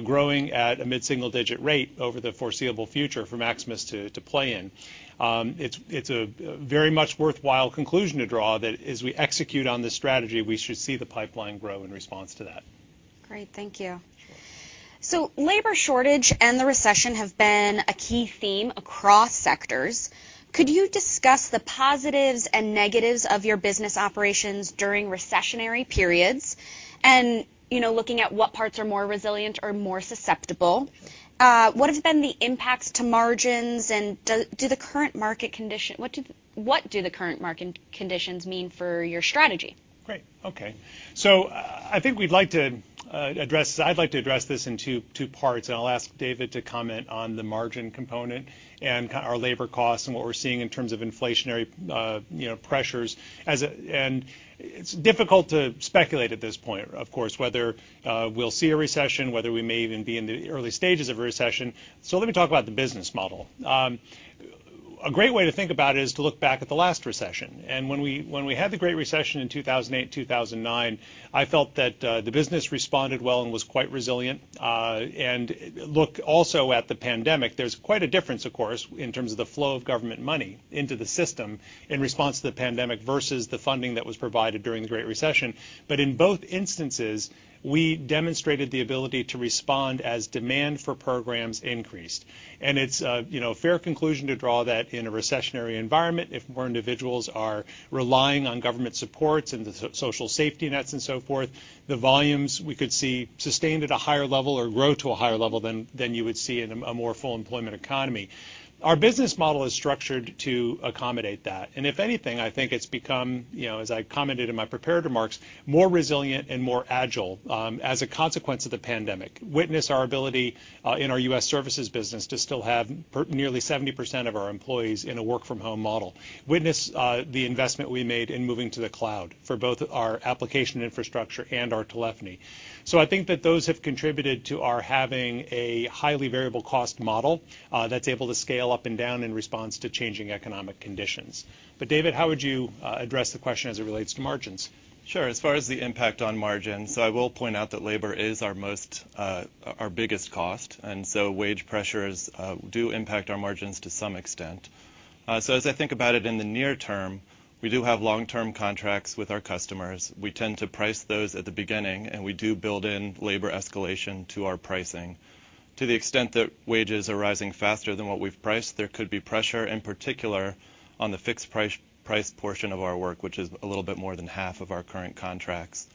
growing at a mid-single-digit % rate over the foreseeable future for Maximus to play in. It's a very much worthwhile conclusion to draw that as we execute on this strategy, we should see the pipeline grow in response to that. Great. Thank you. Labor shortage and the recession have been a key theme across sectors. Could you discuss the positives and negatives of your business operations during recessionary periods? You know, looking at what parts are more resilient or more susceptible, what have been the impacts to margins, and what do the current market conditions mean for your strategy? Great. Okay. I think we'd like to address this in two parts, and I'll ask David to comment on the margin component and our labor costs and what we're seeing in terms of inflationary pressures as a. It's difficult to speculate at this point, of course, whether we'll see a recession, whether we may even be in the early stages of a recession. Let me talk about the business model. A great way to think about it is to look back at the last recession. When we had the Great Recession in 2008, 2009, I felt that the business responded well and was quite resilient. Look also at the pandemic. There's quite a difference, of course, in terms of the flow of government money into the system in response to the pandemic versus the funding that was provided during the Great Recession. In both instances, we demonstrated the ability to respond as demand for programs increased. It's you know, a fair conclusion to draw that in a recessionary environment if more individuals are relying on government supports and the social safety nets and so forth, the volumes we could see sustained at a higher level or grow to a higher level than you would see in a more full employment economy. Our business model is structured to accommodate that. If anything, I think it's become, you know, as I commented in my prepared remarks, more resilient and more agile as a consequence of the pandemic. Witness our ability in our U.S. services business to still have nearly 70% of our employees in a work-from-home model. Witness the investment we made in moving to the cloud for both our application infrastructure and our telephony. I think that those have contributed to our having a highly variable cost model that's able to scale up and down in response to changing economic conditions. David, how would you address the question as it relates to margins? Sure. As far as the impact on margins, I will point out that labor is our most, our biggest cost, and so wage pressures do impact our margins to some extent. As I think about it in the near term, we do have long-term contracts with our customers. We tend to price those at the beginning, and we do build in labor escalation to our pricing. To the extent that wages are rising faster than what we've priced, there could be pressure, in particular, on the fixed-price portion of our work, which is a little bit more than half of our current contracts.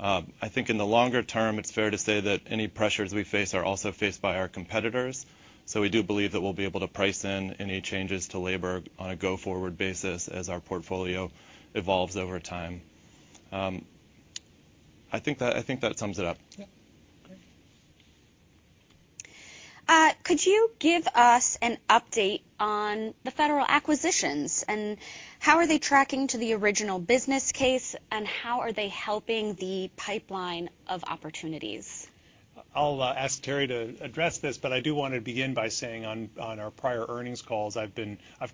I think in the longer term, it's fair to say that any pressures we face are also faced by our competitors. We do believe that we'll be able to price in any changes to labor on a go-forward basis as our portfolio evolves over time. I think that sums it up. Could you give us an update on the federal acquisitions, and how are they tracking to the original business case, and how are they helping the pipeline of opportunities? I'll ask Terry to address this, but I do wanna begin by saying on our prior earnings calls, I've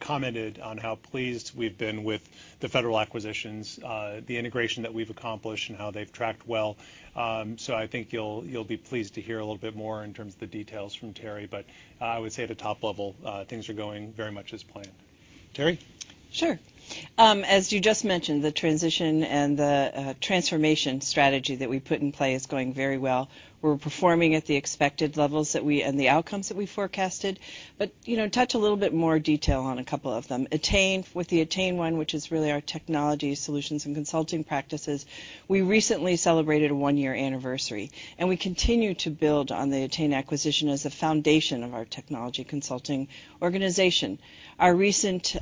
commented on how pleased we've been with the federal acquisitions, the integration that we've accomplished and how they've tracked well. I think you'll be pleased to hear a little bit more in terms of the details from Terry. I would say at a top level, things are going very much as planned. Terry? Sure. As you just mentioned, the transition and the transformation strategy that we put in play is going very well. We're performing at the expected levels and the outcomes that we forecasted. You know, touch a little bit more detail on a couple of them. With the Attain one, which is really our technology solutions and consulting practices, we recently celebrated a one-year anniversary, and we continue to build on the Attain acquisition as a foundation of our technology consulting organization. Our recent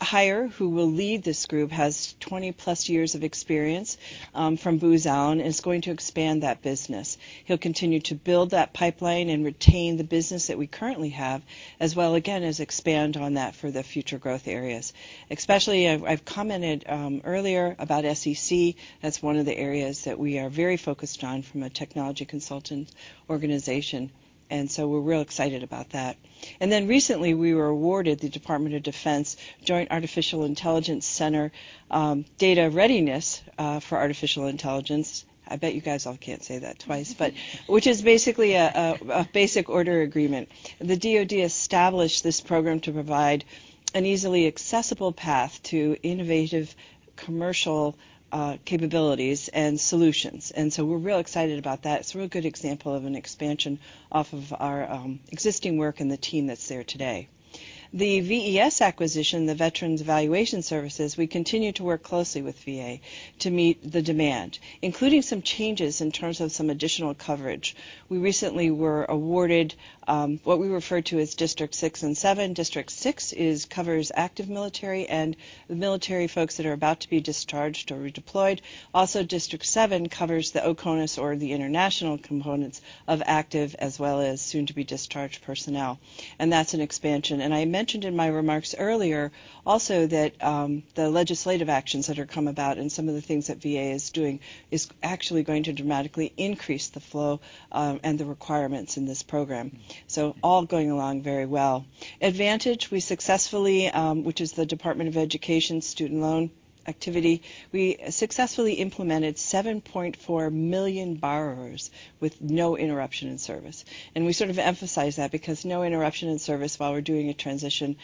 hire, who will lead this group, has 20-plus years of experience from Booz Allen, is going to expand that business. He'll continue to build that pipeline and retain the business that we currently have, as well, again, as expand on that for the future growth areas. Especially, I've commented earlier about SEC. That's one of the areas that we are very focused on from a technology consultant organization, and so we're real excited about that. Recently, we were awarded the Department of Defense Joint Artificial Intelligence Center, Data Readiness for Artificial Intelligence. I bet you guys all can't say that twice, but which is basically a basic order agreement. The DoD established this program to provide an easily accessible path to innovative commercial capabilities and solutions, and so we're real excited about that. We're real excited about that. It's a real good example of an expansion off of our existing work and the team that's there today. The VES acquisition, the Veterans Evaluation Services, we continue to work closely with VA to meet the demand, including some changes in terms of some additional coverage. We recently were awarded what we refer to as District VI and VII. District VI covers active military and the military folks that are about to be discharged or redeployed. District VII covers the OCONUS or the international components of active as well as soon-to-be-discharged personnel, and that's an expansion. I mentioned in my remarks earlier also that the legislative actions that have come about and some of the things that VA is doing is actually going to dramatically increase the flow and the requirements in this program. All going along very well. Aidvantage, which is the Department of Education student loan activity, we successfully implemented 7.4 million borrowers with no interruption in service. We sort of emphasize that because no interruption in service while we're doing a transition,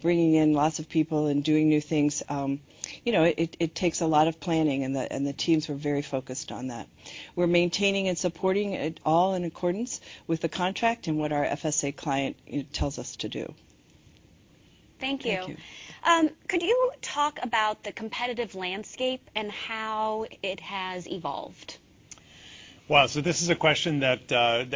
bringing in lots of people and doing new things, you know, it takes a lot of planning, and the teams were very focused on that. We're maintaining and supporting it all in accordance with the contract and what our FSA client tells us to do. Thank you. Thank you. Could you talk about the competitive landscape and how it has evolved? Well, this is a question that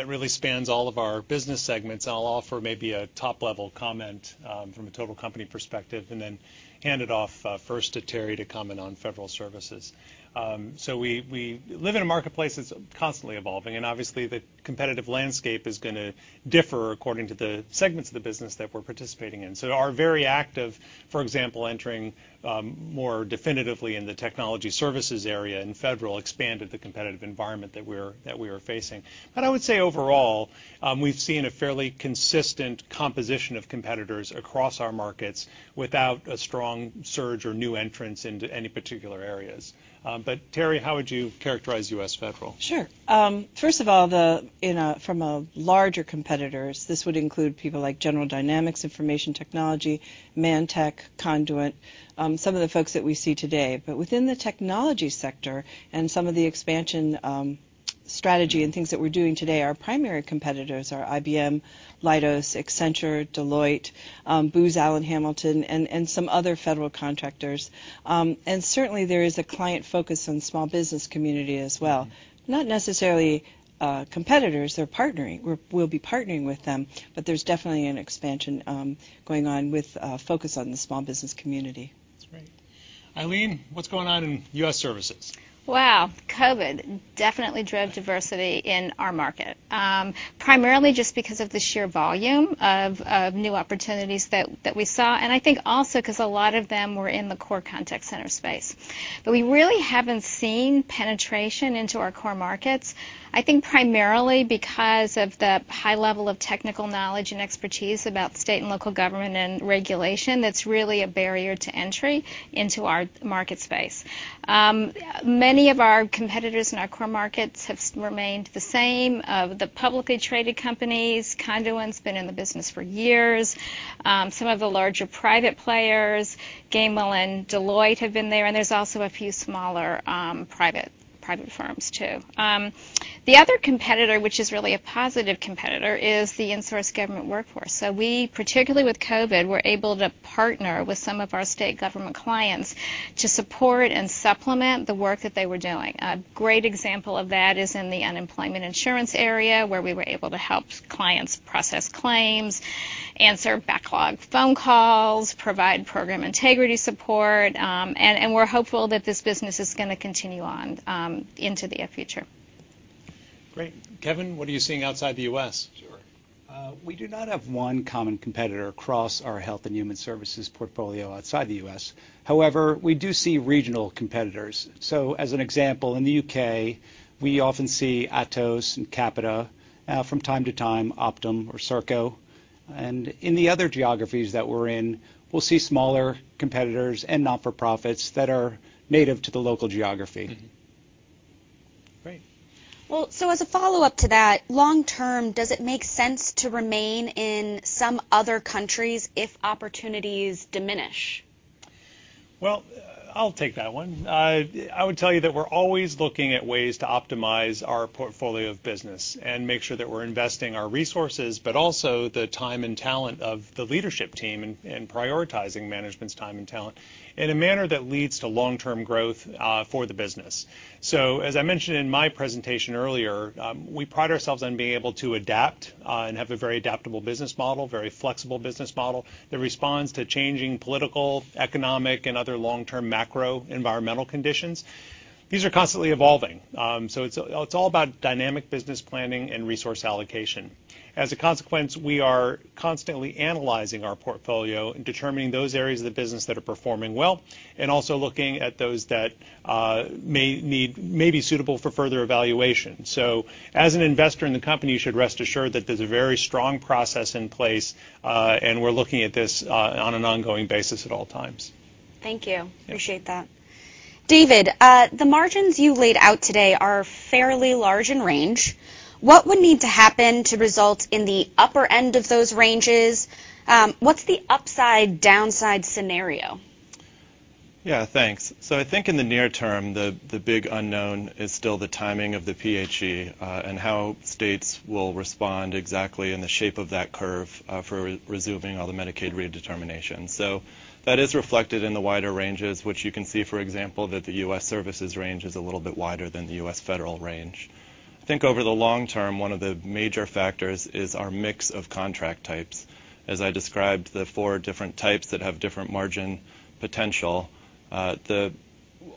really spans all of our business segments, and I'll offer maybe a top-level comment from a total company perspective and then hand it off first to Terry to comment on federal services. We live in a marketplace that's constantly evolving, and obviously the competitive landscape is gonna differ according to the segments of the business that we're participating in. We're very active, for example, entering more definitively in the technology services area and federal expanded the competitive environment that we are facing. I would say overall, we've seen a fairly consistent composition of competitors across our markets without a strong surge or new entrants into any particular areas. Terry, how would you characterize U.S. federal? Sure. First of all, from a larger competitors, this would include people like General Dynamics Information Technology, ManTech, Conduent, some of the folks that we see today. Within the technology sector and some of the expansion, strategy and things that we're doing today, our primary competitors are IBM, Leidos, Accenture, Deloitte, Booz Allen Hamilton, and some other federal contractors. Certainly there is a client focus on small business community as well. Not necessarily competitors. They're partnering. We'll be partnering with them, but there's definitely an expansion going on with focus on the small business community. That's right. Ilene, what's going on in U.S. Services? Wow. COVID definitely drove diversity in our market. Primarily just because of the sheer volume of new opportunities that we saw, and I think also 'cause a lot of them were in the core contact center space. We really haven't seen penetration into our core markets, I think primarily because of the high level of technical knowledge and expertise about state and local government and regulation that's really a barrier to entry into our market space. Many of our competitors in our core markets have remained the same. The publicly traded companies, Conduent's been in the business for years. Some of the larger private players, Gainwell and Deloitte have been there, and there's also a few smaller private firms too. The other competitor, which is really a positive competitor, is the in-source government workforce. We, particularly with COVID, were able to partner with some of our state government clients to support and supplement the work that they were doing. A great example of that is in the unemployment insurance area, where we were able to help clients process claims, answer backlog phone calls, provide program integrity support, and we're hopeful that this business is gonna continue on, into the future. Great. Kevin, what are you seeing outside the U.S.? Sure. We do not have one common competitor across our health and human services portfolio outside the U.S. However, we do see regional competitors. As an example, in the U.K., we often see Atos and Capita, from time to time, Optum or Serco. In the other geographies that we're in, we'll see smaller competitors and not-for-profits that are native to the local geography. Mm-hmm. Great. Well, as a follow-up to that, long term, does it make sense to remain in some other countries if opportunities diminish? Well, I'll take that one. I would tell you that we're always looking at ways to optimize our portfolio of business and make sure that we're investing our resources, but also the time and talent of the leadership team and prioritizing management's time and talent in a manner that leads to long-term growth for the business. As I mentioned in my presentation earlier, we pride ourselves on being able to adapt and have a very adaptable business model, very flexible business model that responds to changing political, economic, and other long-term macro environmental conditions. These are constantly evolving. It's all about dynamic business planning and resource allocation. As a consequence, we are constantly analyzing our portfolio and determining those areas of the business that are performing well, and also looking at those that may be suitable for further evaluation. As an investor in the company, you should rest assured that there's a very strong process in place, and we're looking at this on an ongoing basis at all times. Thank you. Yeah. Appreciate that. David, the margins you laid out today are fairly large in range. What would need to happen to result in the upper end of those ranges? What's the upside/downside scenario? Yeah, thanks. I think in the near term, the big unknown is still the timing of the PHE and how states will respond exactly in the shape of that curve for resuming all the Medicaid redetermination. That is reflected in the wider ranges, which you can see, for example, that the U.S. Services range is a little bit wider than the U.S. Federal range. I think over the long term, one of the major factors is our mix of contract types. As I described, the four different types that have different margin potential.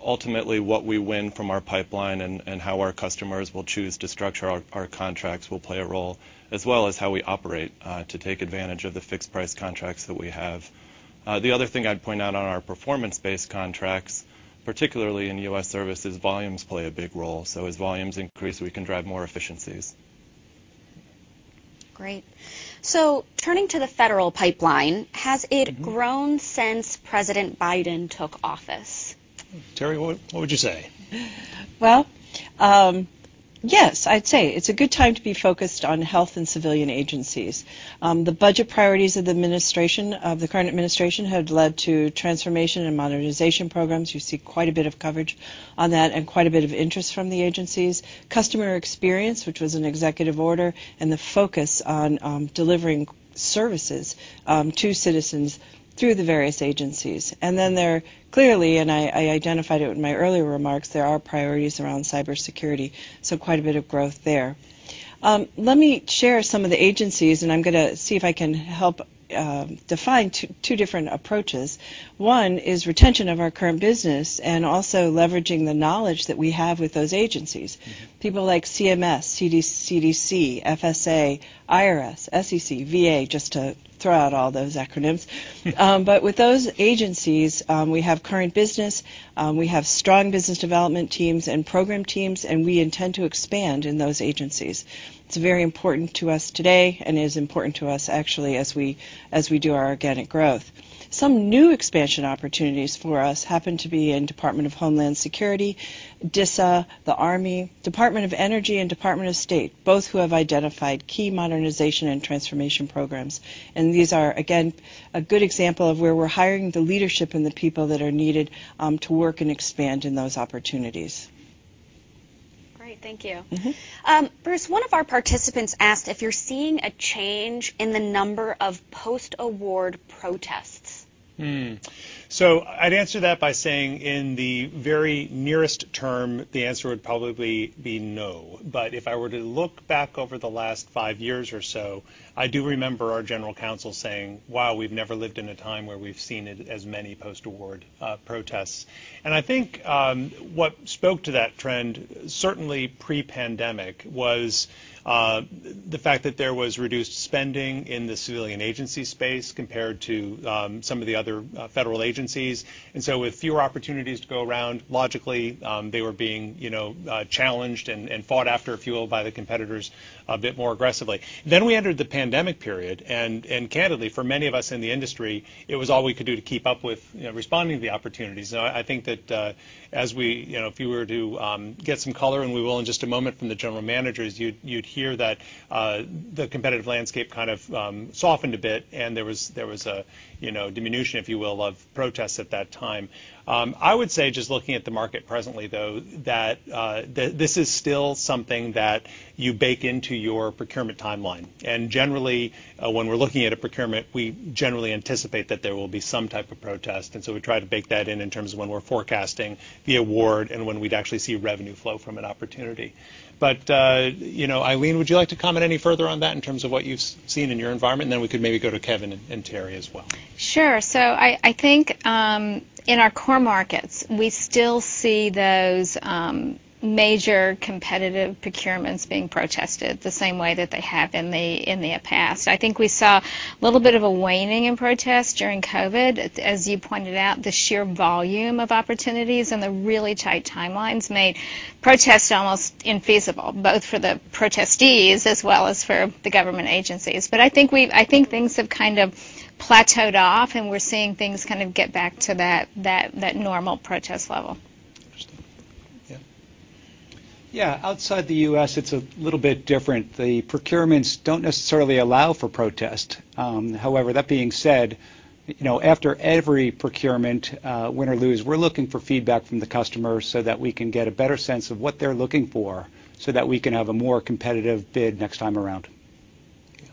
Ultimately, what we win from our pipeline and how our customers will choose to structure our contracts will play a role, as well as how we operate to take advantage of the fixed price contracts that we have. The other thing I'd point out on our performance-based contracts, particularly in U.S. services, volumes play a big role. As volumes increase, we can drive more efficiencies. Great. Turning to the federal pipeline, has it grown since President Biden took office? Terry, what would you say? Well, yes, I'd say it's a good time to be focused on health and civilian agencies. The budget priorities of the administration, of the current administration, have led to transformation and modernization programs. You see quite a bit of coverage on that and quite a bit of interest from the agencies. Customer experience, which was an executive order, and the focus on, delivering services, to citizens through the various agencies. There clearly, and I identified it in my earlier remarks, there are priorities around cybersecurity, so quite a bit of growth there. Let me share some of the agencies, and I'm gonna see if I can help, define two different approaches. One is retention of our current business and also leveraging the knowledge that we have with those agencies. People like CMS, CDC, FSA, IRS, SEC, VA, just to throw out all those acronyms. With those agencies, we have current business, we have strong business development teams and program teams, and we intend to expand in those agencies. It's very important to us today and is important to us actually as we do our organic growth. Some new expansion opportunities for us happen to be in Department of Homeland Security, DISA, the Army, Department of Energy and Department of State, both who have identified key modernization and transformation programs. These are, again, a good example of where we're hiring the leadership and the people that are needed to work and expand in those opportunities. Great. Thank you. Mm-hmm. Bruce, one of our participants asked if you're seeing a change in the number of post-award protests. I'd answer that by saying in the very nearest term, the answer would probably be no. If I were to look back over the last five years or so, I do remember our general counsel saying, "Wow, we've never lived in a time where we've seen as many post-award protests." I think what spoke to that trend, certainly pre-pandemic, was the fact that there was reduced spending in the civilian agency space compared to some of the other federal agencies. With fewer opportunities to go around, logically, they were being, you know, challenged and fought after, if you will, by the competitors a bit more aggressively. We entered the pandemic period. Candidly, for many of us in the industry, it was all we could do to keep up with, you know, responding to the opportunities. I think that you know, if you were to get some color, and we will in just a moment, from the general managers, you'd hear that the competitive landscape kind of softened a bit, and there was a, you know, diminution, if you will, of protests at that time. I would say, just looking at the market presently, though, that this is still something that you bake into your procurement timeline. Generally, when we're looking at a procurement, we generally anticipate that there will be some type of protest, and so we try to bake that in terms of when we're forecasting the award and when we'd actually see revenue flow from an opportunity. You know, Ilene, would you like to comment any further on that in terms of what you've seen in your environment? Then we could maybe go to Kevin and Terry as well. I think in our core markets, we still see those major competitive procurements being protested the same way that they have in the past. I think we saw a little bit of a waning in protests during COVID. As you pointed out, the sheer volume of opportunities and the really tight timelines made protests almost infeasible, both for the protestees as well as for the government agencies. I think things have kind of plateaued off, and we're seeing things kind of get back to that normal protest level. Interesting. Yeah. Yeah. Outside the U.S., it's a little bit different. The procurements don't necessarily allow for protest. However, that being said, you know, after every procurement, win or lose, we're looking for feedback from the customer so that we can get a better sense of what they're looking for, so that we can have a more competitive bid next time around. Okay.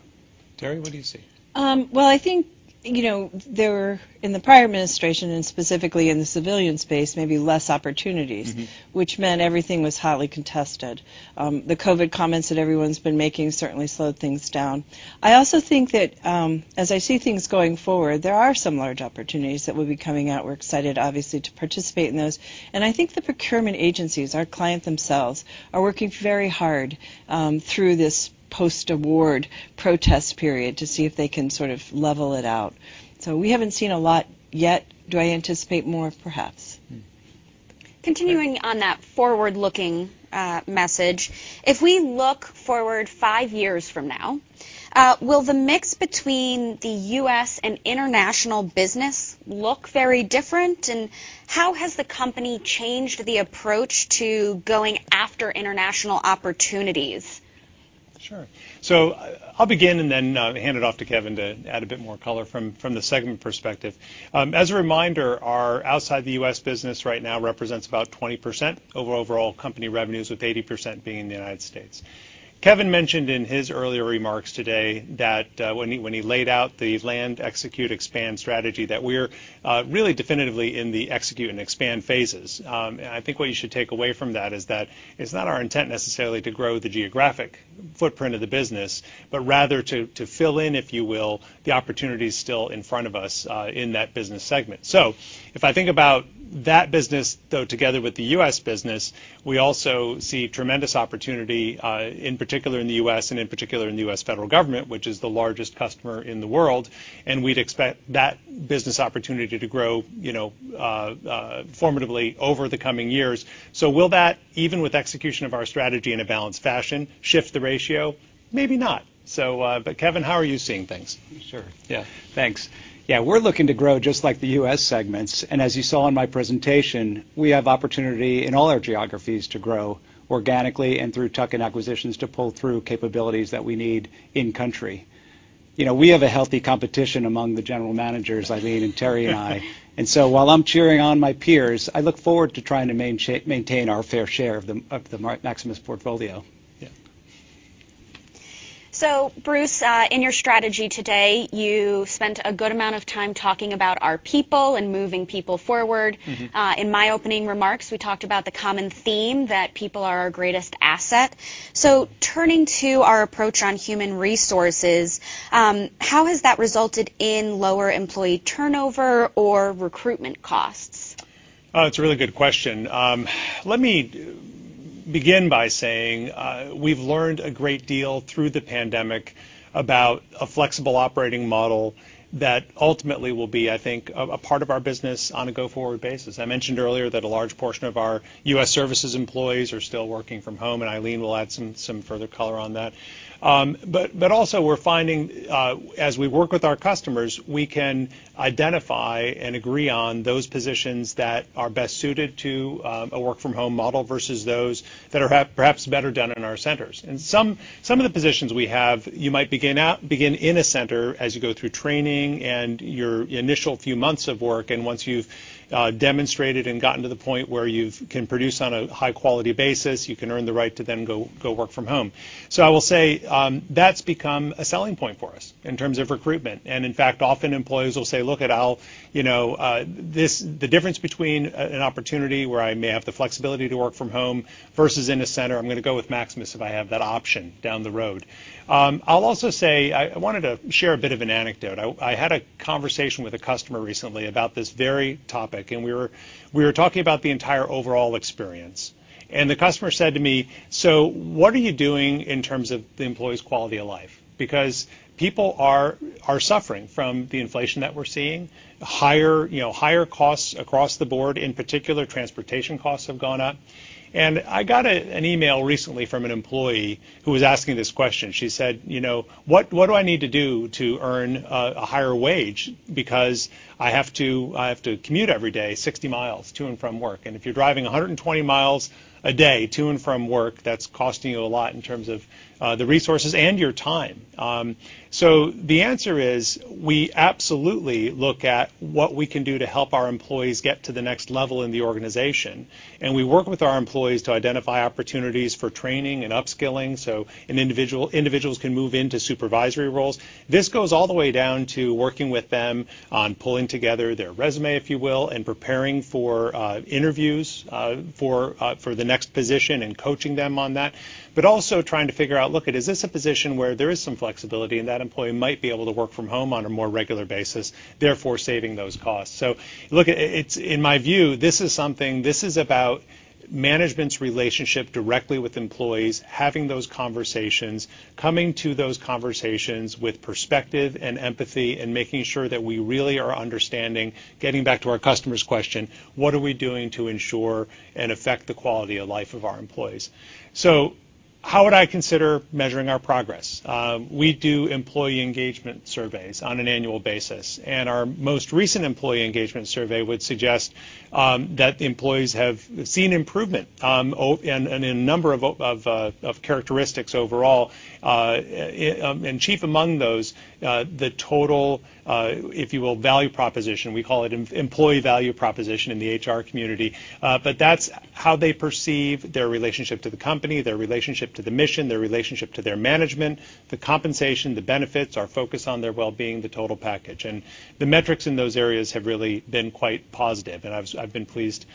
Terry, what do you see? Well, I think, you know, there were, in the prior administration and specifically in the civilian space, maybe less opportunities. Mm-hmm which meant everything was hotly contested. The COVID comments that everyone's been making certainly slowed things down. I also think that, as I see things going forward, there are some large opportunities that will be coming out. We're excited, obviously, to participate in those. I think the procurement agencies, our clients themselves, are working very hard, through this post-award protest period to see if they can sort of level it out. We haven't seen a lot yet. Do I anticipate more? Perhaps. Mm-hmm. Continuing on that forward-looking message, if we look forward five years from now, will the mix between the U.S. and international business look very different? How has the company changed the approach to going after international opportunities? Sure. I'll begin and then hand it off to Kevin to add a bit more color from the segment perspective. As a reminder, our outside the U.S. business right now represents about 20% of overall company revenues, with 80% being in the United States. Kevin mentioned in his earlier remarks today that when he laid out the land, execute, expand strategy, that we're really definitively in the execute and expand phases. I think what you should take away from that is that it's not our intent necessarily to grow the geographic footprint of the business, but rather to fill in, if you will, the opportunities still in front of us in that business segment. If I think about that business, though, together with the U.S. business, we also see tremendous opportunity in particular in the U.S. and in particular in the U.S. federal government, which is the largest customer in the world, and we'd expect that business opportunity to grow, you know, formidably over the coming years. Will that, even with execution of our strategy in a balanced fashion, shift the ratio? Maybe not. Kevin, how are you seeing things? Sure. Yeah. Thanks. Yeah, we're looking to grow just like the U.S. segments, and as you saw in my presentation, we have opportunity in all our geographies to grow organically and through tuck-in acquisitions to pull through capabilities that we need in country. You know, we have a healthy competition among the general managers—Ilene and Terry and I. While I'm cheering on my peers, I look forward to trying to maintain our fair share of the Maximus portfolio. Yeah. Bruce, in your strategy today, you spent a good amount of time talking about our people and moving people forward. Mm-hmm. In my opening remarks, we talked about the common theme that people are our greatest asset. Turning to our approach on human resources, how has that resulted in lower employee turnover or recruitment costs? Oh, it's a really good question. Let me begin by saying, we've learned a great deal through the pandemic about a flexible operating model that ultimately will be, I think, a part of our business on a go-forward basis. I mentioned earlier that a large portion of our U.S. services employees are still working from home, and Ilene will add some further color on that. But also we're finding, as we work with our customers, we can identify and agree on those positions that are best suited to a work from home model versus those that are perhaps better done in our centers. Some of the positions we have, you might begin in a center as you go through training and your initial few months of work, and once you've demonstrated and gotten to the point where you can produce on a high quality basis, you can earn the right to then go work from home. I will say, that's become a selling point for us in terms of recruitment. In fact, often employees will say, "Look, at how, you know, this, the difference between an opportunity where I may have the flexibility to work from home versus in a center, I'm gonna go with Maximus if I have that option down the road." I'll also say, I wanted to share a bit of an anecdote. I had a conversation with a customer recently about this very topic, and we were talking about the entire overall experience. The customer said to me, "So what are you doing in terms of the employees' quality of life?" Because people are suffering from the inflation that we're seeing. Higher, you know, higher costs across the board, in particular, transportation costs have gone up. I got an email recently from an employee who was asking this question. She said, you know, "What do I need to do to earn a higher wage because I have to commute every day 60 miles to and from work?" If you're driving 120 miles a day to and from work, that's costing you a lot in terms of the resources and your time. The answer is, we absolutely look at what we can do to help our employees get to the next level in the organization, and we work with our employees to identify opportunities for training and upskilling so individuals can move into supervisory roles. This goes all the way down to working with them on pulling together their resume, if you will, and preparing for interviews for the next position and coaching them on that. But also trying to figure out, look, is this a position where there is some flexibility and that employee might be able to work from home on a more regular basis, therefore saving those costs. In my view, this is about management's relationship directly with employees, having those conversations, coming to those conversations with perspective and empathy, and making sure that we really are understanding, getting back to our customer's question, what are we doing to ensure and affect the quality of life of our employees? How would I consider measuring our progress? We do employee engagement surveys on an annual basis, and our most recent employee engagement survey would suggest that the employees have seen improvement and in a number of characteristics overall. Chief among those, the total, if you will, value proposition. We call it employee value proposition in the HR community. That's how they perceive their relationship to the company, their relationship to the mission, their relationship to their management, the compensation, the benefits, our focus on their well-being, the total package. The metrics in those areas have really been quite positive, and I've been pleased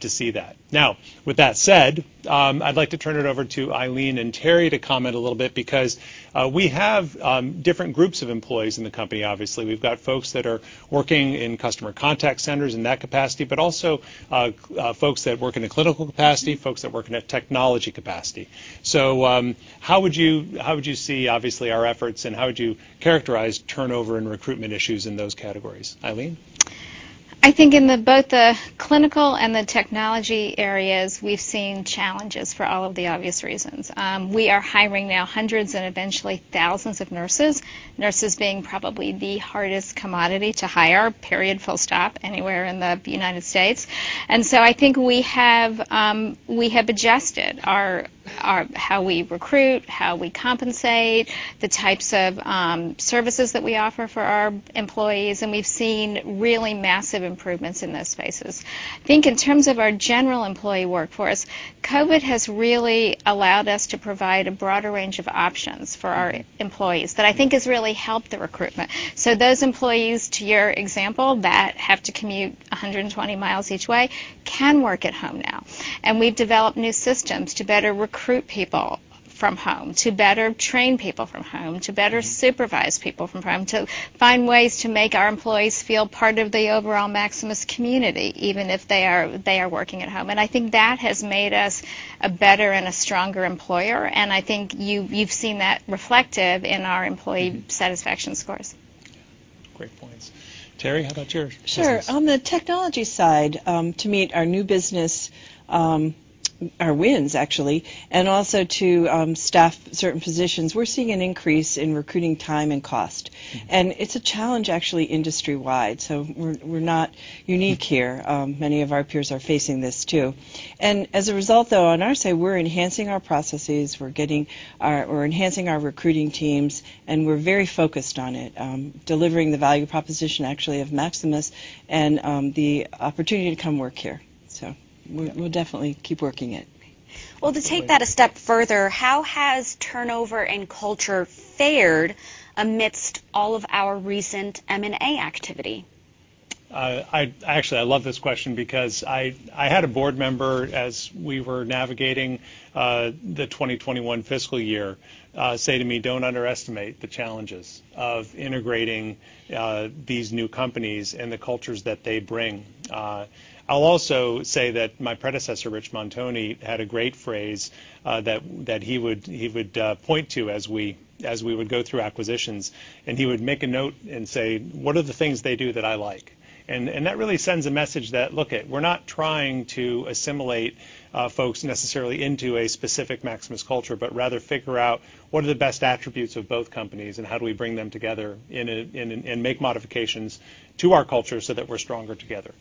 to see that. Now, with that said, I'd like to turn it over to Ilene and Teresa to comment a little bit because we have different groups of employees in the company obviously. We've got folks that are working in customer contact centers in that capacity, but also folks that work in a clinical capacity, folks that work in a technology capacity. How would you see obviously our efforts and how would you characterize turnover and recruitment issues in those categories? Ilene? I think in both the clinical and the technology areas, we've seen challenges for all of the obvious reasons. We are hiring now hundreds and eventually thousands of nurses being probably the hardest commodity to hire, period, full stop, anywhere in the United States. I think we have adjusted our how we recruit, how we compensate, the types of services that we offer for our employees, and we've seen really massive improvements in those spaces. I think in terms of our general employee workforce, COVID has really allowed us to provide a broader range of options for our employees that I think has really helped the recruitment. Those employees, to your example, that have to commute 120 miles each way can work at home now. We've developed new systems to better recruit people from home, to better train people from home, to better supervise people from home, to find ways to make our employees feel part of the overall Maximus community, even if they are working at home. I think that has made us a better and a stronger employer, and I think you've seen that reflected in our employee satisfaction scores. Great points. Terry, how about your business? Sure. On the technology side, to meet our new business, our wins actually, and also to staff certain positions, we're seeing an increase in recruiting time and cost. Mm-hmm. It's a challenge actually industry-wide. We're not unique here. Many of our peers are facing this too. As a result though, on our side, we're enhancing our processes. We're enhancing our recruiting teams, and we're very focused on it, delivering the value proposition actually of Maximus and, the opportunity to come work here. We'll definitely keep working it. Great. Well, to take that a step further, how has turnover and culture fared amidst all of our recent M&A activity? Actually, I love this question because I had a board member, as we were navigating, the 2021 fiscal year, say to me, "Don't underestimate the challenges of integrating, these new companies and the cultures that they bring." I'll also say that my predecessor, Rich Montoni, had a great phrase, that he would point to as we would go through acquisitions. He would make a note and say, "What are the things they do that I like?" That really sends a message that, look, we're not trying to assimilate, folks necessarily into a specific Maximus culture, but rather figure out what are the best attributes of both companies and how do we bring them together in a and make modifications to our culture so that we're stronger together.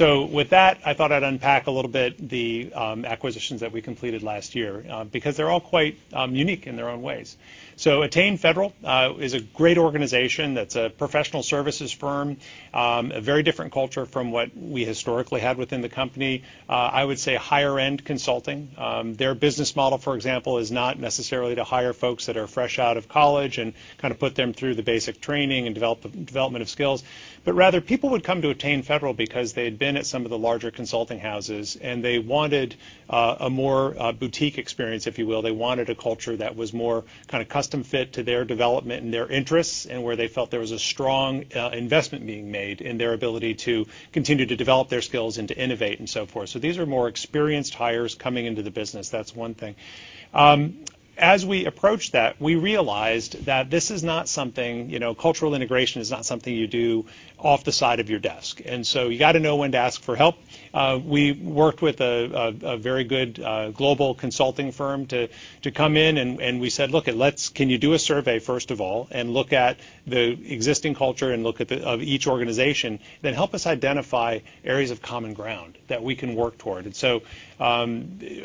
With that, I thought I'd unpack a little bit the acquisitions that we completed last year, because they're all quite unique in their own ways. Attain Federal is a great organization that's a professional services firm, a very different culture from what we historically had within the company, I would say higher end consulting. Their business model, for example, is not necessarily to hire folks that are fresh out of college and kind of put them through the basic training and development of skills, but rather people would come to Attain Federal because they'd been at some of the larger consulting houses, and they wanted a more boutique experience, if you will. They wanted a culture that was more kind of custom fit to their development and their interests, and where they felt there was a strong, investment being made in their ability to continue to develop their skills and to innovate and so forth. These are more experienced hires coming into the business. That's one thing. As we approached that, we realized that this is not something, you know, cultural integration is not something you do off the side of your desk. You gotta know when to ask for help. We worked with a very good global consulting firm to come in and we said, "Lookit, can you do a survey first of all, and look at the existing culture and of each organization, then help us identify areas of common ground that we can work toward?"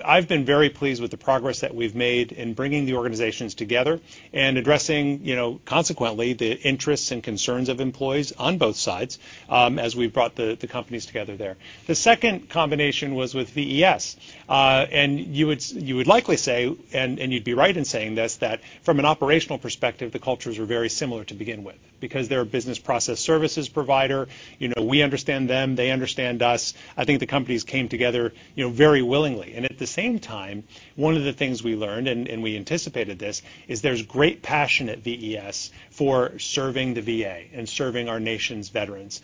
I've been very pleased with the progress that we've made in bringing the organizations together and addressing, you know, consequently, the interests and concerns of employees on both sides, as we've brought the companies together there. The second combination was with VES. You would likely say, and you'd be right in saying this, that from an operational perspective, the cultures were very similar to begin with because they're a business process services provider. You know, we understand them, they understand us. I think the companies came together, you know, very willingly. At the same time, one of the things we learned, and we anticipated this, is there's great passion at VES for serving the VA and serving our nation's veterans.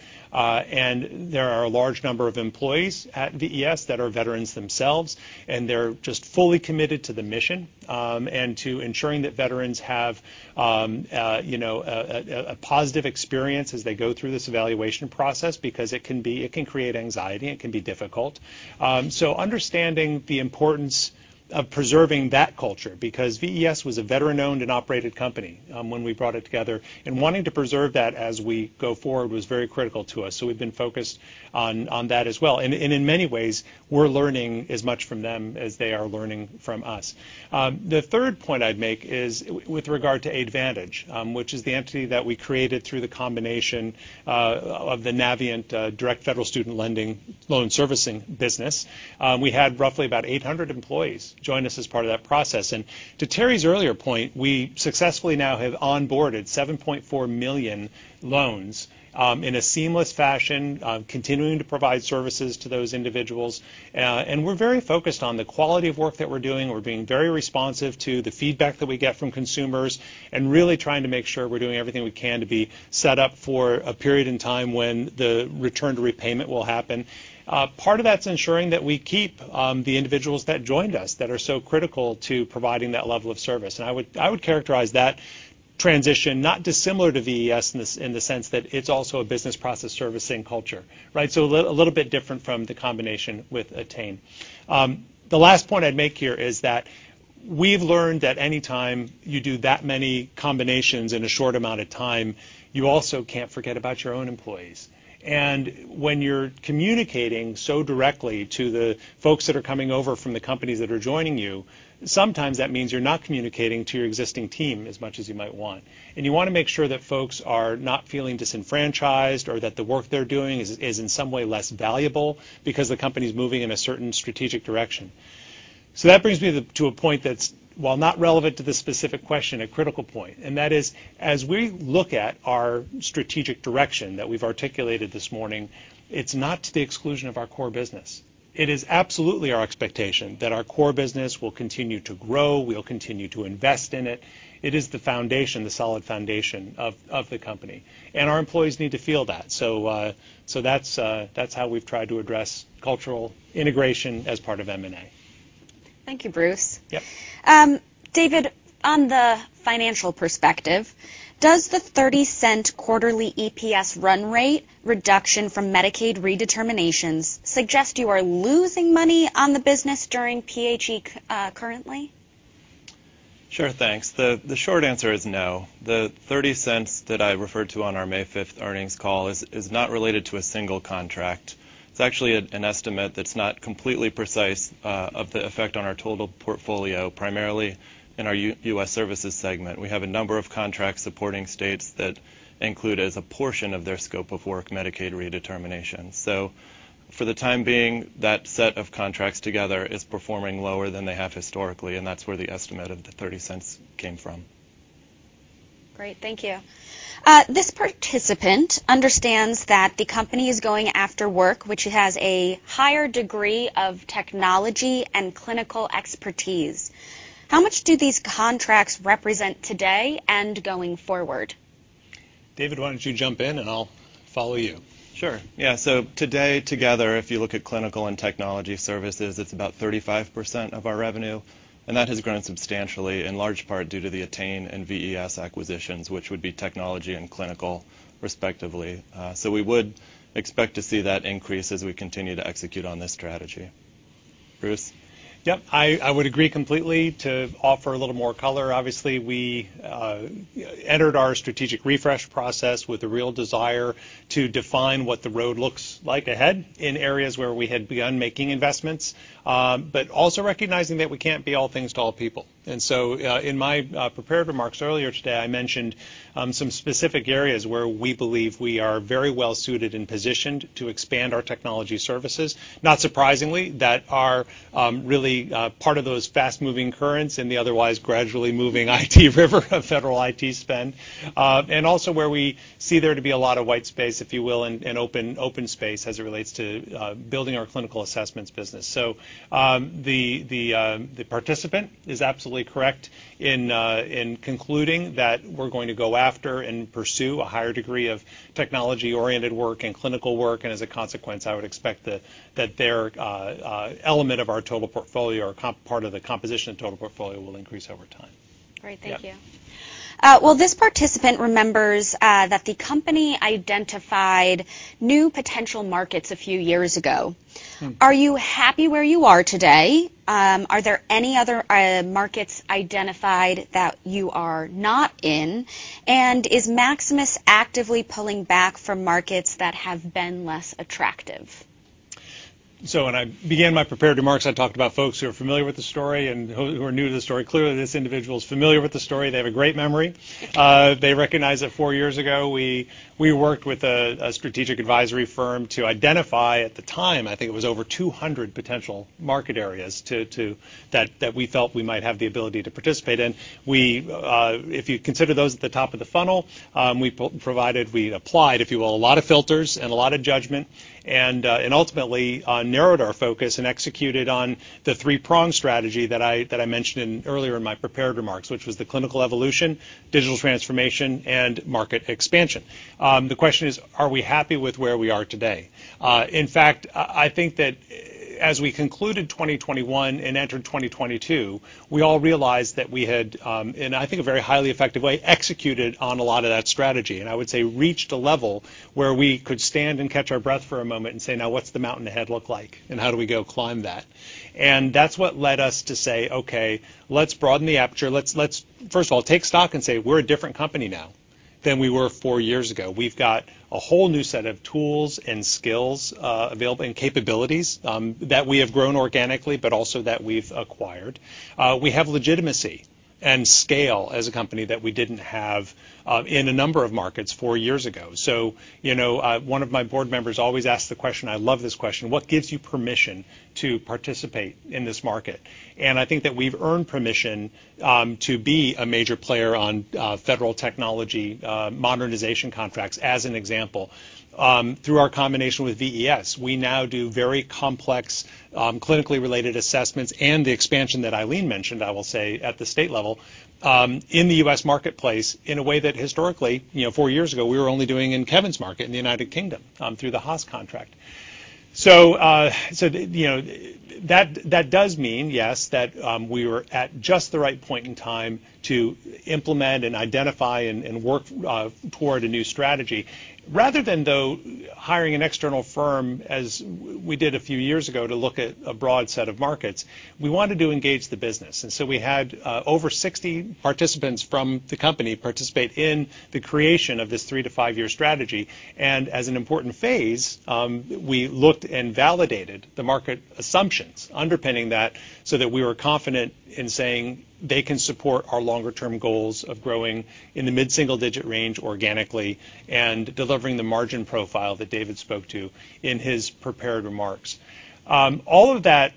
There are a large number of employees at VES that are veterans themselves, and they're just fully committed to the mission, and to ensuring that veterans have a positive experience as they go through this evaluation process because it can create anxiety. It can be difficult. Understanding the importance of preserving that culture, because VES was a veteran-owned and operated company, when we brought it together, and wanting to preserve that as we go forward was very critical to us. We've been focused on that as well. In many ways, we're learning as much from them as they are learning from us. The third point I'd make is with regard to Aidvantage, which is the entity that we created through the combination of the Navient direct federal student lending loan servicing business. We had roughly about 800 employees join us as part of that process. To Terry's earlier point, we successfully now have onboarded 7.4 million loans in a seamless fashion, continuing to provide services to those individuals. We're very focused on the quality of work that we're doing. We're being very responsive to the feedback that we get from consumers and really trying to make sure we're doing everything we can to be set up for a period in time when the return to repayment will happen. Part of that's ensuring that we keep the individuals that joined us, that are so critical to providing that level of service. I would characterize that transition, not dissimilar to VES in the sense that it's also a business process servicing culture, right? A little bit different from the combination with Attain. The last point I'd make here is that we've learned that any time you do that many combinations in a short amount of time, you also can't forget about your own employees. When you're communicating so directly to the folks that are coming over from the companies that are joining you, sometimes that means you're not communicating to your existing team as much as you might want. You wanna make sure that folks are not feeling disenfranchised or that the work they're doing is in some way less valuable because the company's moving in a certain strategic direction. So that brings me to a point that's while not relevant to this specific question, a critical point, and that is, as we look at our strategic direction that we've articulated this morning, it's not to the exclusion of our core business. It is absolutely our expectation that our core business will continue to grow. We'll continue to invest in it. It is the foundation, the solid foundation of the company, and our employees need to feel that. So that's how we've tried to address cultural integration as part of M&A. Thank you, Bruce. Yep. David, on the financial perspective, does the $0.30 quarterly EPS run rate reduction from Medicaid redeterminations suggest you are losing money on the business during PHE, currently? Sure, thanks. The short answer is no. The $0.30 that I referred to on our May 5 earnings call is not related to a single contract. It's actually an estimate that's not completely precise, of the effect on our total portfolio, primarily in our U.S. Services Segment. We have a number of contracts supporting states that include as a portion of their scope of work, Medicaid redetermination. For the time being, that set of contracts together is performing lower than they have historically, and that's where the estimate of the $0.30 came from. Great. Thank you. This participant understands that the company is going after work which has a higher degree of technology and clinical expertise. How much do these contracts represent today and going forward? David, why don't you jump in, and I'll follow you. Sure. Yeah, so today together, if you look at clinical and technology services, it's about 35% of our revenue, and that has grown substantially in large part due to the Attain and VES acquisitions, which would be technology and clinical respectively. We would expect to see that increase as we continue to execute on this strategy. Bruce? Yep, I would agree completely. To offer a little more color, obviously, we entered our strategic refresh process with a real desire to define what the road looks like ahead in areas where we had begun making investments, but also recognizing that we can't be all things to all people. In my prepared remarks earlier today, I mentioned some specific areas where we believe we are very well suited and positioned to expand our technology services, not surprisingly, that are really part of those fast-moving currents in the otherwise gradually moving IT river of federal IT spend. Also where we see there to be a lot of white space, if you will, and open space as it relates to building our clinical assessments business. The participant is absolutely correct in concluding that we're going to go after and pursue a higher degree of technology-oriented work and clinical work, and as a consequence, I would expect that there element of our total portfolio or part of the composition of total portfolio will increase over time. Great. Thank you. Well, this participant remembers that the company identified new potential markets a few years ago. Hmm. Are you happy where you are today? Are there any other markets identified that you are not in? Is Maximus actively pulling back from markets that have been less attractive? When I began my prepared remarks, I talked about folks who are familiar with the story and who are new to the story. Clearly, this individual is familiar with the story. They have a great memory. They recognize that four years ago we worked with a strategic advisory firm to identify, at the time, I think it was over 200 potential market areas that we felt we might have the ability to participate in. We, if you consider those at the top of the funnel, we applied, if you will, a lot of filters and a lot of judgment and ultimately narrowed our focus and executed on the three-pronged strategy that I mentioned earlier in my prepared remarks, which was the clinical evolution, digital transformation, and market expansion. The question is, are we happy with where we are today? In fact, I think that as we concluded 2021 and entered 2022, we all realized that we had, in I think a very highly effective way, executed on a lot of that strategy, and I would say reached a level where we could stand and catch our breath for a moment and say, "Now what's the mountain ahead look like, and how do we go climb that?" That's what led us to say, "Okay, let's broaden the aperture. Let's first of all take stock and say we're a different company now than we were four years ago." We've got a whole new set of tools and skills available and capabilities that we have grown organically, but also that we've acquired. We have legitimacy and scale as a company that we didn't have in a number of markets four years ago. You know, one of my board members always asked the question, I love this question, "What gives you permission to participate in this market?" I think that we've earned permission to be a major player on federal technology modernization contracts, as an example. Through our combination with VES, we now do very complex clinically related assessments and the expansion that Ilene mentioned, I will say, at the state level in the U.S. marketplace in a way that historically, you know, four years ago, we were only doing in Kevin's market in the United Kingdom through the HAAS contract. You know, that does mean yes that we were at just the right point in time to implement and identify and work toward a new strategy. Rather than though hiring an external firm as we did a few years ago to look at a broad set of markets, we wanted to engage the business. We had over 60 participants from the company participate in the creation of this 3-5-year strategy. As an important phase, we looked and validated the market assumptions underpinning that so that we were confident in saying they can support our longer term goals of growing in the mid-single-digit range organically and delivering the margin profile that David spoke to in his prepared remarks. All of that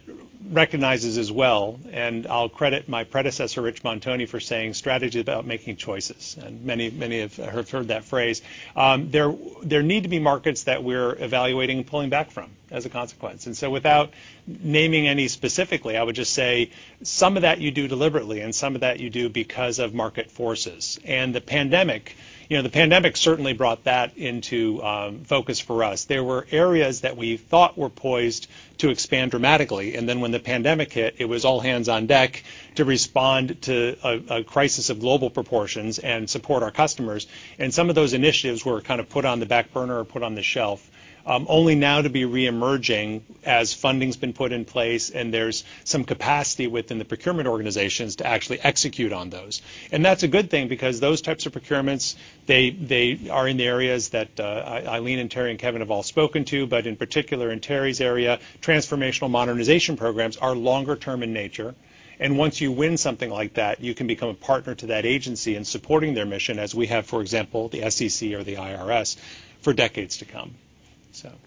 recognizes as well, and I'll credit my predecessor, Rich Montoni, for saying strategy is about making choices, and many have heard that phrase. There need to be markets that we're evaluating and pulling back from as a consequence. Without naming any specifically, I would just say some of that you do deliberately and some of that you do because of market forces. The pandemic, you know, the pandemic certainly brought that into focus for us. There were areas that we thought were poised to expand dramatically, and then when the pandemic hit, it was all hands on deck to respond to a crisis of global proportions and support our customers. Some of those initiatives were kind of put on the back burner or put on the shelf, only now to be reemerging as funding's been put in place and there's some capacity within the procurement organizations to actually execute on those. That's a good thing because those types of procurements, they are in the areas that Ilene and Terry and Kevin have all spoken to, but in particular in Terry's area, transformational modernization programs are longer term in nature. Once you win something like that, you can become a partner to that agency in supporting their mission as we have, for example, the SEC or the IRS, for decades to come.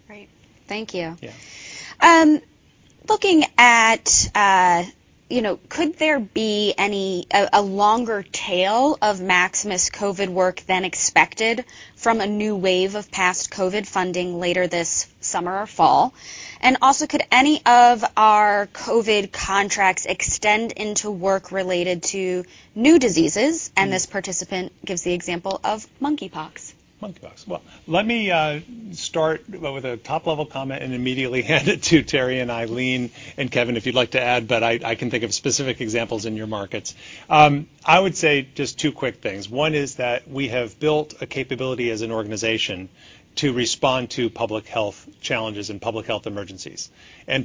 Great. Thank you. Yeah. Could there be any longer tail of Maximus COVID work than expected from a new wave of post-COVID funding later this summer or fall? Also, could any of our COVID contracts extend into work related to new diseases? This participant gives the example of monkeypox. Monkeypox. Well, let me start with a top-level comment and immediately hand it to Terry and Ilene, and Kevin, if you'd like to add, but I can think of specific examples in your markets. I would say just two quick things. One is that we have built a capability as an organization to respond to public health challenges and public health emergencies.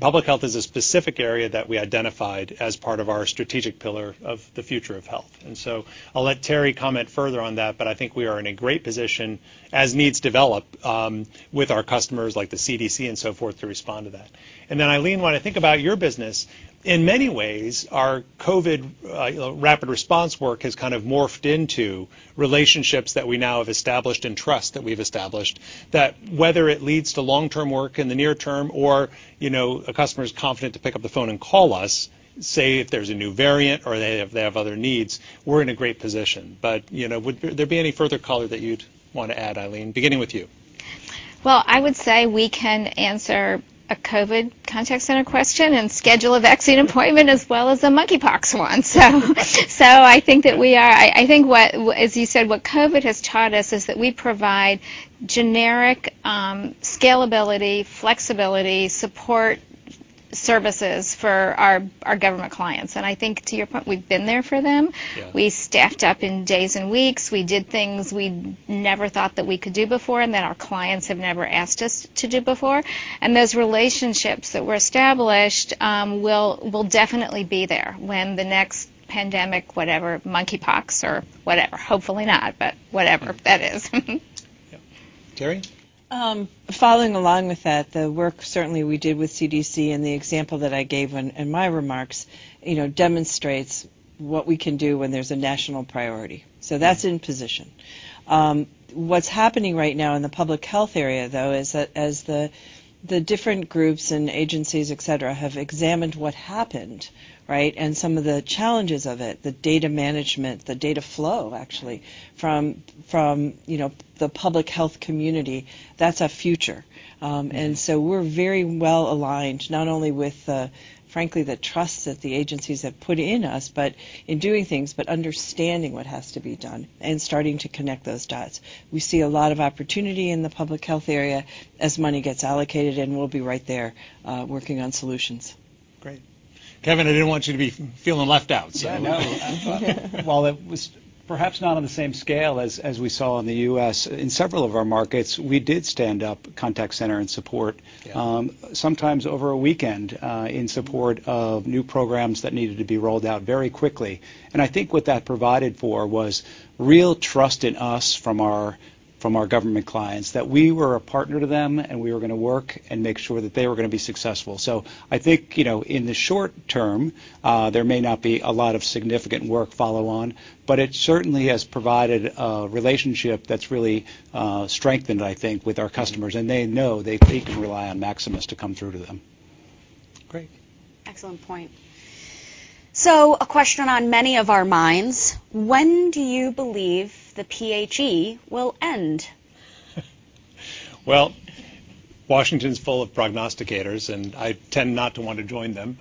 Public health is a specific area that we identified as part of our strategic pillar of the future of health. I'll let Terry comment further on that, but I think we are in a great position as needs develop with our customers like the CDC and so forth to respond to that. Ilene, when I think about your business, in many ways, our COVID rapid response work has kind of morphed into relationships that we now have established and trust that we've established that whether it leads to long-term work in the near term or, you know, a customer is confident to pick up the phone and call us, say, if there's a new variant or they have other needs, we're in a great position. You know, would there be any further color that you'd want to add, Ilene? Beginning with you. Well, I would say we can answer a COVID contact center question and schedule a vaccine appointment as well as a monkeypox one. I think, as you said, what COVID has taught us is that we provide generic scalability, flexibility, support services for our government clients. I think to your point, we've been there for them. Yeah. We staffed up in days and weeks. We did things we never thought that we could do before, and that our clients have never asked us to do before. Those relationships that were established will definitely be there when the next pandemic, whatever, monkeypox or whatever, hopefully not, but whatever that is. Yep. Terry? Following along with that, the work certainly we did with CDC and the example that I gave when, in my remarks, you know, demonstrates what we can do when there's a national priority. That's in position. What's happening right now in the public health area, though, is that as the different groups and agencies, et cetera, have examined what happened, right? Some of the challenges of it, the data management, the data flow actually from the public health community, that's our future. We're very well aligned, not only with the, frankly, the trust that the agencies have put in us, but in doing things, but understanding what has to be done and starting to connect those dots. We see a lot of opportunity in the public health area as money gets allocated, and we'll be right there, working on solutions. Great. Kevin, I didn't want you to be feeling left out, so. Yeah, I know. Well, it was perhaps not on the same scale as we saw in the U.S. In several of our markets, we did stand up contact center and support. Yeah Sometimes over a weekend, in support of new programs that needed to be rolled out very quickly. I think what that provided for was real trust in us from our government clients that we were a partner to them, and we were gonna work and make sure that they were gonna be successful. I think, you know, in the short term, there may not be a lot of significant work follow on, but it certainly has provided a relationship that's really strengthened, I think, with our customers. They know they can rely on Maximus to come through to them. Great. Excellent point. A question on many of our minds: When do you believe the PHE will end? Well, Washington's full of prognosticators, and I tend not to want to join them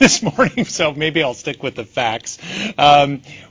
this morning, so maybe I'll stick with the facts.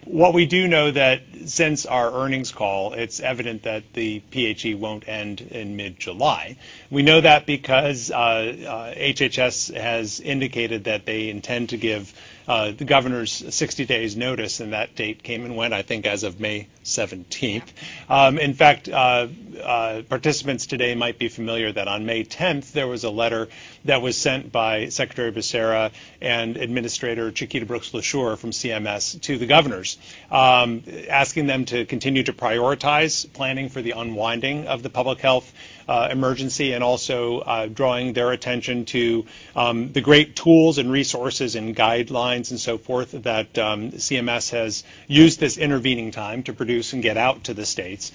What we do know that since our earnings call, it's evident that the PHE won't end in mid-July. We know that because HHS has indicated that they intend to give the governors 60 days notice, and that date came and went, I think, as of May 17. In fact, participants today might be familiar that on May tenth, there was a letter that was sent by Secretary Becerra and Administrator Chiquita Brooks-LaSure from CMS to the governors, asking them to continue to prioritize planning for the unwinding of the public health emergency and also drawing their attention to the great tools and resources and guidelines and so forth that CMS has used this intervening time to produce and get out to the states.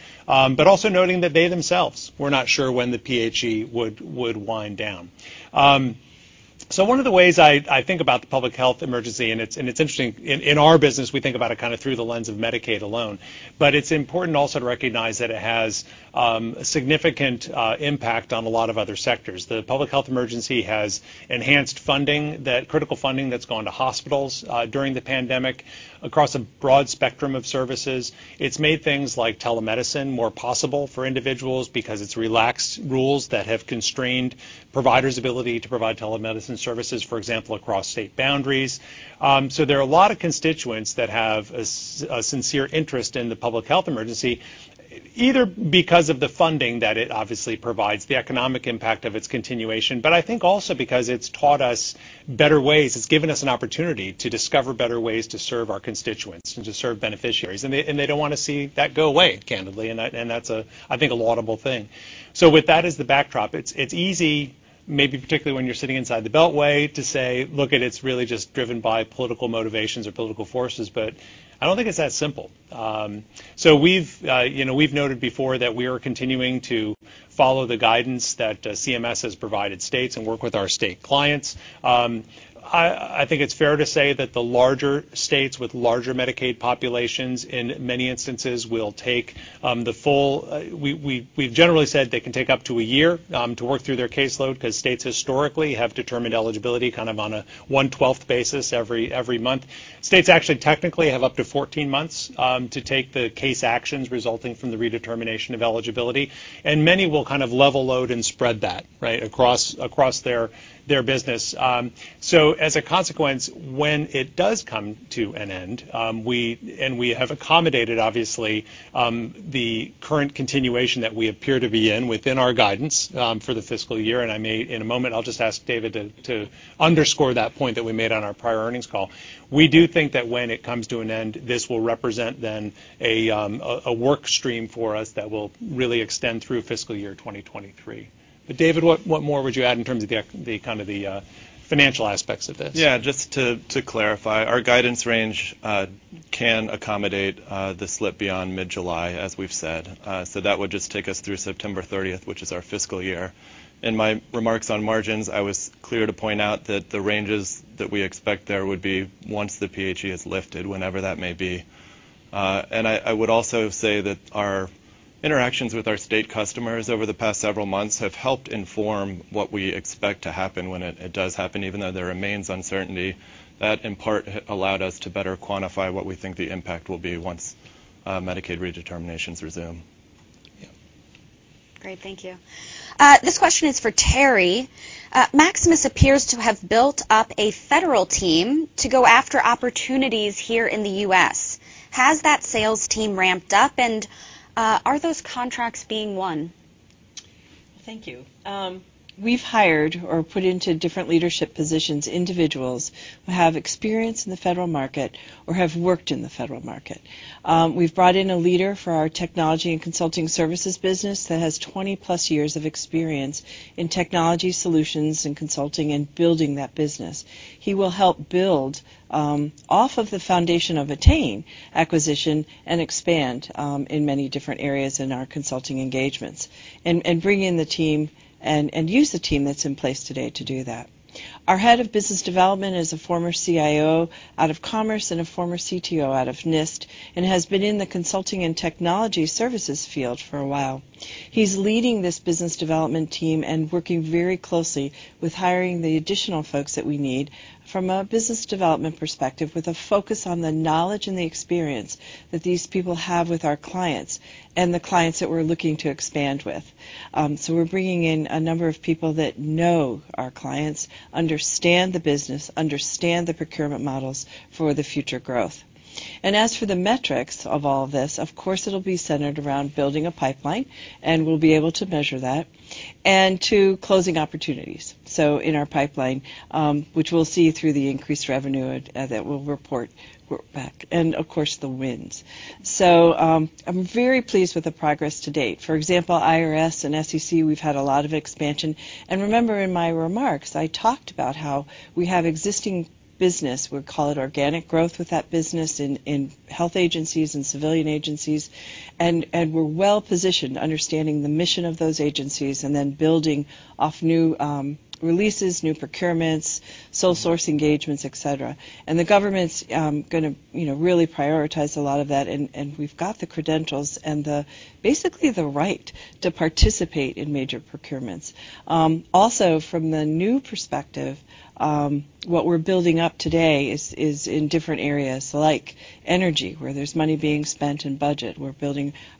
Also noting that they themselves were not sure when the PHE would wind down. One of the ways I think about the Public Health Emergency, and it's interesting, in our business, we think about it kinda through the lens of Medicaid alone, but it's important also to recognize that it has a significant impact on a lot of other sectors. The Public Health Emergency has enhanced critical funding that's gone to hospitals, during the pandemic across a broad spectrum of services. It's made things like telemedicine more possible for individuals because it's relaxed rules that have constrained providers' ability to provide telemedicine services, for example, across state boundaries. There are a lot of constituents that have a sincere interest in the Public Health Emergency, either because of the funding that it obviously provides, the economic impact of its continuation, but I think also because it's taught us better ways. It's given us an opportunity to discover better ways to serve our constituents and to serve beneficiaries. They don't wanna see that go away, candidly, and that's, I think, a laudable thing. With that as the backdrop, it's easy, maybe particularly when you're sitting inside the Beltway, to say, "Look, it's really just driven by political motivations or political forces," but I don't think it's that simple. You know, we've noted before that we are continuing to follow the guidance that CMS has provided states and work with our state clients. I think it's fair to say that the larger states with larger Medicaid populations in many instances will take the full. We've generally said they can take up to a year to work through their caseload 'cause states historically have determined eligibility kind of on a one-twelfth basis every month. States actually technically have up to 14 months to take the case actions resulting from the redetermination of eligibility, and many will kind of level load and spread that, right? Across their business. As a consequence, when it does come to an end, we have accommodated, obviously, the current continuation that we appear to be in within our guidance for the fiscal year, and in a moment, I'll just ask David to underscore that point that we made on our prior earnings call. We do think that when it comes to an end, this will represent then a work stream for us that will really extend through fiscal year 2023. David, what more would you add in terms of the kind of the financial aspects of this? Yeah, just to clarify, our guidance range can accommodate the slip beyond mid-July, as we've said. That would just take us through September 30th, which is our fiscal year. In my remarks on margins, I was clear to point out that the ranges that we expect there would be once the PHE is lifted, whenever that may be. I would also say that our interactions with our state customers over the past several months have helped inform what we expect to happen when it does happen, even though there remains uncertainty. That, in part, allowed us to better quantify what we think the impact will be once Medicaid redeterminations resume. Great. Thank you. This question is for Terry. Maximus appears to have built up a federal team to go after opportunities here in the U.S. Has that sales team ramped up, and are those contracts being won? Thank you. We've hired or put into different leadership positions individuals who have experience in the federal market or have worked in the federal market. We've brought in a leader for our technology and consulting services business that has 20+ years of experience in technology solutions and consulting and building that business. He will help build off of the foundation of Attain acquisition and expand in many different areas in our consulting engagements and bring in the team and use the team that's in place today to do that. Our head of business development is a former CIO out of Commerce and a former CTO out of NIST and has been in the consulting and technology services field for a while. He's leading this business development team and working very closely with hiring the additional folks that we need from a business development perspective with a focus on the knowledge and the experience that these people have with our clients and the clients that we're looking to expand with. We're bringing in a number of people that know our clients, understand the business, understand the procurement models for the future growth. As for the metrics of all this, of course it'll be centered around building a pipeline, and we'll be able to measure that, and to closing opportunities, so in our pipeline, which we'll see through the increased revenue that we'll report back and, of course, the wins. I'm very pleased with the progress to date. For example, IRS and SEC, we've had a lot of expansion. Remember, in my remarks, I talked about how we have existing business, we call it organic growth, with that business in health agencies and civilian agencies, and we're well-positioned understanding the mission of those agencies and then building off new releases, new procurements, sole source engagements, et cetera. The government's gonna, you know, really prioritize a lot of that and we've got the credentials and the basically the right to participate in major procurements. Also from the new perspective, what we're building up today is in different areas like energy, where there's money being spent and budget.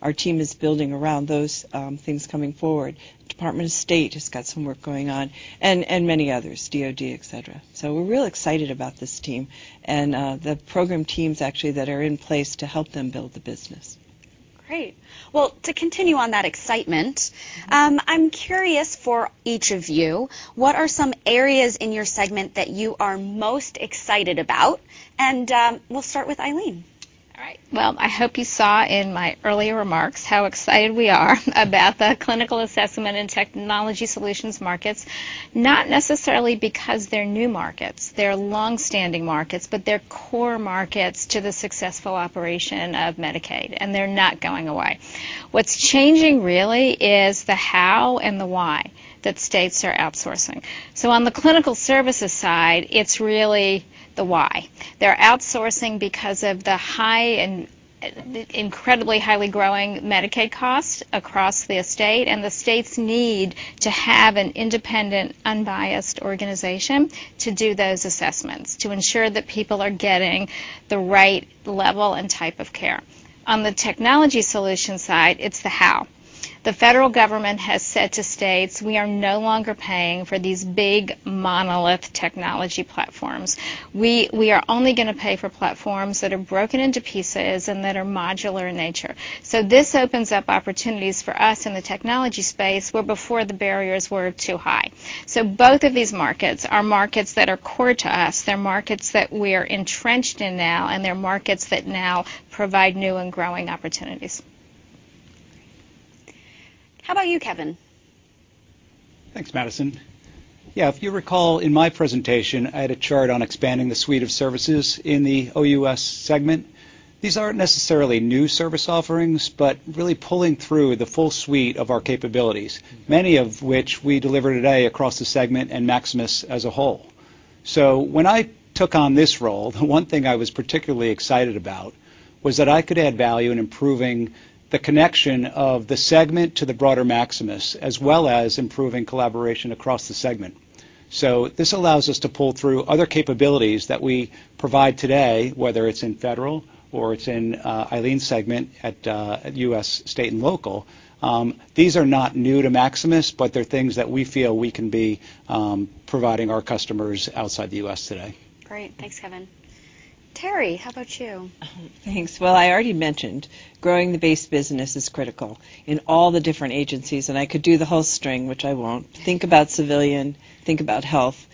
Our team is building around those things coming forward. Department of State has got some work going on and many others, DOD, et cetera. We're real excited about this team and the program teams actually that are in place to help them build the business. Great. Well, to continue on that excitement, I'm curious for each of you, what are some areas in your segment that you are most excited about? We'll start with Ilene. All right. Well, I hope you saw in my earlier remarks how excited we are about the clinical assessment and technology solutions markets, not necessarily because they're new markets. They're longstanding markets, but they're core markets to the successful operation of Medicaid, and they're not going away. What's changing really is the how and the why that states are outsourcing. On the clinical services side, it's really the why. They're outsourcing because of the high and incredibly highly growing Medicaid costs across the states, and the states need to have an independent, unbiased organization to do those assessments, to ensure that people are getting the right level and type of care. On the technology solution side, it's the how. The federal government has said to states, "We are no longer paying for these big monolithic technology platforms. We are only gonna pay for platforms that are broken into pieces and that are modular in nature." This opens up opportunities for us in the technology space where before the barriers were too high. Both of these markets are markets that are core to us. They're markets that we're entrenched in now, and they're markets that now provide new and growing opportunities. How about you, Kevin? Thanks, Madison. Yeah, if you recall in my presentation, I had a chart on expanding the suite of services in the OUS segment. These aren't necessarily new service offerings, but really pulling through the full suite of our capabilities, many of which we deliver today across the segment and Maximus as a whole. When I took on this role, the one thing I was particularly excited about was that I could add value in improving the connection of the segment to the broader Maximus, as well as improving collaboration across the segment. This allows us to pull through other capabilities that we provide today, whether it's in federal or it's in Ilene's segment at U.S. state and local. These are not new to Maximus, but they're things that we feel we can be providing our customers outside the U.S. today. Great. Thanks, Kevin. Terry, how about you? Thanks. Well, I already mentioned growing the base business is critical in all the different agencies, and I could do the whole string, which I won't. Think about civilian, think about health,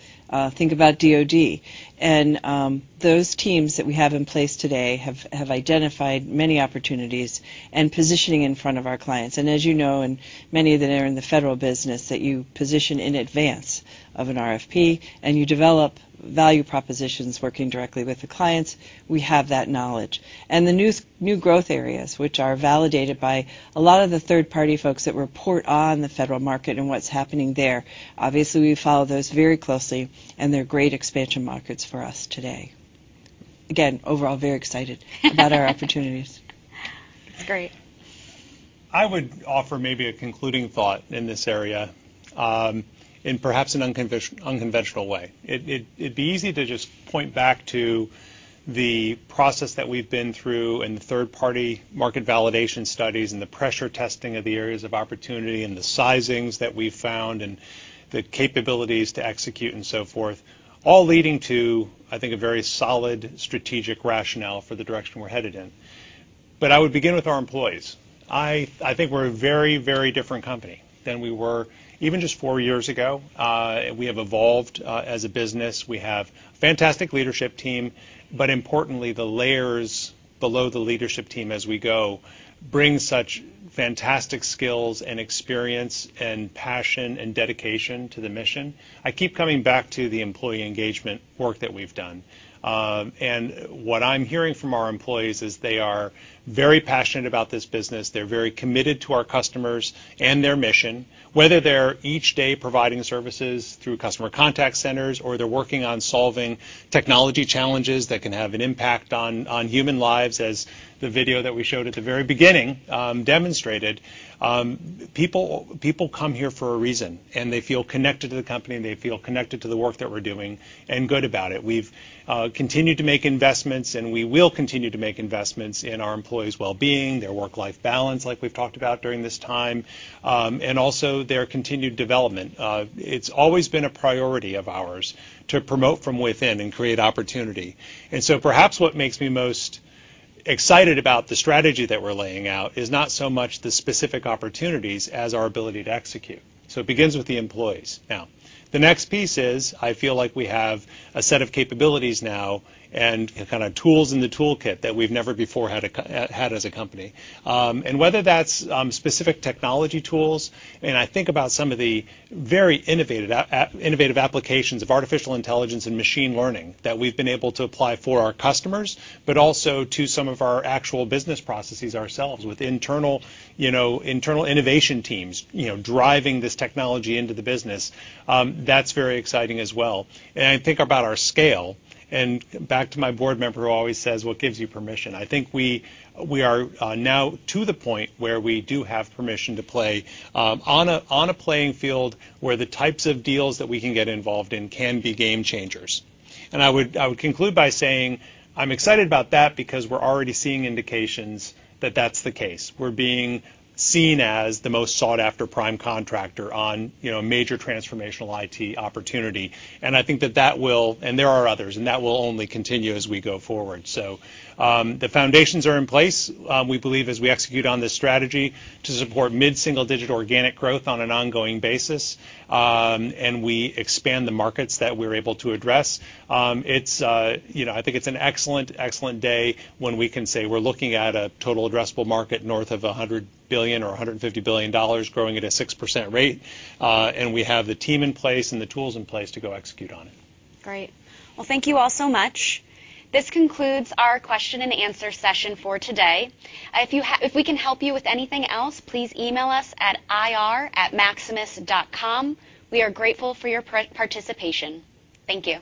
think about DOD. Those teams that we have in place today have identified many opportunities and positioning in front of our clients. As you know, and many that are in the federal business, that you position in advance of an RFP, and you develop value propositions working directly with the clients. We have that knowledge. The new growth areas, which are validated by a lot of the third-party folks that report on the federal market and what's happening there. Obviously, we follow those very closely, and they're great expansion markets for us today. Again, overall, very excited about our opportunities. That's great. I would offer maybe a concluding thought in this area, in perhaps an unconventional way. It'd be easy to just point back to the process that we've been through, and the third-party market validation studies, and the pressure testing of the areas of opportunity, and the sizings that we've found, and the capabilities to execute and so forth, all leading to, I think, a very solid strategic rationale for the direction we're headed in. I would begin with our employees. I think we're a very different company than we were even just four years ago. We have evolved as a business. We have fantastic leadership team, but importantly, the layers below the leadership team as we go bring such fantastic skills and experience and passion and dedication to the mission. I keep coming back to the employee engagement work that we've done. What I'm hearing from our employees is they are very passionate about this business. They're very committed to our customers and their mission, whether they're each day providing services through customer contact centers, or they're working on solving technology challenges that can have an impact on human lives, as the video that we showed at the very beginning demonstrated. People come here for a reason, and they feel connected to the company, and they feel connected to the work that we're doing and good about it. We've continued to make investments, and we will continue to make investments in our employees' well-being, their work-life balance, like we've talked about during this time, and also their continued development. It's always been a priority of ours to promote from within and create opportunity. Perhaps what makes me most excited about the strategy that we're laying out is not so much the specific opportunities as our ability to execute. It begins with the employees. Now, the next piece is, I feel like we have a set of capabilities now and kind of tools in the toolkit that we've never before had as a company. And whether that's specific technology tools, and I think about some of the very innovative applications of artificial intelligence and machine learning that we've been able to apply for our customers, but also to some of our actual business processes ourselves with internal, you know, internal innovation teams, you know, driving this technology into the business. That's very exciting as well. I think about our scale, and back to my board member who always says, "What gives you permission?" I think we are now to the point where we do have permission to play on a playing field where the types of deals that we can get involved in can be game changers. I would conclude by saying I'm excited about that because we're already seeing indications that that's the case. We're being seen as the most sought-after prime contractor on a major transformational IT opportunity. I think that will and there are others, and that will only continue as we go forward. The foundations are in place. We believe as we execute on this strategy to support mid-single digit organic growth on an ongoing basis, and we expand the markets that we're able to address, it's, you know, I think it's an excellent day when we can say we're looking at a total addressable market north of $100 billion or $150 billion growing at a 6% rate, and we have the team in place and the tools in place to go execute on it. Great. Well, thank you all so much. This concludes our question and answer session for today. If we can help you with anything else, please email us at ir@maximus.com. We are grateful for your participation. Thank you.